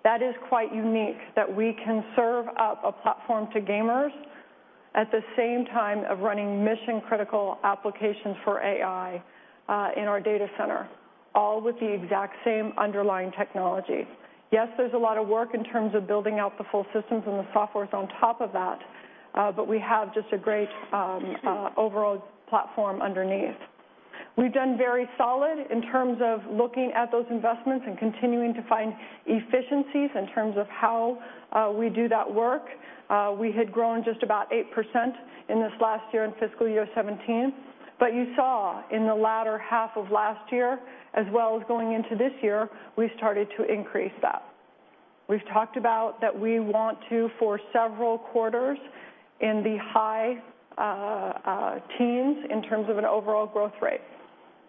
That is quite unique that we can serve up a platform to gamers at the same time of running mission-critical applications for AI, in our data center, all with the exact same underlying technology. Yes, there's a lot of work in terms of building out the full systems and the softwares on top of that, but we have just a great overall platform underneath. We've done very solid in terms of looking at those investments and continuing to find efficiencies in terms of how we do that work. We had grown just about 8% in this last year, in fiscal year 2017. You saw in the latter half of last year, as well as going into this year, we started to increase that. We've talked about that we want to, for several quarters, in the high teens in terms of an overall growth rate,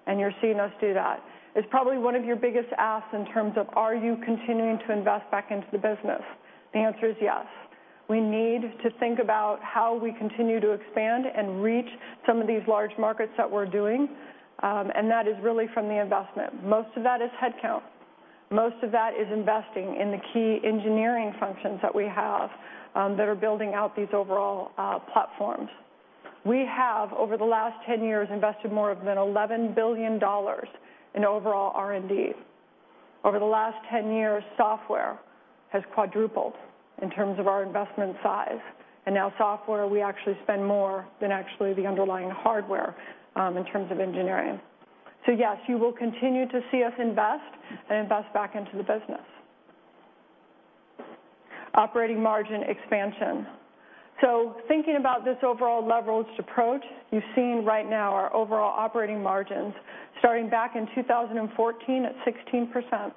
and you're seeing us do that. It's probably one of your biggest asks in terms of are you continuing to invest back into the business? The answer is yes. We need to think about how we continue to expand and reach some of these large markets that we're doing, and that is really from the investment. Most of that is headcount. Most of that is investing in the key engineering functions that we have, that are building out these overall platforms. We have, over the last 10 years, invested more than $11 billion in overall R&D. Over the last 10 years, software has quadrupled in terms of our investment size, and now software, we actually spend more than actually the underlying hardware, in terms of engineering. Yes, you will continue to see us invest and invest back into the business. Operating margin expansion. Thinking about this overall leveraged approach, you've seen right now our overall operating margins starting back in 2014 at 16%,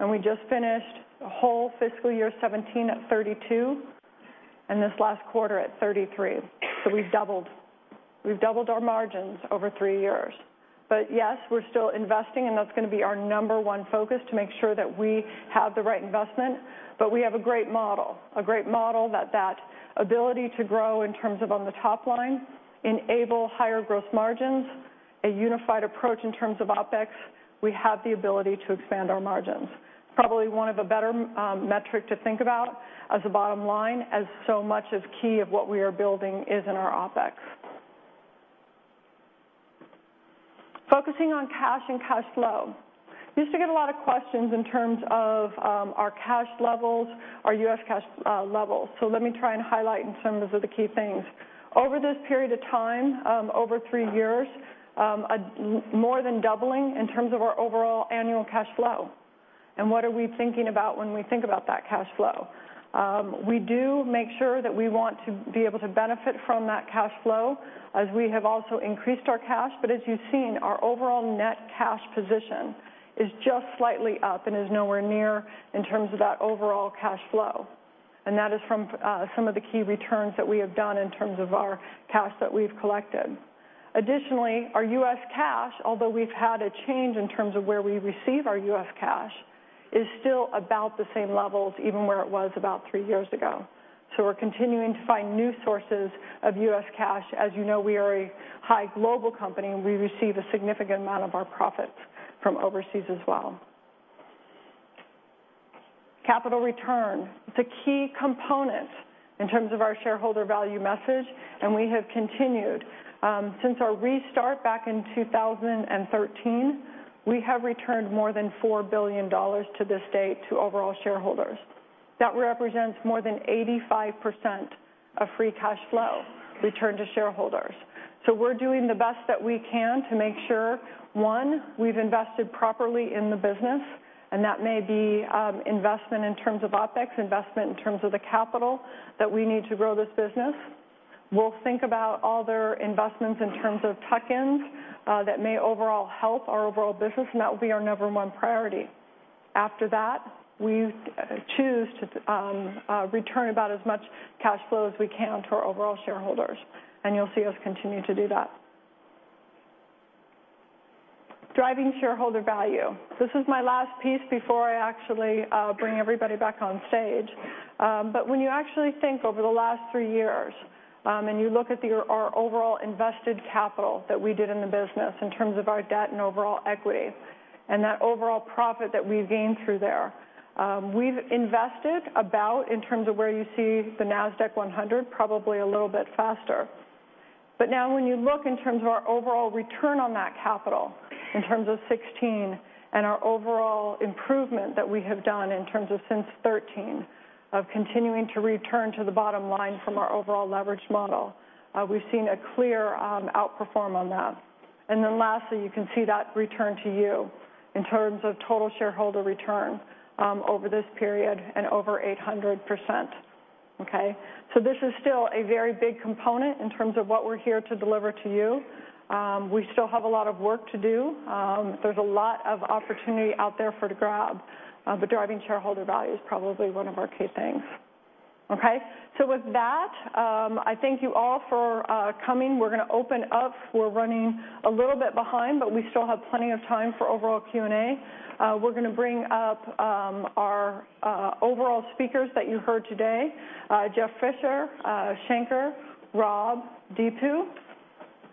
and we just finished the whole fiscal year 2017 at 32%, and this last quarter at 33%. We've doubled. We've doubled our margins over three years. Yes, we're still investing, and that's going to be our number 1 focus to make sure that we have the right investment. We have a great model, a great model that ability to grow in terms of on the top line, enable higher growth margins, a unified approach in terms of OpEx. We have the ability to expand our margins. Probably one of the better metric to think about as a bottom line, as so much is key of what we are building is in our OpEx. Focusing on cash and cash flow. Used to get a lot of questions in terms of our cash levels, our U.S. cash levels, let me try and highlight some of the key things. Over this period of time, over three years, more than doubling in terms of our overall annual cash flow. What are we thinking about when we think about that cash flow? We do make sure that we want to be able to benefit from that cash flow as we have also increased our cash. As you've seen, our overall net cash position is just slightly up and is nowhere near in terms of that overall cash flow. That is from some of the key returns that we have done in terms of our cash that we've collected. Additionally, our U.S. cash, although we've had a change in terms of where we receive our U.S. cash, is still about the same levels, even where it was about three years ago. We're continuing to find new sources of U.S. cash. You know, we are a high global company, and we receive a significant amount of our profits from overseas as well. Capital return, the key component in terms of our shareholder value message. We have continued. Since our restart back in 2013, we have returned more than $4 billion to this date to overall shareholders. That represents more than 85% of free cash flow returned to shareholders. We're doing the best that we can to make sure, one, we've invested properly in the business, and that may be investment in terms of OpEx, investment in terms of the capital that we need to grow this business. We'll think about other investments in terms of tuck-ins that may overall help our overall business, and that will be our number 1 priority. After that, we choose to return about as much cash flow as we can to our overall shareholders, and you'll see us continue to do that. Driving shareholder value. This is my last piece before I actually bring everybody back on stage. When you actually think over the last three years, and you look at our overall invested capital that we did in the business in terms of our debt and overall equity, and that overall profit that we've gained through there, we've invested about, in terms of where you see the Nasdaq-100, probably a little bit faster. Now when you look in terms of our overall return on that capital in terms of 2016 and our overall improvement that we have done in terms of since 2013, of continuing to return to the bottom line from our overall leverage model, we've seen a clear outperform on that. Lastly, you can see that return to you in terms of total shareholder return over this period and over 800%. Okay? This is still a very big component in terms of what we're here to deliver to you. We still have a lot of work to do. There's a lot of opportunity out there for the grab, but driving shareholder value is probably one of our key things. Okay? With that, I thank you all for coming. We're going to open up. We're running a little bit behind, but we still have plenty of time for overall Q&A. We're going to bring up our overall speakers that you heard today, Jeff Fisher, Shanker, Rob, Deepu,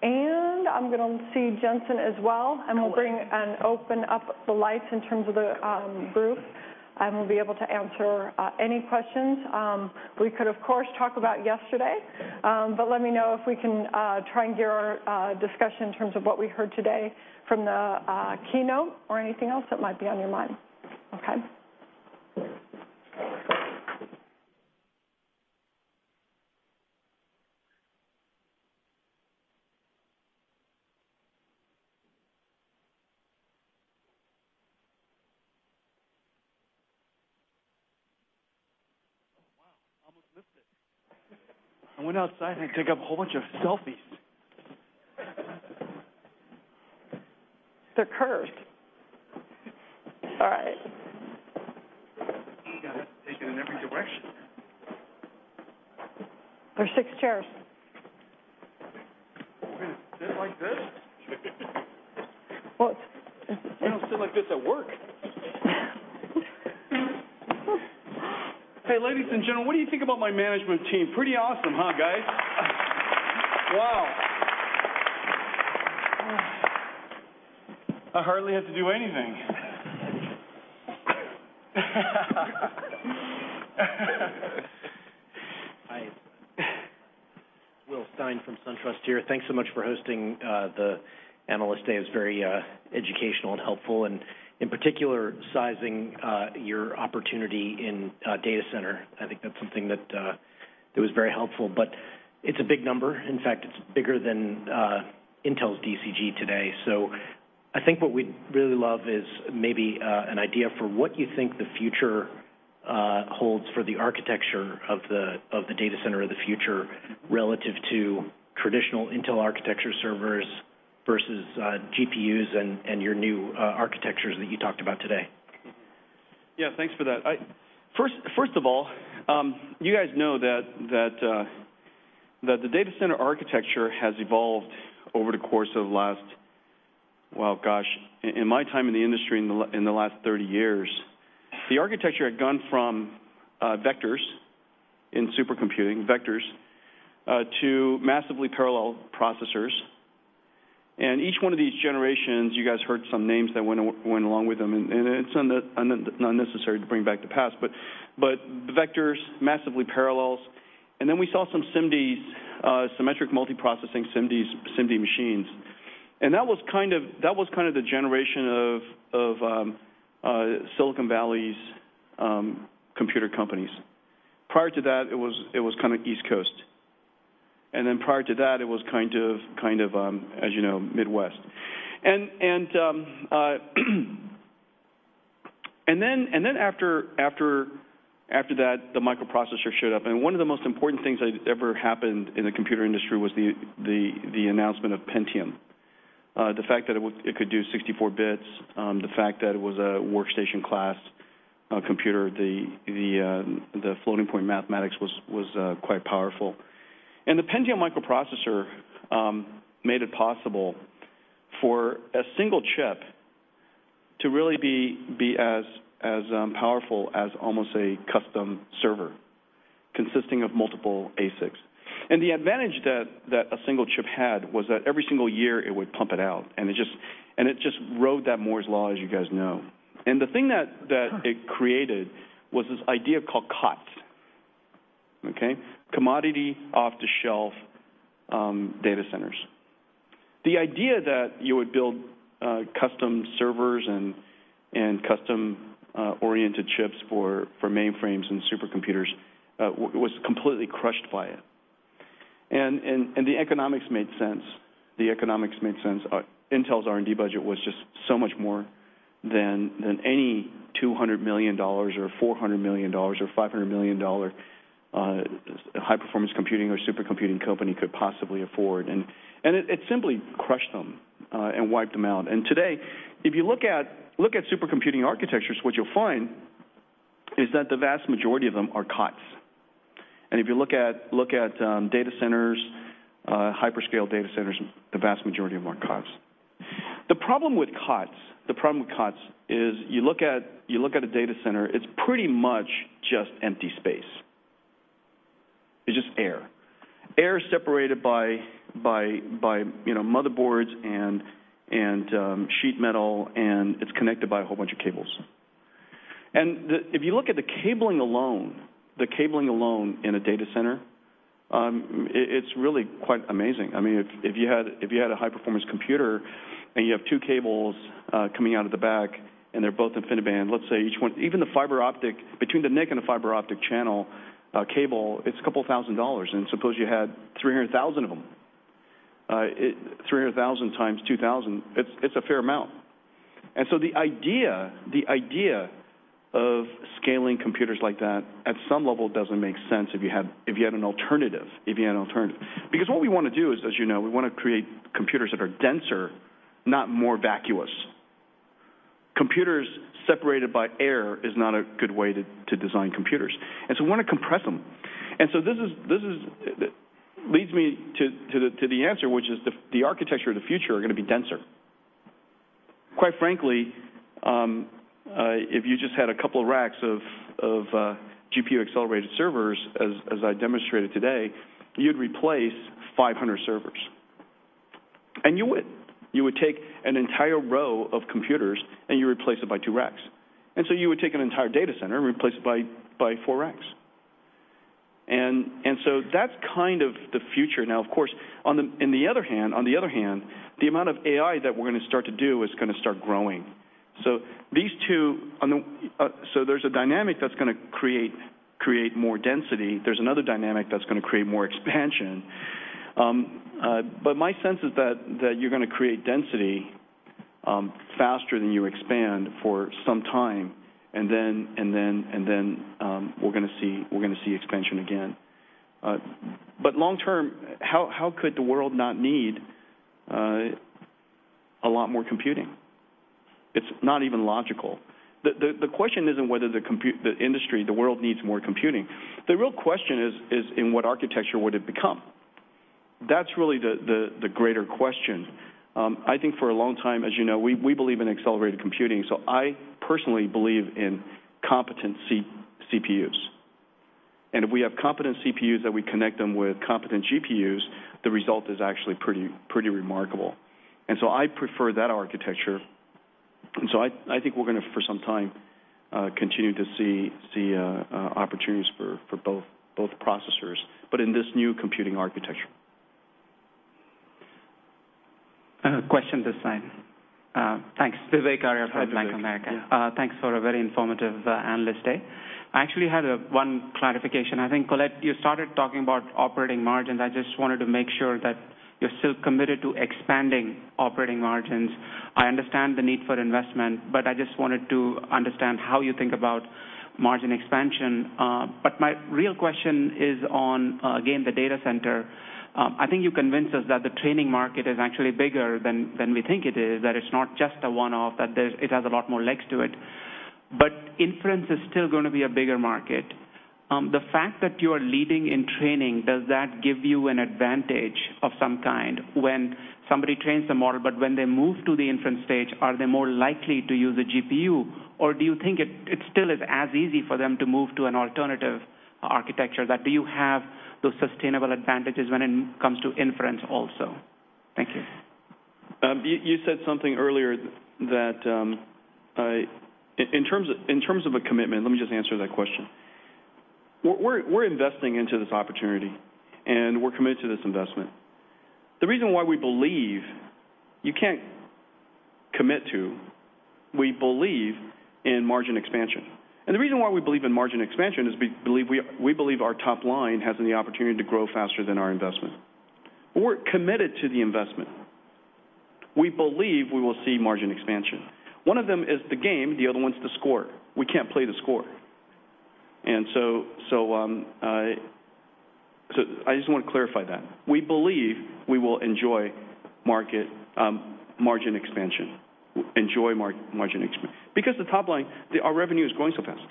and I'm going to see Jensen as well. No. We'll bring and open up the lights in terms of the group, and we'll be able to answer any questions. We could, of course, talk about yesterday, let me know if we can try and gear our discussion in terms of what we heard today from the keynote or anything else that might be on your mind. Okay. Oh, wow. Almost missed it. I went outside and took a whole bunch of selfies. They're cursed. All right. You've got to take it in every direction. There are six chairs. We're going to sit like this? What? We don't sit like this at work. Hey, ladies and gentlemen, what do you think about my management team? Pretty awesome, huh, guys? Wow. I hardly had to do anything. Hi. Will Stein from SunTrust here. Thanks so much for hosting the analyst day. It was very educational and helpful and, in particular, sizing your opportunity in data center. I think that's something that was very helpful. It's a big number. In fact, it's bigger than Intel's DCG today. I think what we'd really love is maybe an idea for what you think the future holds for the architecture of the data center of the future relative to traditional Intel architecture servers versus GPUs and your new architectures that you talked about today. Thanks for that. First of all, you guys know that the data center architecture has evolved over the course of the last, well, gosh, in my time in the industry, in the last 30 years. The architecture had gone from vectors in supercomputing, vectors, to massively parallel processors. Each one of these generations, you guys heard some names that went along with them, and it's not necessary to bring back the past, but the vectors, massively parallels, and then we saw some SIMD, symmetric multiprocessing SIMD machines. That was kind of the generation of Silicon Valley's computer companies. Prior to that, it was kind of East Coast. Prior to that, it was kind of, as you know, Midwest. After that, the microprocessor showed up, and one of the most important things that ever happened in the computer industry was the announcement of Pentium. The fact that it could do 64 bits, the fact that it was a workstation-class computer, the floating point mathematics was quite powerful. The Pentium microprocessor made it possible for a single chip to really be as powerful as almost a custom server consisting of multiple ASICs. The advantage that a single chip had was that every single year it would pump it out, and it just rode that Moore's Law, as you guys know. The thing that it created was this idea called COT. Okay? Commodity off-the-shelf data centers. The idea that you would build custom servers and custom-oriented chips for mainframes and supercomputers was completely crushed by it. The economics made sense. Intel's R&D budget was just so much more than any $200 million or $400 million or $500 million high-performance computing or supercomputing company could possibly afford. It simply crushed them and wiped them out. Today, if you look at supercomputing architectures, what you'll find is that the vast majority of them are COTs. If you look at data centers, hyperscale data centers, the vast majority of them are COTs. The problem with COTs is you look at a data center, it's pretty much just empty space. It's just air. Air separated by motherboards and sheet metal, and it's connected by a whole bunch of cables. If you look at the cabling alone in a data center, it's really quite amazing. If you had a high-performance computer and you have two cables coming out of the back and they're both InfiniBand, let's say each one even between the NIC and the fiber optic channel cable, it's a couple of thousand dollars. Suppose you had 300,000 of them. 300,000 times 2,000, it's a fair amount. The idea of scaling computers like that at some level doesn't make sense if you had an alternative. Because what we want to do is, as you know, we want to create computers that are denser, not more vacuous. Computers separated by air is not a good way to design computers. We want to compress them. This leads me to the answer, which is the architecture of the future are going to be denser. Quite frankly, if you just had a couple of racks of GPU-accelerated servers, as I demonstrated today, you'd replace 500 servers. You would take an entire row of computers and you replace it by two racks. You would take an entire data center and replace it by four racks. That's the future. Now, of course, on the other hand, the amount of AI that we're going to start to do is going to start growing. There's a dynamic that's going to create more density. There's another dynamic that's going to create more expansion. My sense is that you're going to create density faster than you expand for some time, and then we're going to see expansion again. Long term, how could the world not need a lot more computing? It's not even logical. The question isn't whether the industry, the world needs more computing. The real question is in what architecture would it become? That's really the greater question. I think for a long time, as you know, we believe in accelerated computing, so I personally believe in competent CPUs. If we have competent CPUs that we connect them with competent GPUs, the result is actually pretty remarkable. I prefer that architecture. I think we're going to, for some time, continue to see opportunities for both processors, but in this new computing architecture. Question this side. Thanks. Vivek Arya from Bank of America. Hi, Vivek. Yeah. Thanks for a very informative analyst day. I actually had one clarification. I think, Colette, you started talking about operating margins. I just wanted to make sure that you're still committed to expanding operating margins. I understand the need for investment, but I just wanted to understand how you think about margin expansion. My real question is on, again, the data center. have those sustainable advantages when it comes to inference also? Thank you. You said something earlier. In terms of a commitment, let me just answer that question. We're investing into this opportunity, and we're committed to this investment. The reason why we believe you can't commit to, we believe in margin expansion. The reason why we believe in margin expansion is we believe our top line has the opportunity to grow faster than our investment. We're committed to the investment. We believe we will see margin expansion. One of them is the game, the other one's the score. We can't play the score. I just want to clarify that. We believe we will enjoy margin expansion because the top line, our revenue is growing so fast.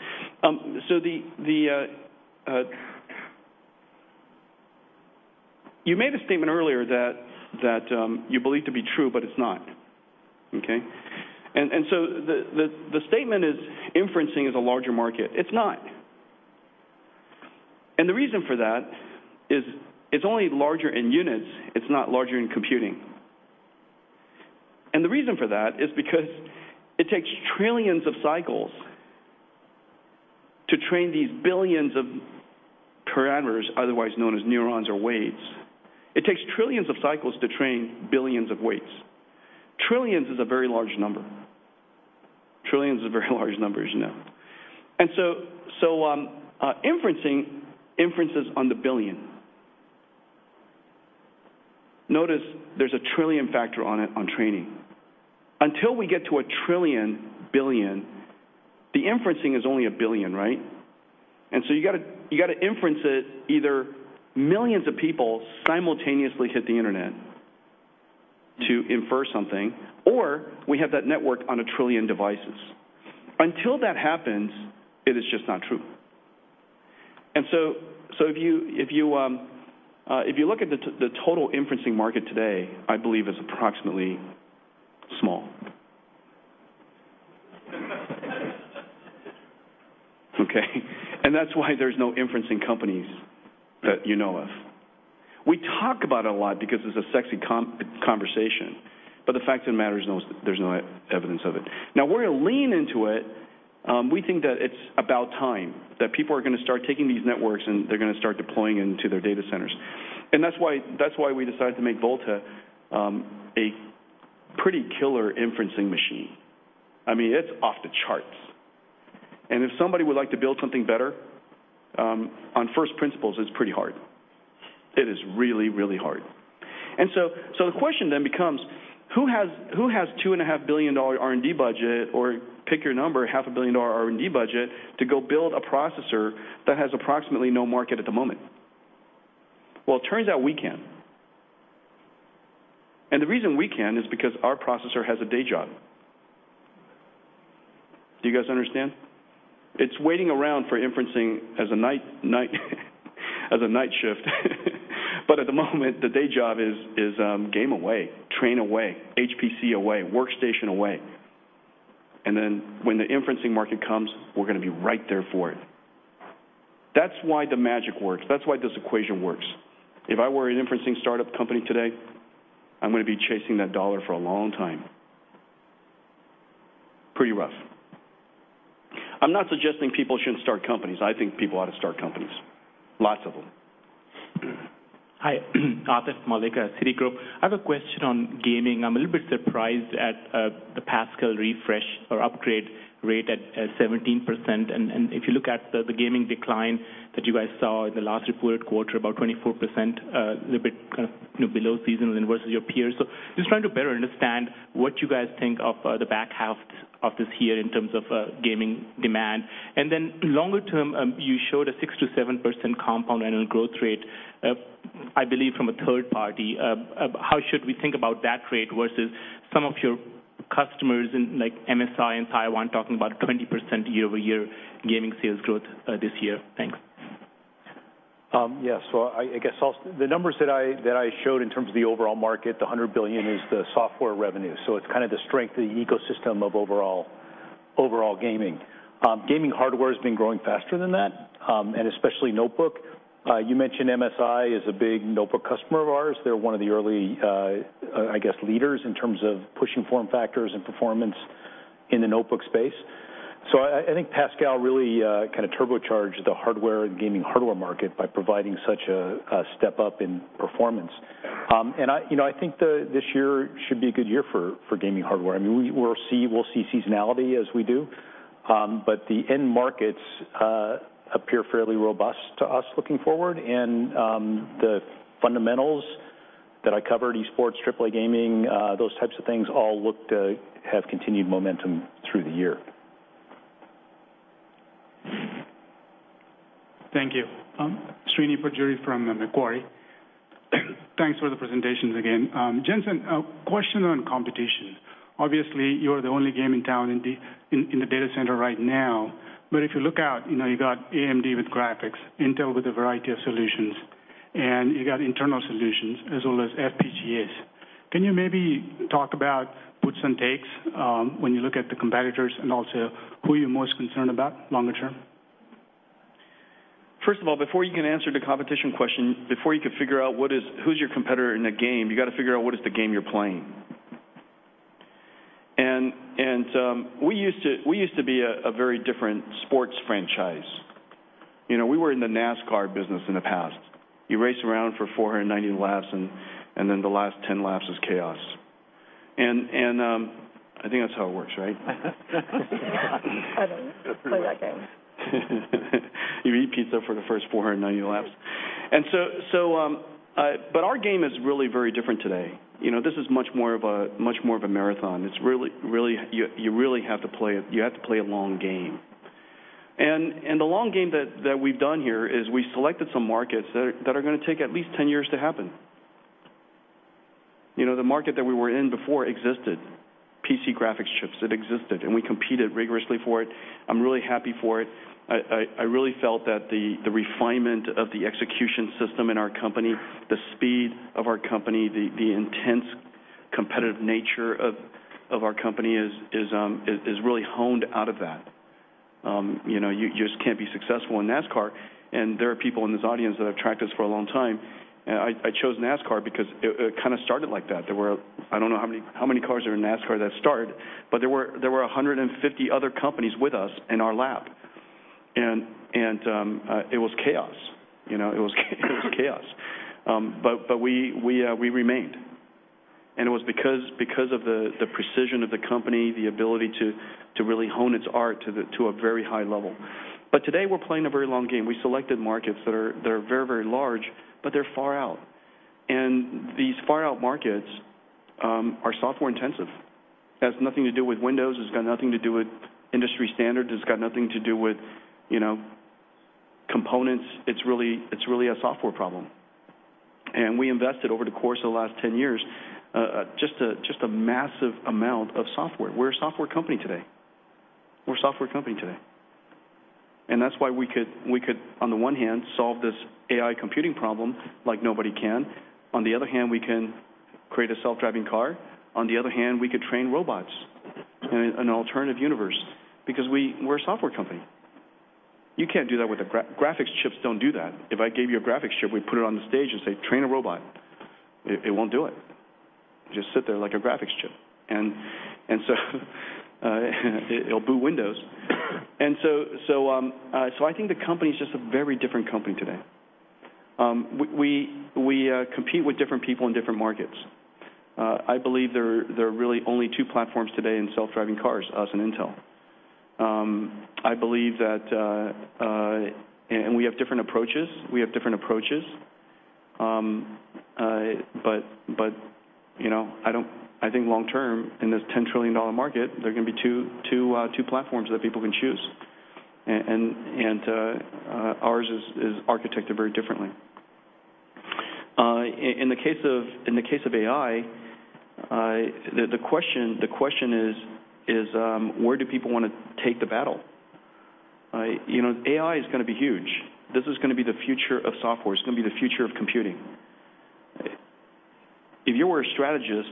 You made a statement earlier that you believe to be true, but it's not. Okay? The statement is inferencing is a larger market. It's not. The reason for that is it's only larger in units, it's not larger in computing. The reason for that is because it takes trillions of cycles to train these billions of parameters, otherwise known as neurons or weights. It takes trillions of cycles to train billions of weights. Trillions is a very large number. Trillions is a very large number, as you know. Inferencing inferences on the billion. Notice there's a trillion factor on it on training. Until we get to a trillion billion, the inferencing is only a billion, right? You got to inference it, either millions of people simultaneously hit the internet to infer something, or we have that network on a trillion devices. Until that happens, it is just not true. If you look at the total inferencing market today, I believe is approximately small. Okay? That's why there's no inferencing companies that you know of. We talk about it a lot because it's a sexy conversation, but the fact of the matter is there's no evidence of it. We're going to lean into it. We think that it's about time that people are going to start taking these networks, and they're going to start deploying into their data centers. That's why we decided to make Volta a pretty killer inferencing machine. It's off the charts. If somebody would like to build something better, on first principles, it's pretty hard. It is really, really hard. The question then becomes: who has $2.5 billion R&D budget or, pick your number, $500 million R&D budget to go build a processor that has approximately no market at the moment? It turns out we can. The reason we can is because our processor has a day job. Do you guys understand? It's waiting around for inferencing as a night shift. At the moment, the day job is game away, train away, HPC away, workstation away. When the inferencing market comes, we're going to be right there for it. That's why the magic works. That's why this equation works. If I were an inferencing startup company today, I'm going to be chasing that dollar for a long time. Pretty rough. I'm not suggesting people shouldn't start companies. I think people ought to start companies, lots of them. Hi. Atif Malik, Citigroup. I have a question on gaming. I'm a little bit surprised at the Pascal refresh or upgrade rate at 17%. If you look at the gaming decline that you guys saw in the last reported quarter, about 24%, a little bit below seasonal than versus your peers. Just trying to better understand what you guys think of the back half of this year in terms of gaming demand. Longer term, you showed a 6%-7% compound annual growth rate, I believe, from a third party. How should we think about that rate versus some of your customers in MSI in Taiwan talking about 20% year-over-year gaming sales growth this year? Thanks. The numbers that I showed in terms of the overall market, the $100 billion is the software revenue. It's the strength of the ecosystem of overall gaming. Gaming hardware has been growing faster than that, especially notebook. You mentioned MSI is a big notebook customer of ours. They're one of the early, I guess, leaders in terms of pushing form factors and performance in the notebook space. I think Pascal really turbocharged the hardware and gaming hardware market by providing such a step up in performance. I think this year should be a good year for gaming hardware. We'll see seasonality as we do. The end markets appear fairly robust to us looking forward. The fundamentals that I covered, esports, AAA gaming, those types of things all look to have continued momentum through the year. Thank you. Srini Pajjuri from Macquarie. Thanks for the presentations again. Jensen, a question on competition. Obviously, you're the only game in town in the data center right now. If you look out, you got AMD with graphics, Intel with a variety of solutions. You got internal solutions as well as FPGAs. Can you maybe talk about puts and takes when you look at the competitors and also who you're most concerned about longer term? First of all, before you can answer the competition question, before you can figure out who's your competitor in a game, you got to figure out what is the game you're playing. We used to be a very different sports franchise. We were in the NASCAR business in the past. You race around for 490 laps, then the last 10 laps is chaos. I think that's how it works, right? I don't play that game. You eat pizza for the first 490 laps. Our game is really very different today. This is much more of a marathon. You really have to play a long game. The long game that we've done here is we selected some markets that are going to take at least 10 years to happen. The market that we were in before existed. PC graphics chips, it existed, and we competed rigorously for it. I'm really happy for it. I really felt that the refinement of the execution system in our company, the speed of our company, the intense competitive nature of our company is really honed out of that. You just can't be successful in NASCAR, there are people in this audience that have tracked us for a long time I chose NASCAR because it kind of started like that. I don't know how many cars are in NASCAR that start, there were 150 other companies with us in our lap. It was chaos. It was chaos. We remained. It was because of the precision of the company, the ability to really hone its art to a very high level. Today we're playing a very long game. We selected markets that are very large, but they're far out. These far-out markets are software-intensive. It has nothing to do with Windows. It's got nothing to do with industry standards. It's got nothing to do with components. It's really a software problem. We invested over the course of the last 10 years, just a massive amount of software. We're a software company today. That's why we could, on the one hand, solve this AI computing problem like nobody can. On the other hand, we can create a self-driving car. On the other hand, we could train robots in an alternative universe because we're a software company. You can't do that with Graphics chips don't do that. If I gave you a graphics chip, we'd put it on the stage and say, "Train a robot." It won't do it. It'd just sit there like a graphics chip. It'll boot Windows. I think the company's just a very different company today. We compete with different people in different markets. I believe there are really only two platforms today in self-driving cars, us and Intel. We have different approaches, but I think long term in this $10 trillion market, there are going to be two platforms that people can choose. Ours is architected very differently. In the case of AI, the question is, where do people want to take the battle? AI is going to be huge. This is going to be the future of software. It's going to be the future of computing. If you were a strategist,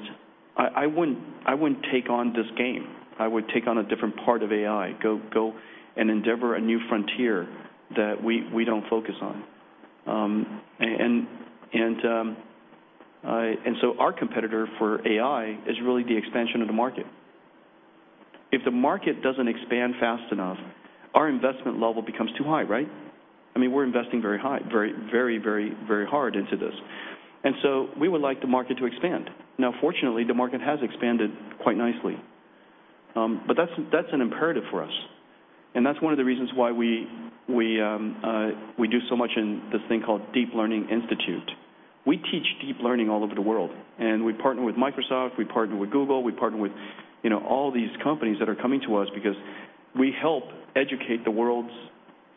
I wouldn't take on this game. I would take on a different part of AI, go and endeavor a new frontier that we don't focus on. Our competitor for AI is really the expansion of the market. If the market doesn't expand fast enough, our investment level becomes too high, right? We're investing very hard into this. We would like the market to expand. Now, fortunately, the market has expanded quite nicely. That's an imperative for us. That's one of the reasons why we do so much in this thing called NVIDIA Deep Learning Institute. We teach deep learning all over the world. We partner with Microsoft, we partner with Google, we partner with all these companies that are coming to us because we help educate the world's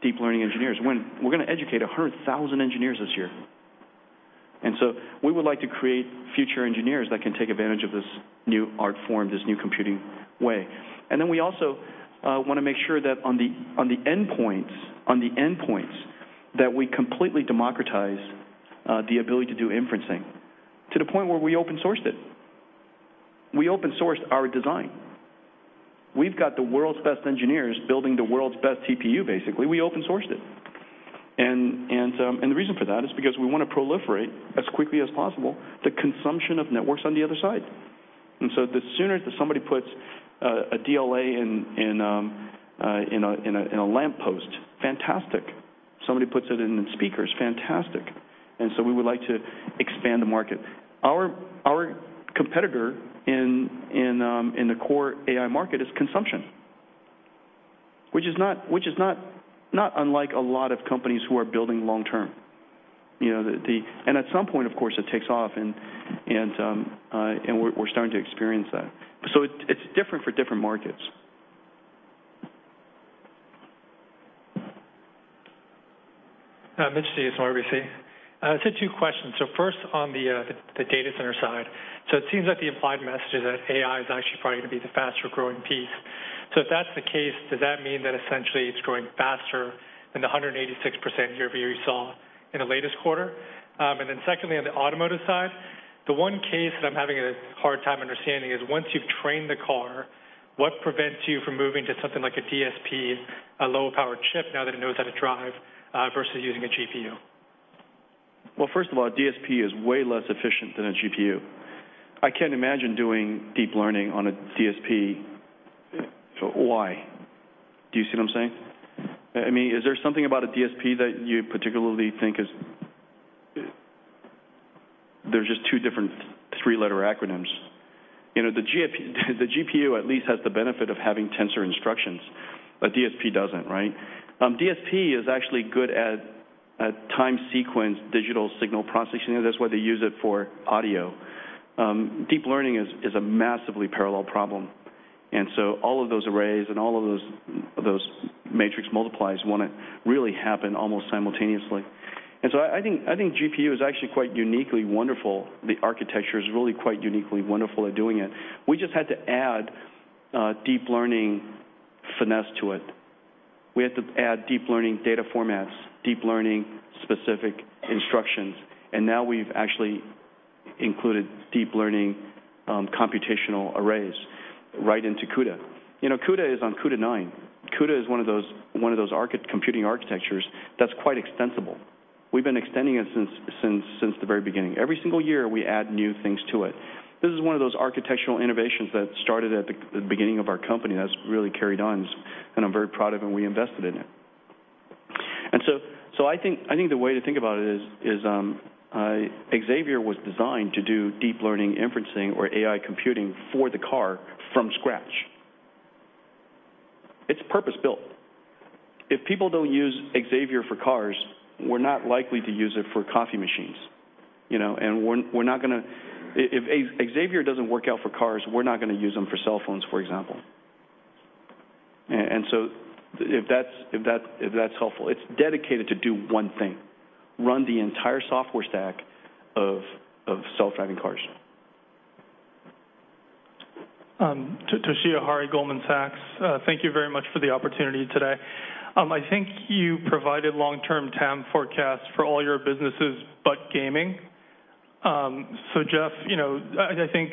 deep learning engineers. We're going to educate 100,000 engineers this year. We would like to create future engineers that can take advantage of this new art form, this new computing way. We also want to make sure that on the endpoints, that we completely democratize the ability to do inferencing to the point where we open-sourced it. We open-sourced our design. We've got the world's best engineers building the world's best TPU, basically. We open-sourced it. The reason for that is because we want to proliferate as quickly as possible the consumption of networks on the other side. The sooner that somebody puts a DLA in a lamppost, fantastic. Somebody puts it in speakers, fantastic. We would like to expand the market. Our competitor in the core AI market is consumption, which is not unlike a lot of companies who are building long term. At some point, of course, it takes off, and we're starting to experience that. It's different for different markets. Mitch Steves, RBC. Two questions. First on the data center side. It seems like the implied message is that AI is actually probably going to be the faster-growing piece. If that's the case, does that mean that essentially it's growing faster than the 186% year-over-year we saw in the latest quarter? Secondly, on the automotive side, the one case that I'm having a hard time understanding is once you've trained the car, what prevents you from moving to something like a DSP, a low-power chip, now that it knows how to drive, versus using a GPU? First of all, a DSP is way less efficient than a GPU. I can't imagine doing deep learning on a DSP. Why? Do you see what I'm saying? Is there something about a DSP that you particularly think is? They're just two different three-letter acronyms. The GPU at least has the benefit of having tensor instructions. A DSP doesn't, right? DSP is actually good at time sequence digital signal processing. That's why they use it for audio. Deep learning is a massively parallel problem. All of those arrays and all of those matrix multiplies want to really happen almost simultaneously. I think GPU is actually quite uniquely wonderful. The architecture is really quite uniquely wonderful at doing it. We just had to add deep learning finesse to it. We had to add deep learning data formats, deep learning-specific instructions, now we've actually included deep learning computational arrays right into CUDA. CUDA is on CUDA 9. CUDA is one of those computing architectures that's quite extensible. We've been extending it since the very beginning. Every single year, we add new things to it. This is one of those architectural innovations that started at the beginning of our company that's really carried on, and I'm very proud of, and we invested in it. I think the way to think about it is, Xavier was designed to do deep learning inferencing or AI computing for the car from scratch. It's purpose-built. If people don't use Xavier for cars, we're not likely to use it for coffee machines. If Xavier doesn't work out for cars, we're not going to use them for cell phones, for example. If that's helpful, it's dedicated to do one thing, run the entire software stack of self-driving cars. Toshiya Hari, Goldman Sachs. Thank you very much for the opportunity today. I think you provided long-term TAM forecasts for all your businesses, but gaming. Jeff, I think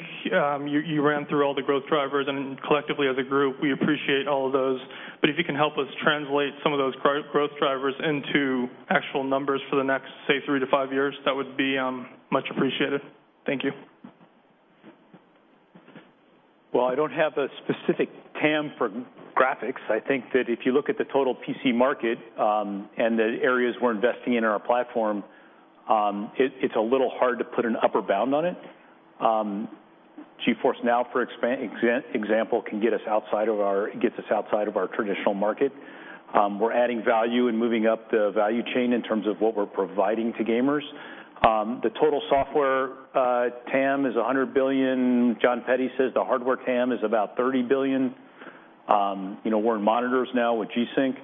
you ran through all the growth drivers and collectively as a group, we appreciate all of those. If you can help us translate some of those growth drivers into actual numbers for the next, say, three to five years, that would be much appreciated. Thank you. Well, I don't have a specific TAM for graphics. I think that if you look at the total PC market and the areas we're investing in in our platform, it's a little hard to put an upper bound on it. GeForce NOW, for example, gets us outside of our traditional market. We're adding value and moving up the value chain in terms of what we're providing to gamers. The total software TAM is $100 billion. Jon Peddie says the hardware TAM is about $30 billion. We're in monitors now with G-Sync.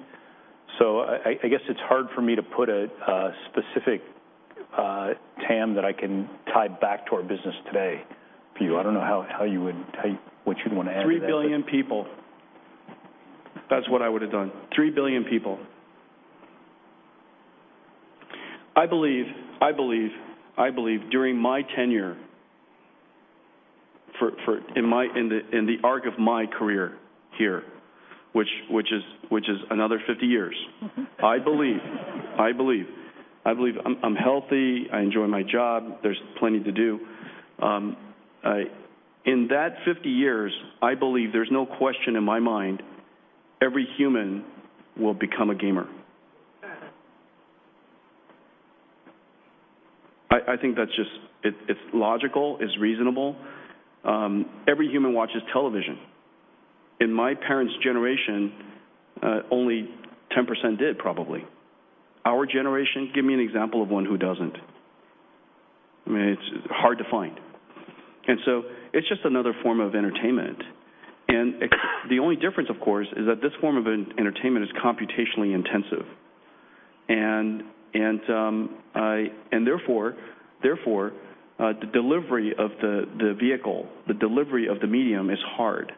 I guess it's hard for me to put a specific TAM that I can tie back to our business today for you. I don't know what you'd want to add to that. Three billion people. That's what I would have done. Three billion people. I believe during my tenure, in the arc of my career here, which is another 50 years. I believe. I'm healthy. I enjoy my job. There's plenty to do. In that 50 years, I believe there's no question in my mind, every human will become a gamer. I think it's logical, it's reasonable. Every human watches television. In my parents' generation, only 10% did probably. Our generation, give me an example of one who doesn't. It's hard to find. It's just another form of entertainment. The only difference, of course, is that this form of entertainment is computationally intensive. Therefore, the delivery of the vehicle, the delivery of the medium is hard,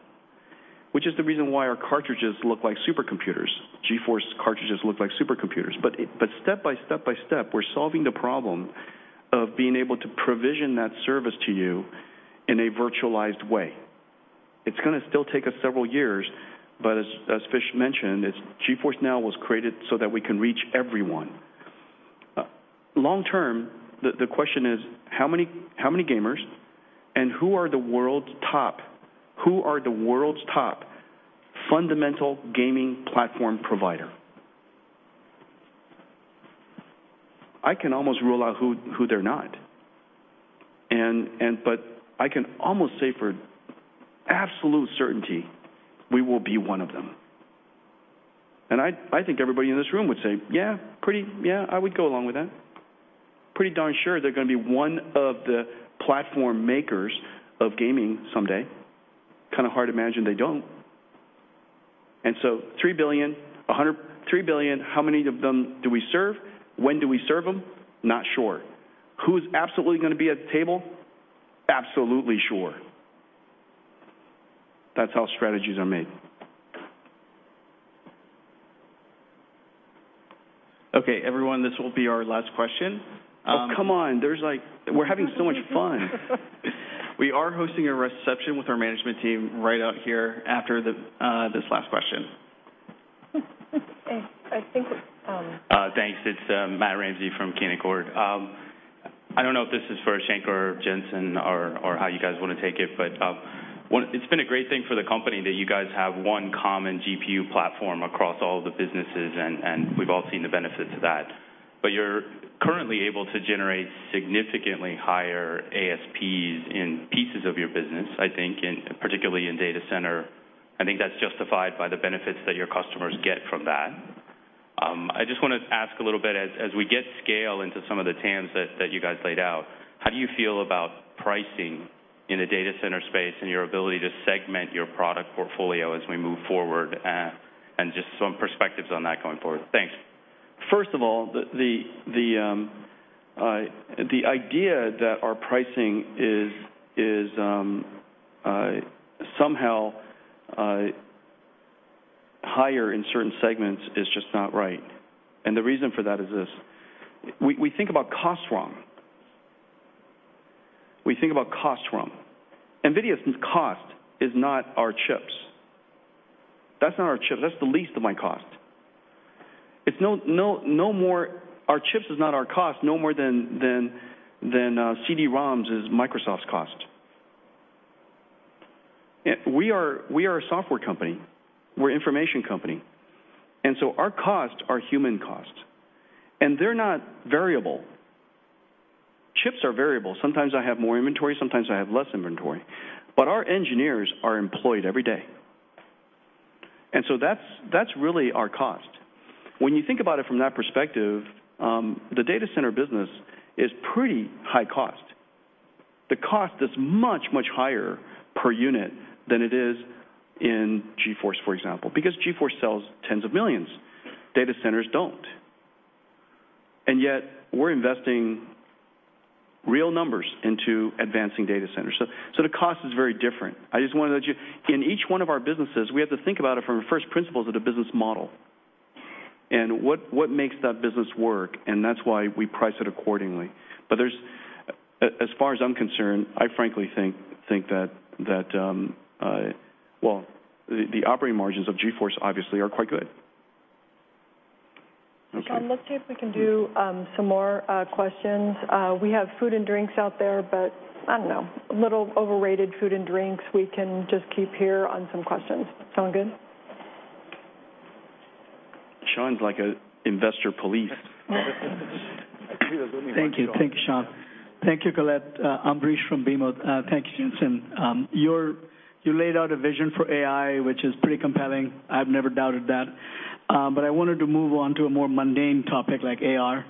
which is the reason why our cartridges look like supercomputers. GeForce cartridges look like supercomputers. Step by step by step, we're solving the problem of being able to provision that service to you in a virtualized way. It's going to still take us several years, but as Fish mentioned, GeForce NOW was created so that we can reach everyone. Long term, the question is how many gamers and who are the world's top fundamental gaming platform provider? I can almost rule out who they're not. I can almost say for absolute certainty we will be one of them. I think everybody in this room would say, "Yeah, I would go along with that." Pretty darn sure they're going to be one of the platform makers of gaming someday. Hard to imagine they don't. Three billion. How many of them do we serve? When do we serve them? Not sure. Who's absolutely going to be at the table? Absolutely sure. That's how strategies are made. Okay, everyone, this will be our last question. Oh, come on. We're having so much fun. We are hosting a reception with our management team right out here after this last question. I think it's. Thanks. It is Matt Ramsay from Canaccord. I do not know if this is for Shanker or Jensen or how you guys want to take it, but it has been a great thing for the company that you guys have one common GPU platform across all of the businesses, and we have all seen the benefits of that. You are currently able to generate significantly higher ASPs in pieces of your business, I think, and particularly in data center. I think that is justified by the benefits that your customers get from that. I just want to ask a little bit, as we get scale into some of the TAMs that you guys laid out, how do you feel about pricing in the data center space and your ability to segment your product portfolio as we move forward? Just some perspectives on that going forward. Thanks. First of all, the idea that our pricing is somehow higher in certain segments is just not right. The reason for that is this. We think about cost wrong. We think about cost wrong. NVIDIA's cost is not our chips. That is not our chips. That is the least of my cost. Our chips is not our cost no more than CD-ROMs is Microsoft's cost. We are a software company. We are an information company. Our costs are human costs, and they are not variable. Chips are variable. Sometimes I have more inventory, sometimes I have less inventory. Our engineers are employed every day. That is really our cost. When you think about it from that perspective, the data center business is pretty high cost. The cost is much, much higher per unit than it is in GeForce, for example, because GeForce sells tens of millions. Data centers do not. Yet we are investing real numbers into advancing data centers. The cost is very different. In each one of our businesses, we have to think about it from first principles of the business model and what makes that business work, and that is why we price it accordingly. As far as I am concerned, I frankly think that the operating margins of GeForce obviously are quite good. Okay. Let's see if we can do some more questions. We have food and drinks out there, but I don't know. A little overrated food and drinks. We can just keep here on some questions. Sound good? Shawn's like an investor police. Thank you. Thank you, Sean. Thank you, Colette. Ambrish from BMO. Thank you, Jensen. You laid out a vision for AI, which is pretty compelling. I've never doubted that. I wanted to move on to a more mundane topic like AR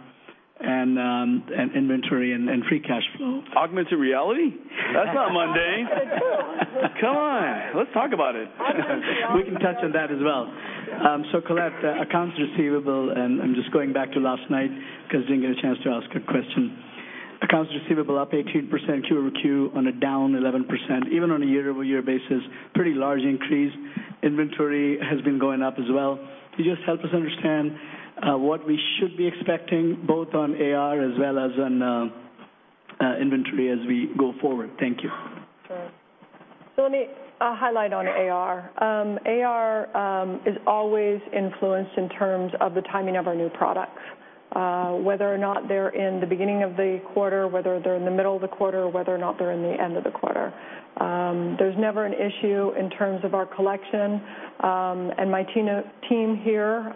and inventory and free cash flow. Augmented reality? That's not mundane. Come on. Let's talk about it. Colette, accounts receivable, and I'm just going back to last night because I didn't get a chance to ask a question. Accounts receivable up 18% Q over Q on a down 11%, even on a year-over-year basis, pretty large increase. Inventory has been going up as well. Can you just help us understand what we should be expecting both on AR as well as on inventory as we go forward? Thank you. Sure. Let me highlight on AR. AR is always influenced in terms of the timing of our new products, whether or not they're in the beginning of the quarter, whether they're in the middle of the quarter, or whether or not they're in the end of the quarter. There's never an issue in terms of our collection, and my team here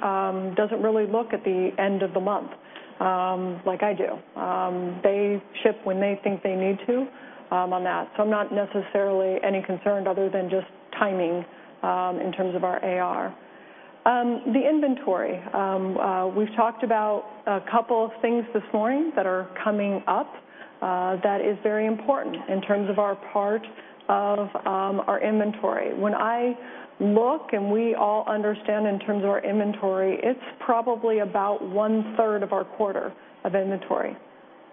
doesn't really look at the end of the month like I do. They ship when they think they need to on that. I'm not necessarily any concerned other than just timing in terms of our AR. The inventory, we've talked about a couple of things this morning that are coming up that is very important in terms of our part of our inventory. When I look, and we all understand in terms of our inventory, it's probably about one-third of our quarter of inventory,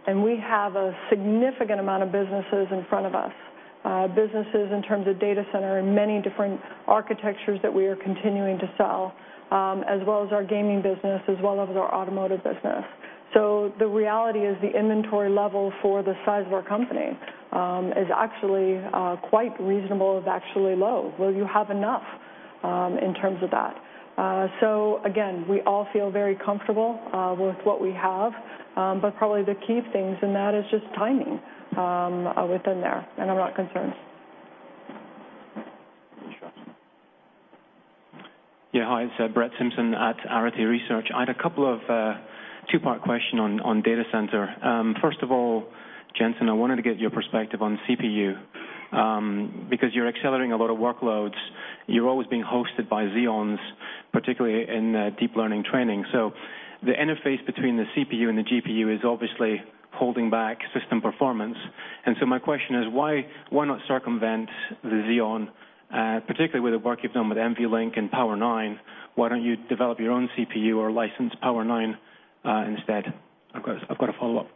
and we have a significant amount of businesses in front of us, businesses in terms of data center and many different architectures that we are continuing to sell, as well as our gaming business as well as our automotive business. The reality is the inventory level for the size of our company is actually quite reasonable, is actually low. Will you have enough in terms of that? Again, we all feel very comfortable with what we have. Probably the key things in that is just timing within there, and I'm not concerned. Sure. Hi, it's Brett Simpson at Arete Research. I had a couple of two-part question on data center. First of all, Jensen, I wanted to get your perspective on CPU. Because you're accelerating a lot of workloads, you're always being hosted by Xeons, particularly in deep learning training. The interface between the CPU and the GPU is obviously holding back system performance. My question is, why not circumvent the Xeon? Particularly with the work you've done with NVLink and Power9, why don't you develop your own CPU or license Power9 instead? I've got a follow-up.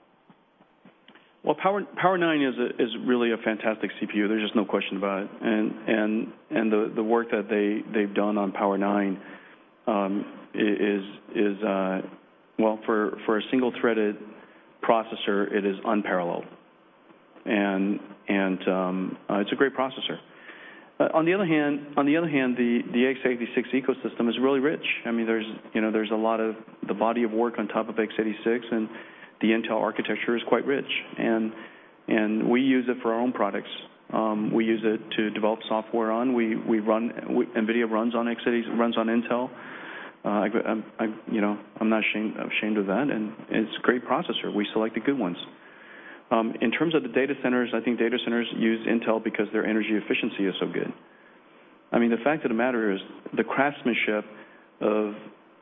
Well, POWER9 is really a fantastic CPU. There's just no question about it. The work that they've done on POWER9, for a single-threaded processor, it is unparalleled. It's a great processor. On the other hand, the x86 ecosystem is really rich. There's a lot of the body of work on top of x86, and the Intel architecture is quite rich. We use it for our own products. We use it to develop software on. NVIDIA runs on Intel. I'm not ashamed of that, and it's a great processor. We select the good ones. In terms of the data centers, I think data centers use Intel because their energy efficiency is so good. The fact of the matter is, the craftsmanship of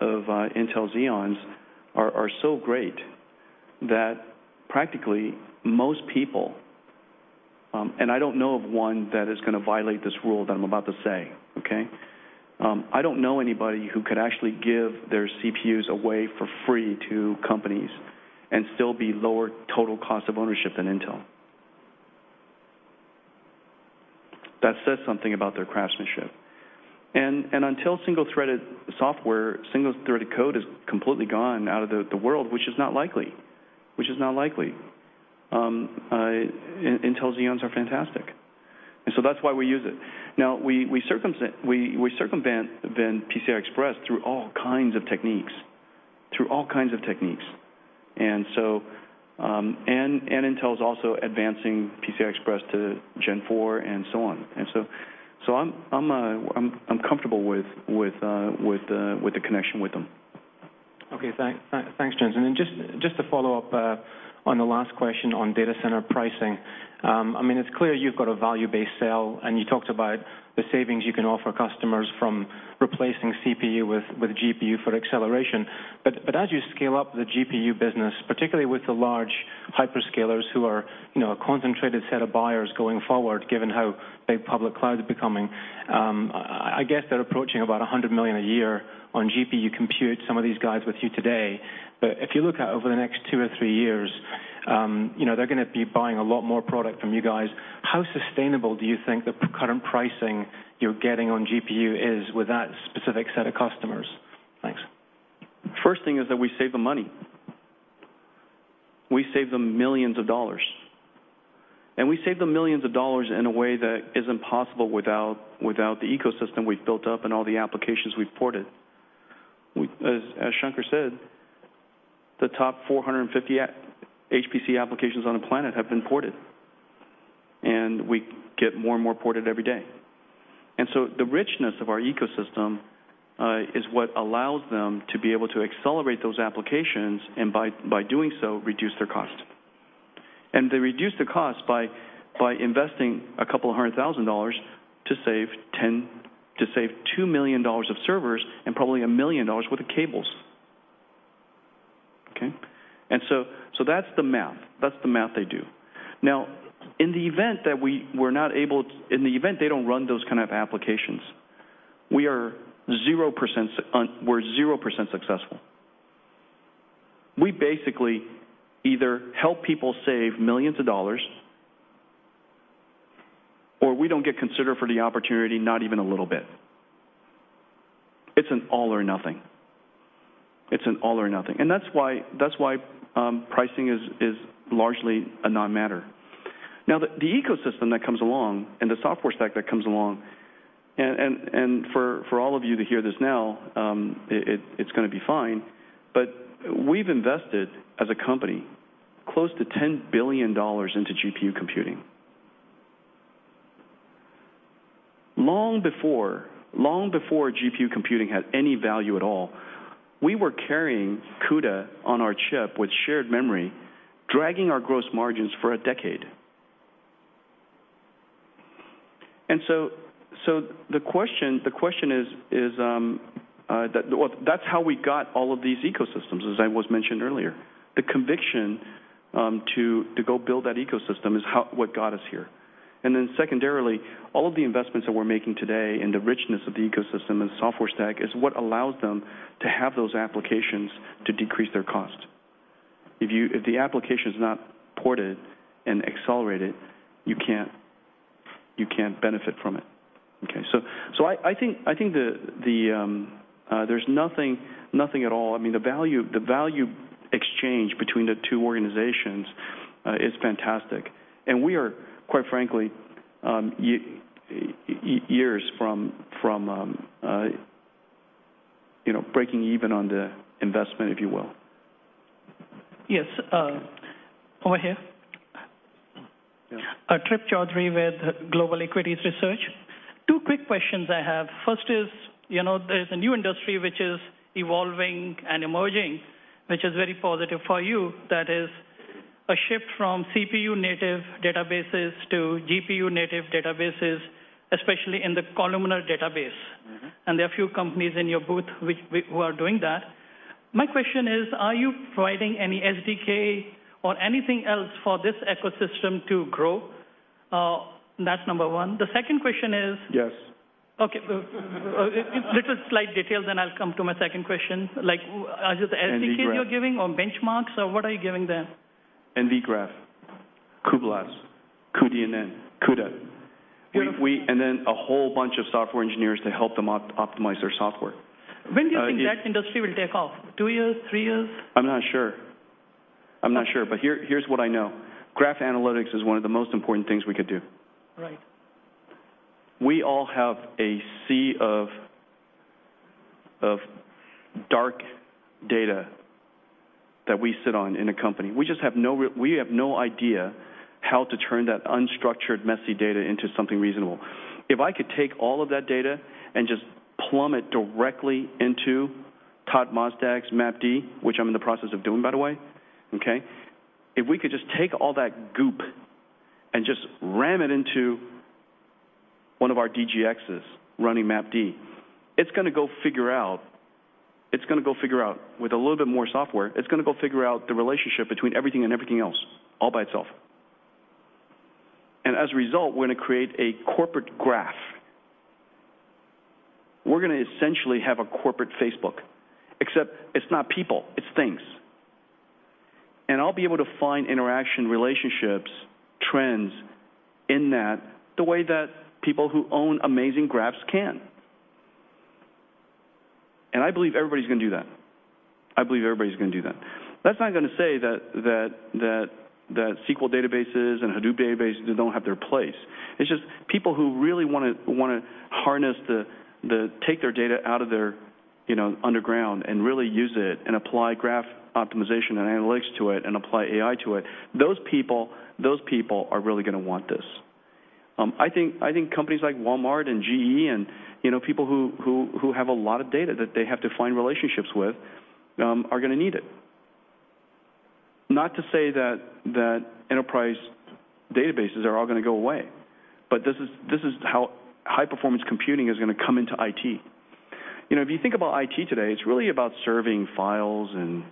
Intel Xeons are so great that practically most people, I don't know of one that is going to violate this rule that I'm about to say, okay? I don't know anybody who could actually give their CPUs away for free to companies and still be lower total cost of ownership than Intel. That says something about their craftsmanship. Until single-threaded software, single-threaded code is completely gone out of the world, which is not likely. Intel Xeons are fantastic. That's why we use it. Now, we circumvent PCI Express through all kinds of techniques. Intel's also advancing PCI Express to Gen 4 and so on. I'm comfortable with the connection with them. Okay. Thanks, Jensen. Just to follow up on the last question on data center pricing. It's clear you've got a value-based sell, and you talked about the savings you can offer customers from replacing CPU with GPU for acceleration. As you scale up the GPU business, particularly with the large hyperscalers who are a concentrated set of buyers going forward, given how big public cloud is becoming, I guess they're approaching about $100 million a year on GPU compute, some of these guys with you today. If you look out over the next 2 or 3 years, they're going to be buying a lot more product from you guys. How sustainable do you think the current pricing you're getting on GPU is with that specific set of customers? Thanks. First thing is that we save them money. We save them millions of dollars. We save them millions of dollars in a way that is impossible without the ecosystem we've built up and all the applications we've ported. As Shanker said, the top 450 HPC applications on the planet have been ported, and we get more and more ported every day. The richness of our ecosystem is what allows them to be able to accelerate those applications, and by doing so, reduce their cost. They reduce the cost by investing a couple of hundred thousand dollars to save $2 million of servers and probably a million dollars' worth of cables. Okay? That's the math. That's the math they do. Now, in the event they don't run those kind of applications, we're 0% successful. We basically either help people save millions of dollars, or we don't get considered for the opportunity, not even a little bit. It's an all or nothing. That's why pricing is largely a non-matter. The ecosystem that comes along and the software stack that comes along, and for all of you to hear this now, it's going to be fine. We've invested, as a company, close to $10 billion into GPU computing. Long before GPU computing had any value at all, we were carrying CUDA on our chip with shared memory, dragging our gross margins for a decade. The question is that's how we got all of these ecosystems, as I was mentioning earlier. The conviction to go build that ecosystem is what got us here. Secondarily, all of the investments that we're making today and the richness of the ecosystem and software stack is what allows them to have those applications to decrease their cost. If the application's not ported and accelerated, you can't benefit from it. Okay. I think there's nothing at all. The value exchange between the two organizations is fantastic. We are, quite frankly, years from breaking even on the investment, if you will. Yes. Over here. Yeah. Trip Chowdhry with Global Equities Research. Two quick questions I have. First is, there's a new industry which is evolving and emerging, which is very positive for you. That is a shift from CPU-native databases to GPU-native databases, especially in the columnar database. There are a few companies in your booth who are doing that. My question is, are you providing any SDK or anything else for this ecosystem to grow? That's number 1. The second question is. Yes. Okay. Little slight details, then I'll come to my second question. Are there SDKs. nvGRAPH. Are there SDKs you're giving or benchmarks, or what are you giving them? nvGRAPH, cuBLAS, cuDNN, CUDA. Beautiful. a whole bunch of software engineers to help them optimize their software. When do you think that industry will take off? Two years? Three years? I'm not sure. I'm not sure. Here's what I know. Graph analytics is one of the most important things we could do. Right. We all have a sea of dark data that we sit on in a company. We have no idea how to turn that unstructured, messy data into something reasonable. If I could take all of that data and just plumb it directly into Todd Mostak's MapD, which I'm in the process of doing, by the way. Okay? If we could just take all that goop and just ram it into one of our DGXs running MapD, it's going to go figure out, with a little bit more software, it's going to go figure out the relationship between everything and everything else, all by itself. As a result, we're going to create a corporate graph. We're going to essentially have a corporate Facebook, except it's not people, it's things. I'll be able to find interaction relationships, trends in that the way that people who own amazing graphs can. I believe everybody's going to do that. I believe everybody's going to do that. That's not going to say that SQL databases and Hadoop databases don't have their place. It's just people who really want to harness, take their data out of their underground and really use it and apply graph optimization and analytics to it and apply AI to it. Those people are really going to want this. I think companies like Walmart and GE and people who have a lot of data that they have to find relationships with are going to need it. Not to say that enterprise databases are all going to go away, but this is how high-performance computing is going to come into IT. If you think about IT today, it's really about serving files and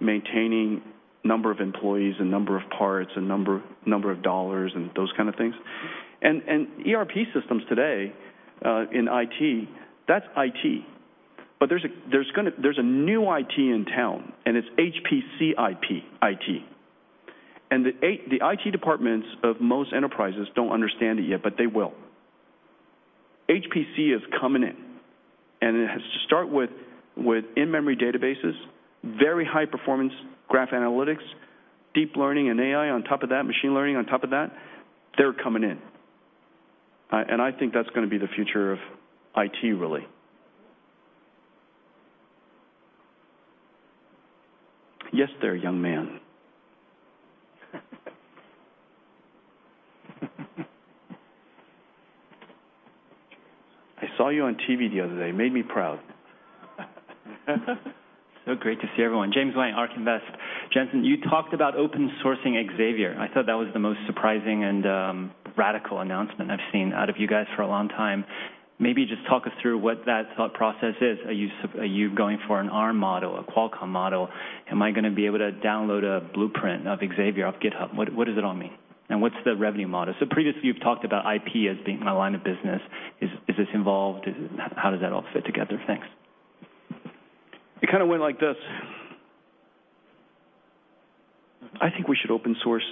maintaining number of employees and number of parts and number of dollars, and those kind of things. ERP systems today, in IT, that's IT. There's a new IT in town, and it's HPC IT. The IT departments of most enterprises don't understand it yet, but they will. HPC is coming in, and it has to start with in-memory databases, very high-performance graph analytics, deep learning, and AI on top of that, machine learning on top of that. They're coming in. I think that's going to be the future of IT, really. Yes, there, young man. I saw you on TV the other day. Made me proud. Great to see everyone. James Wang, ARK Invest. Jensen, you talked about open sourcing Xavier. I thought that was the most surprising and radical announcement I've seen out of you guys for a long time. Maybe just talk us through what that thought process is. Are you going for an Arm model, a Qualcomm model? Am I going to be able to download a blueprint of Xavier off GitHub? What does it all mean, and what's the revenue model? Previously, you've talked about IP as being a line of business. Is this involved? How does that all fit together? Thanks. It went like this. "I think we should open source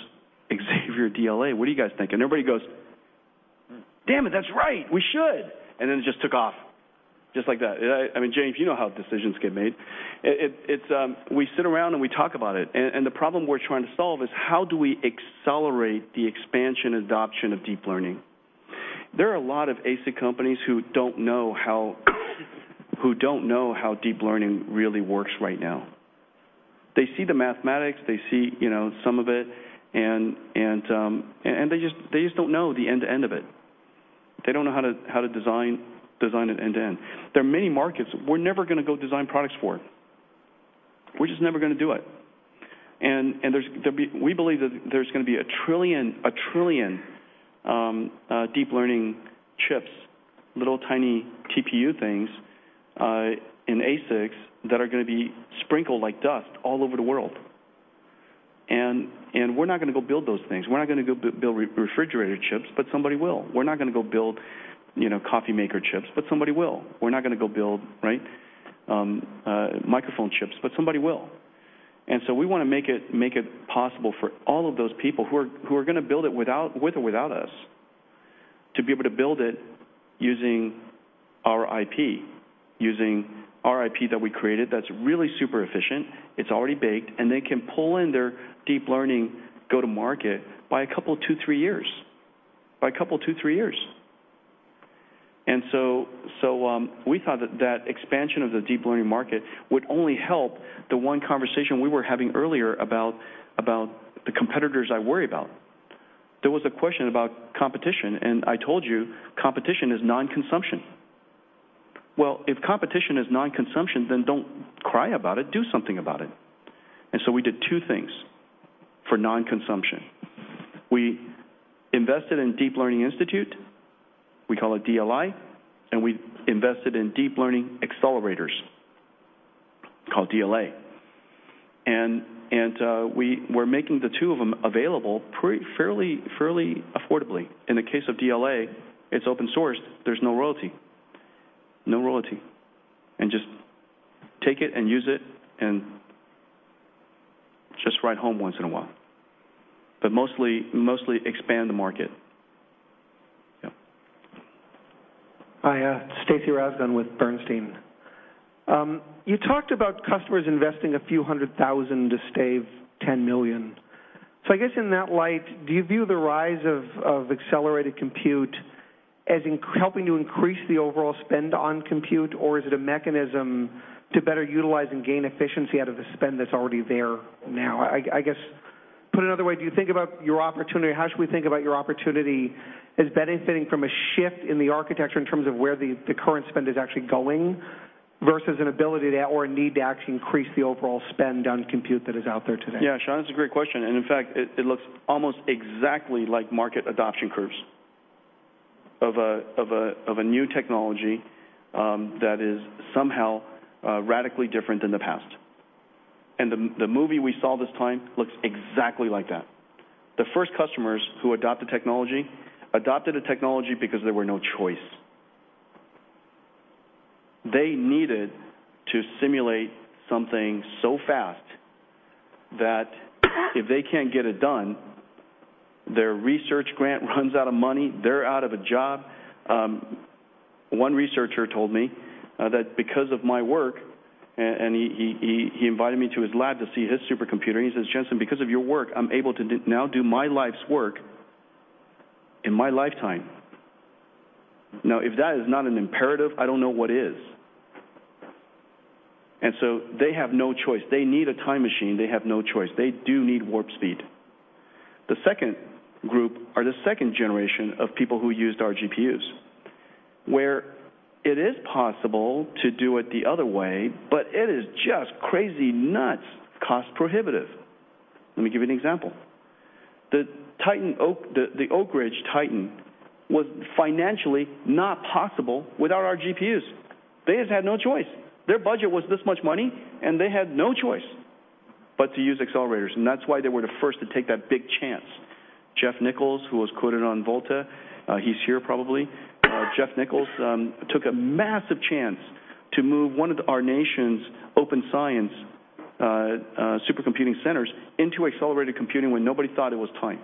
Xavier DLA. What do you guys think?" Everybody goes, "Damn it, that's right. We should." Then it just took off, just like that. James, you know how decisions get made. We sit around, and we talk about it, the problem we're trying to solve is how do we accelerate the expansion adoption of deep learning? There are a lot of ASIC companies who don't know how deep learning really works right now. They see the mathematics. They see some of it, and they just don't know the end-to-end of it. They don't know how to design it end to end. There are many markets we're never going to go design products for. We're just never going to do it. We believe that there's going to be 1 trillion deep learning chips, little tiny TPU things, in ASICs that are going to be sprinkled like dust all over the world. We're not going to go build those things. We're not going to go build refrigerator chips, but somebody will. We're not going to go build coffee maker chips, but somebody will. We're not going to go build microphone chips, but somebody will. We want to make it possible for all of those people who are going to build it with or without us, to be able to build it using our IP, using our IP that we created that's really super efficient. It's already baked, and they can pull in their deep learning go-to-market by a couple, two, three years. By a couple, two, three years. We thought that that expansion of the deep learning market would only help the one conversation we were having earlier about the competitors I worry about. There was a question about competition, and I told you competition is non-consumption. If competition is non-consumption, don't cry about it. Do something about it. We did two things for non-consumption. We invested in Deep Learning Institute, we call it DLI, and we invested in Deep Learning Accelerators, called DLA. We're making the two of them available fairly affordably. In the case of DLA, it's open sourced. There's no royalty. No royalty. Just take it and use it, and just write home once in a while. Mostly expand the market. Yeah. Hi, Stacy Rasgon with Bernstein. You talked about customers investing a few hundred thousand to save $10 million. I guess in that light, do you view the rise of accelerated compute as helping to increase the overall spend on compute, or is it a mechanism to better utilize and gain efficiency out of the spend that's already there now? I guess, put another way, do you think about your opportunity, or how should we think about your opportunity as benefiting from a shift in the architecture in terms of where the current spend is actually going versus an ability to, or a need to actually increase the overall spend on compute that is out there today? Yeah, Stacy, that's a great question, in fact, it looks almost exactly like market adoption curves of a new technology that is somehow radically different than the past. The movie we saw this time looks exactly like that. The first customers who adopt the technology adopted the technology because there was no choice. They needed to simulate something so fast that if they can't get it done, their research grant runs out of money, they're out of a job. One researcher told me that because of my work, and he invited me to his lab to see his supercomputer, and he says, "Jensen, because of your work, I'm able to now do my life's work in my lifetime." Now, if that is not an imperative, I don't know what is. They have no choice. They need a time machine. They have no choice. They do need warp speed. The second group are the second generation of people who used our GPUs, where it is possible to do it the other way, but it is just crazy nuts cost prohibitive. Let me give you an example. The Oak Ridge Titan was financially not possible without our GPUs. They just had no choice. Their budget was this much money, and they had no choice but to use accelerators, and that's why they were the first to take that big chance. Jeff Nichols, who was quoted on Volta, he's here probably. Jeff Nichols took a massive chance to move one of our nation's open science supercomputing centers into accelerated computing when nobody thought it was time.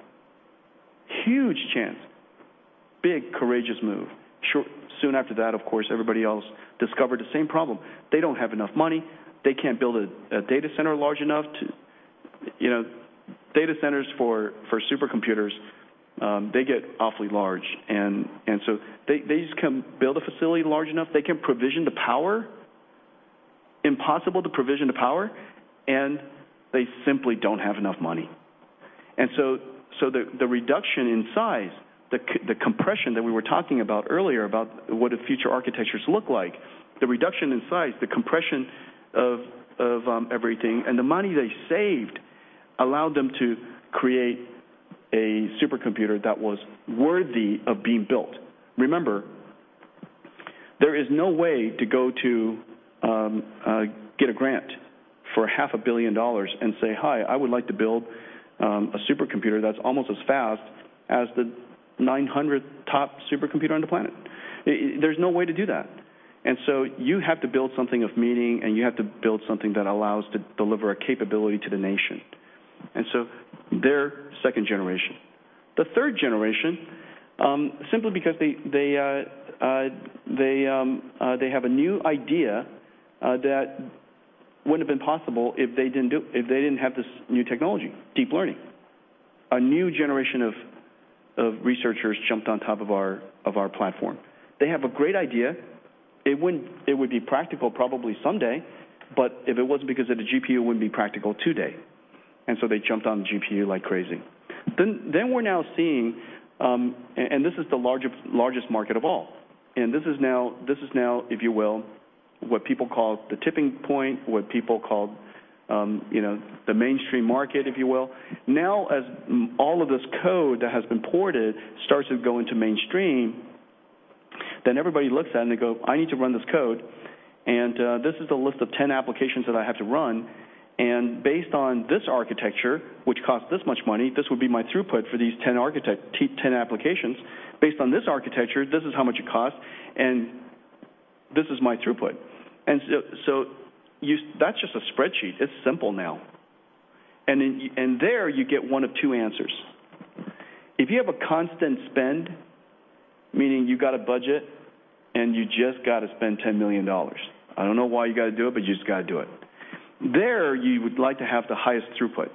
Huge chance. Big, courageous move. Soon after that, of course, everybody else discovered the same problem. They don't have enough money. They can't build a data center large enough. Data centers for supercomputers, they get awfully large. They just can't build a facility large enough, they can provision the power. Impossible to provision the power, and they simply don't have enough money. The reduction in size, the compression that we were talking about earlier about what do future architectures look like, the reduction in size, the compression of everything, and the money they saved allowed them to create a supercomputer that was worthy of being built. Remember, there is no way to go to get a grant for half a billion dollars and say, "Hi, I would like to build a supercomputer that's almost as fast as the 900th top supercomputer on the planet." There's no way to do that. You have to build something of meaning, and you have to build something that allows to deliver a capability to the nation. They're second generation. The third generation, simply because they have a new idea that wouldn't have been possible if they didn't have this new technology, deep learning. A new generation of researchers jumped on top of our platform. They have a great idea. It would be practical probably someday, but if it wasn't because of the GPU, it wouldn't be practical today. They jumped on the GPU like crazy. We're now seeing, and this is the largest market of all, and this is now, if you will, what people call the tipping point, what people call the mainstream market, if you will. Now, as all of this code that has been ported starts to go into mainstream, then everybody looks at it and they go, "I need to run this code, and this is the list of 10 applications that I have to run, and based on this architecture, which costs this much money, this would be my throughput for these 10 applications. Based on this architecture, this is how much it costs, and this is my throughput." That's just a spreadsheet. It's simple now. There you get one of two answers. If you have a constant spend, meaning you've got a budget and you just got to spend $10 million. I don't know why you got to do it, but you just got to do it. There, you would like to have the highest throughput.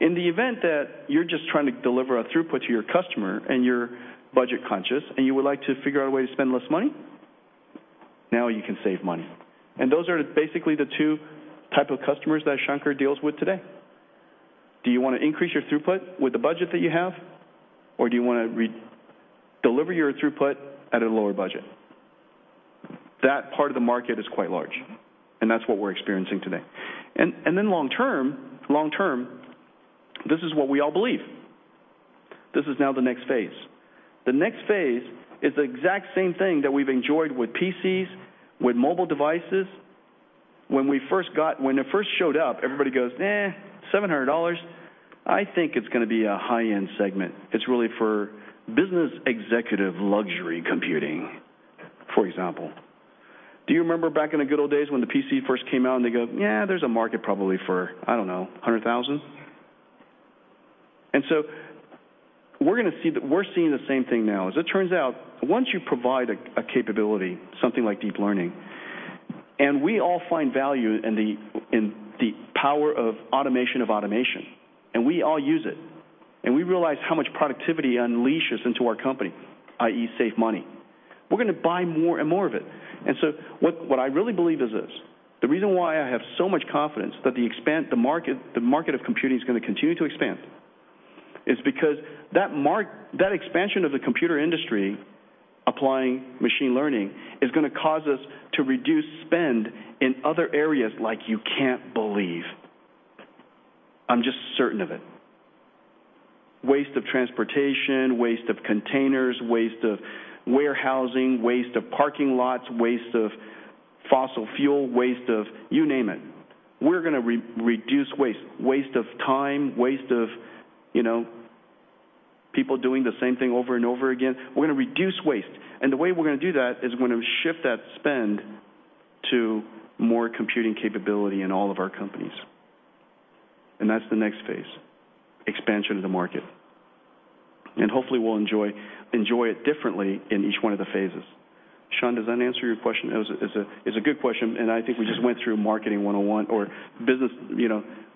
In the event that you're just trying to deliver a throughput to your customer and you're budget conscious and you would like to figure out a way to spend less money, now you can save money. Those are basically the two type 2 customers that Shankar deals with today. Do you want to increase your throughput with the budget that you have, or do you want to deliver your throughput at a lower budget? That part of the market is quite large, and that's what we're experiencing today. Long term, this is what we all believe. This is now the next phase. The next phase is the exact same thing that we've enjoyed with PCs, with mobile devices. When it first showed up, everybody goes, "Nah, $700? I think it's going to be a high-end segment. It's really for business executive luxury computing," for example. Do you remember back in the good old days when the PC first came out and they go, "Yeah, there's a market probably for, I don't know, 100,000?" We're seeing the same thing now. As it turns out, once you provide a capability, something like deep learning, and we all find value in the power of automation of automation, and we all use it, and we realize how much productivity it unleashes into our company, i.e. save money. We're going to buy more and more of it. What I really believe is this. The reason why I have so much confidence that the market of computing is going to continue to expand is because that expansion of the computer industry applying machine learning is going to cause us to reduce spend in other areas like you can't believe. I'm just certain of it. Waste of transportation, waste of containers, waste of warehousing, waste of parking lots, waste of fossil fuel, waste of you name it. We're going to reduce waste. Waste of time, waste of people doing the same thing over and over again. We're going to reduce waste, and the way we're going to do that is we're going to shift that spend to more computing capability in all of our companies. That's the next phase, expansion of the market. Hopefully we'll enjoy it differently in each one of the phases. Shawn, does that answer your question? It's a good question, and I think we just went through marketing 101 or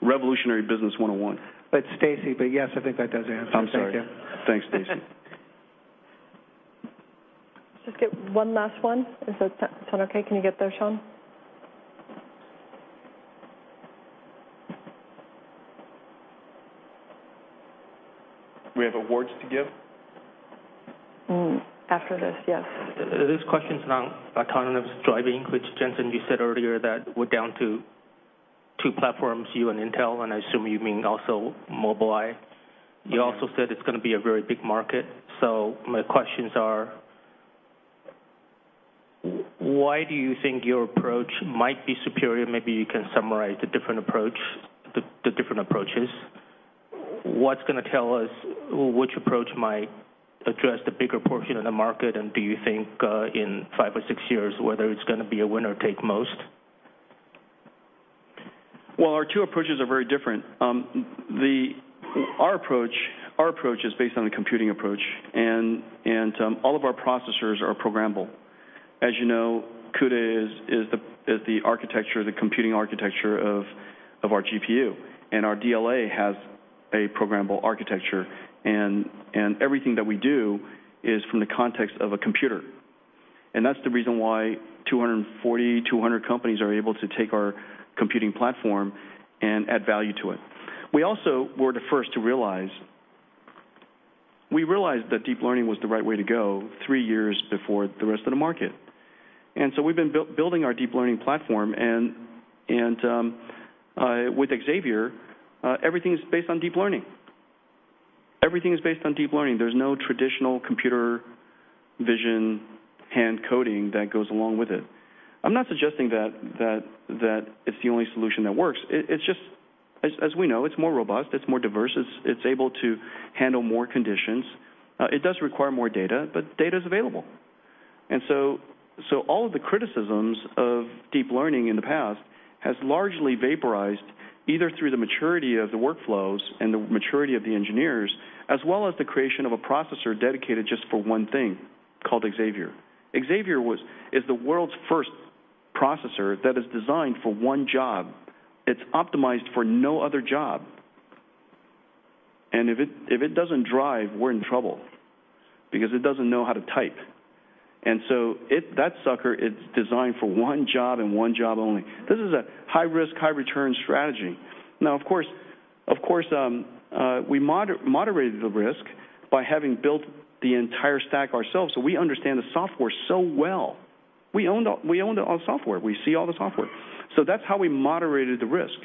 revolutionary business 101. It's Stacy, yes, I think that does answer. Thank you. I'm sorry. Thanks, Stacy. Let's just get one last one. Is that sound okay? Can you get there, Shawn? We have awards to give? After this, yes. This question is on autonomous driving, which Jensen you said earlier that we're down to two platforms, you and Intel, and I assume you mean also Mobileye. You also said it's going to be a very big market. My questions are, why do you think your approach might be superior? Maybe you can summarize the different approaches. What's going to tell us which approach might address the bigger portion of the market, and do you think, in five or six years, whether it's going to be a winner-take-most? Well, our two approaches are very different. Our approach is based on a computing approach, and all of our processors are programmable. As you know, CUDA is the computing architecture of our GPU, and our DLA has a programmable architecture, and everything that we do is from the context of a computer. That's the reason why 240,200 companies are able to take our computing platform and add value to it. We also were the first to realize that deep learning was the right way to go three years before the rest of the market. We've been building our deep learning platform, and with Xavier, everything's based on deep learning. Everything is based on deep learning. There's no traditional computer vision hand-coding that goes along with it. I'm not suggesting that it's the only solution that works. It's just, as we know, it's more robust, it's more diverse. It's able to handle more conditions. It does require more data, but data's available. All of the criticisms of deep learning in the past has largely vaporized, either through the maturity of the workflows and the maturity of the engineers, as well as the creation of a processor dedicated just for one thing, called Xavier. Xavier is the world's first processor that is designed for one job. It's optimized for no other job. If it doesn't drive, we're in trouble because it doesn't know how to type. That sucker is designed for one job and one job only. This is a high-risk, high-return strategy. Now, of course, we moderated the risk by having built the entire stack ourselves, so we understand the software so well. We owned all the software. We see all the software. That's how we moderated the risk.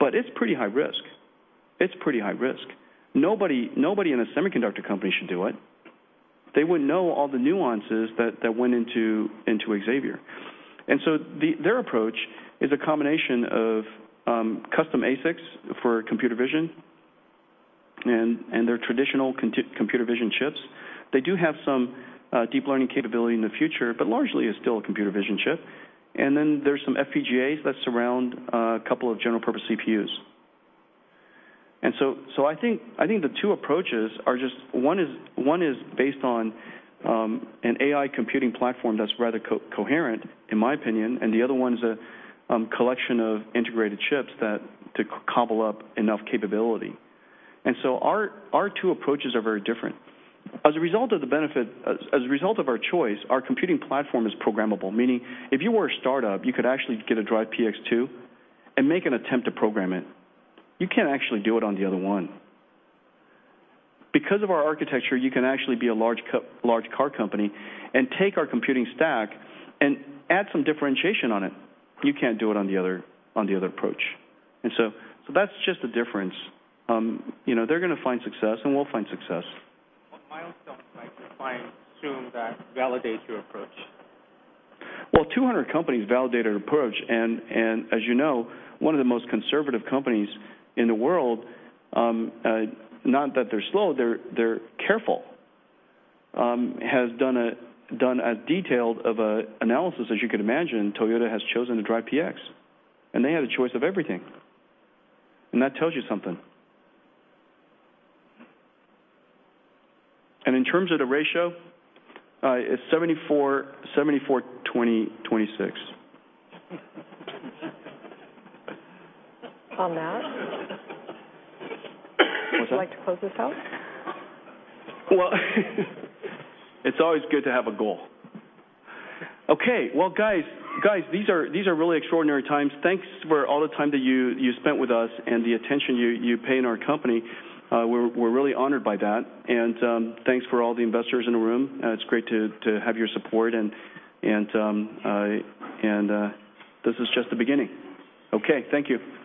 It's pretty high risk. Nobody in a semiconductor company should do it. They wouldn't know all the nuances that went into Xavier. Their approach is a combination of custom ASICs for computer vision and their traditional computer vision chips. They do have some deep learning capability in the future, but largely it's still a computer vision chip. Then there's some FPGAs that surround a couple of general purpose CPUs. I think the two approaches are just one is based on an AI computing platform that's rather coherent, in my opinion, and the other one's a collection of integrated chips to cobble up enough capability. Our two approaches are very different. As a result of our choice, our computing platform is programmable, meaning if you were a startup, you could actually get a DRIVE PX 2 and make an attempt to program it. You can't actually do it on the other one. Because of our architecture, you can actually be a large car company and take our computing stack and add some differentiation on it. You can't do it on the other approach. That's just the difference. They're going to find success, and we'll find success. What milestones might the client assume that validate your approach? Well, 200 companies validated our approach, and as you know, one of the most conservative companies in the world, not that they're slow, they're careful, has done as detailed of an analysis as you could imagine. Toyota has chosen the DRIVE PX, and they had a choice of everything. That tells you something. In terms of the ratio, it's 74, 20, 26. On that, would you like to close us out? Well, it's always good to have a goal. Okay. Well, guys, these are really extraordinary times. Thanks for all the time that you spent with us and the attention you pay in our company. We're really honored by that, and thanks for all the investors in the room. It's great to have your support, and this is just the beginning. Okay. Thank you.